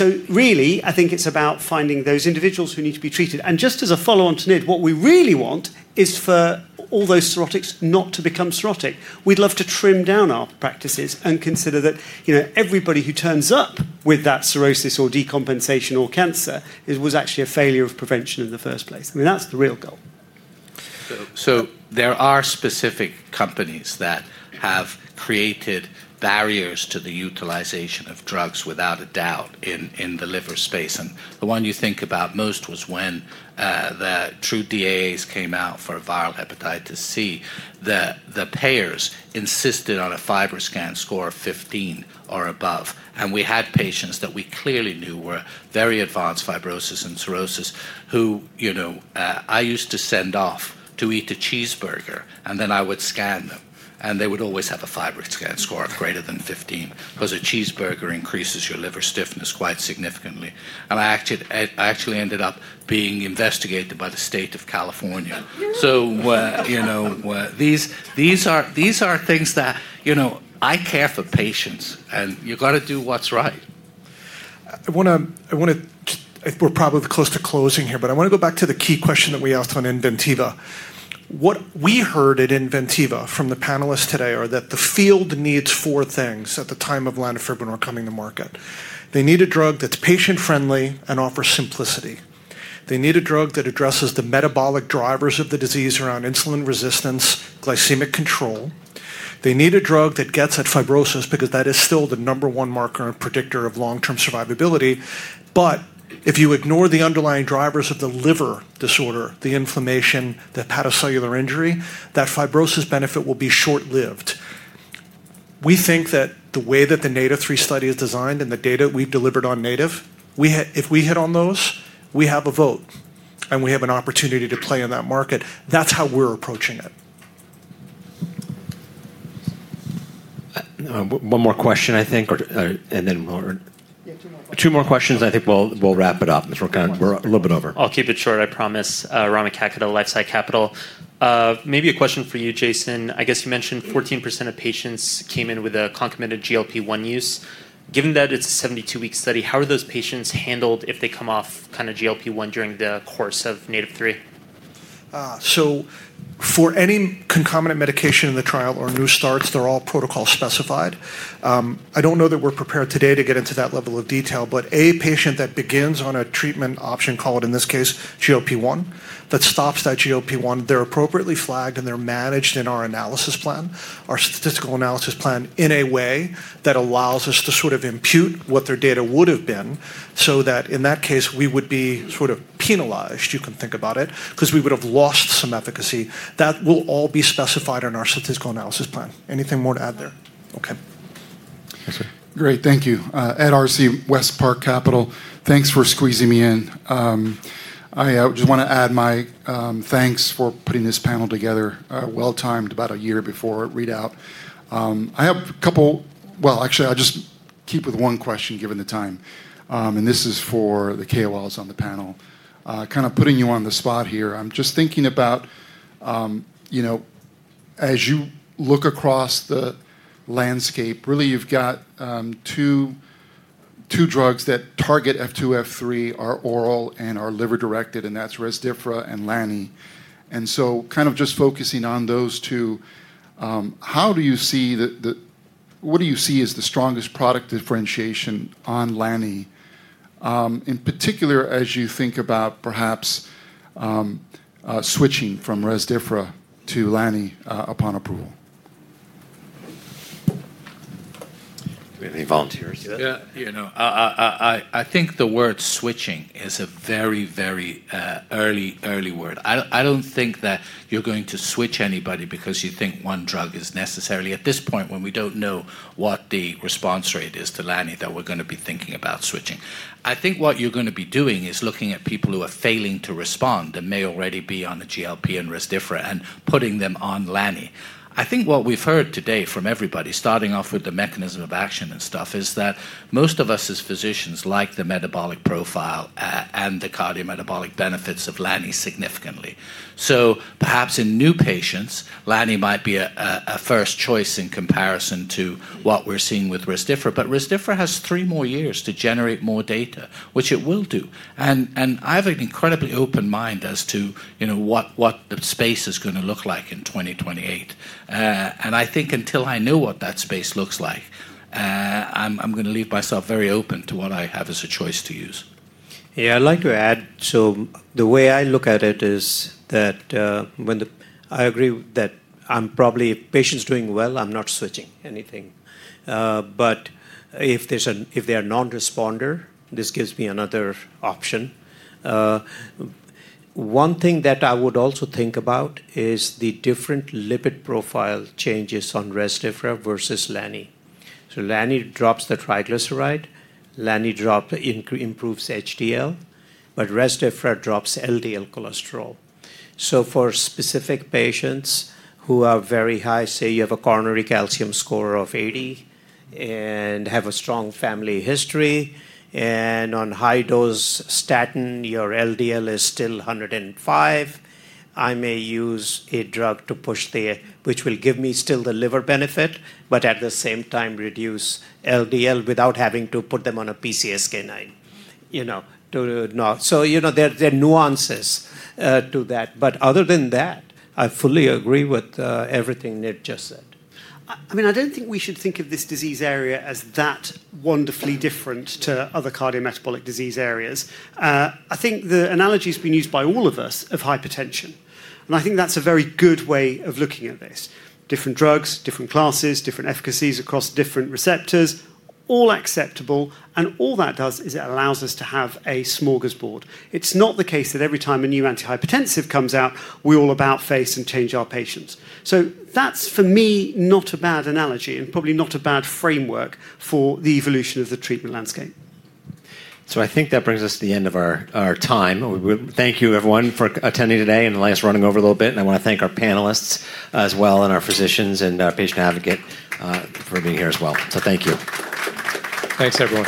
think it's about finding those individuals who need to be treated. Just as a follow-on to Nid, what we really want is for all those cirrhotics not to become cirrhotic. We'd love to trim down our practices and consider that everybody who care takes turns up with that cirrhosis or decompensation or cancer was actually a failure of prevention in the first place. I mean that's the real goal. There are specific companies that have created barriers to the utilization of drugs without a doubt in the liver space. The one you think about most was when the true DAAs came out for viral hepatitis C, the payers insisted on a FibroScan score of 15 or above. We had patients that we clearly knew were very advanced fibrosis and cirrhosis who, you know, I used to send off to eat a cheeseburger and then I would scan them and they would always have a FibroScan score of greater than 15 because a cheeseburger increases your liver stiffness quite significantly. I actually ended up being investigated by the state of California. These are things that, you know, I care for patients and you gotta do what's right. We're probably close to closing here, but I want to go back to the key question that we asked on Inventiva. What we heard at Inventiva from the panelists today are that the field needs four things at the time of lanifibranor coming to market. They need a drug that's patient friendly and offers simplicity. They need a drug that addresses the metabolic drivers of the disease around insulin resistance, glycemic control. They need a drug that gets at fibrosis because that is still the number one marker and predictor of long term survivability. If you ignore the underlying drivers of the liver disorder, the inflammation, the hepatocellular injury, that fibrosis benefit will be short lived. We think that the way that the NATiV3 study is designed and the data we've delivered on NATiV, if we hit on those, we have a vote and we have an opportunity to play in that market. That's how we're approaching it. One more question, and then two more questions, I think we'll wrap it up. We're a little bit over. I'll keep it short, I promise. Rami Katkhuda, LifeSci Capital. Maybe a question for you, Jason. I guess you mentioned 14% of patients came in with a concomitant GLP-1 use. Given that it's a 72-week study. How are those patients handled if they come off kind of GLP-1 agonists during the course that I of NATiV3? For any concomitant medication in the trial or new starts, they're all protocol specified. I don't know that we're prepared today to get into that level of detail, but a patient that begins on a treatment option called, in this case, GLP-1, that stops that GLP-1, they're appropriately flagged and they're managed in our analysis plan, our statistical analysis plan, in a way that allows us to sort of impute what their data would have been. In that case, we would be sort of penalized, you can think about it, because we would have lost some efficacy. That will all be specified in our statistical analysis plan. Anything more to add there? Okay, great, thank you. Antonio Arce WestPark Capital. Thanks for squeezing me in. I just want to add my thanks for putting this panel together, well timed about a year before readout. I have a couple, well actually I'll just keep with one question given the time, and this is for the KOLs on the panel. Kind of putting you on the spot here. I'm just thinking about, you know, as you look across the landscape, really, you've got two drugs that target F2, F3, are oral, and are liver directed, and that's Rezdiffra and lani. So kind of just focusing on those two, how do you see that? What do you see as the strongest product differentiation on lani in particular, as you think about perhaps switching from Rezdiffra to lani upon approval. Any volunteers yet? I think the word switching is a very, very early, early word. I don't think that you're going to switch anybody because you think one drug is necessarily at this point when we don't know what the response rate is to lani that we're going to be thinking about switching. What I am going to be doing is looking at people who are failing to respond and may already be on a GLP-1 agonist and Rezdiffra and putting them on lani. I think what we've heard today from everybody starting off with the mechanism of action and stuff is that most of us as physicians like the metabolic profile and the cardiometabolic benefits of lani significantly. Perhaps in new patients, lani might be a first choice in comparison to what we're seeing with Rezdiffra. Rezdiffra has three more years to generate more data, which it will take to, and I have an incredibly open mind as to, you know, what the space is going to look like in 2028. Until I know what that space looks like, I'm going to leave myself very open to what I have as a choice to use. Yeah, I'd like to add, so the way I look at it is that when the, I agree that if my patient's doing well, I'm not switching anything. If they are a non-responder, this gives me another option. One thing that I would also think about is the different lipid profile changes on Rezdiffra vs lani. So, lani drops the triglyceride, lani improves HDL, but Rezdiffra drops LDL cholesterol. For specific patients who are very high, say you have a coronary calcium score of 80 and have a strong family history and on high dose statin, your LDL is still 105. I may use a drug which will give me still the liver benefit, but at the same time reduce LDL without having to put them on a PCSK9, you know, to not—so, you know, there are nuances to that, but other than that I fully agree with everything Nid just said. I don't think we should think of this disease area as that wonderfully different to other cardiometabolic disease areas. I think the analogy's been used by all of us of hypertension, and I think that's a very good way of looking at this. Different drugs, different classes, different efficacies across different receptors, all acceptable. All that does is it allows us to have a smorgasbord. It's not the case that every time a new antihypertensive comes out, we all about face and change our patients. That's for me, not a bad analogy and probably not a bad framework for the evolution of the treatment landscape. I think that brings us to the end of our time. Thank you everyone for attending today and letting us run over a little bit. I want to thank our panelists as well, and our physicians and our patient advocate for being here as well. Thank you. Thanks everyone.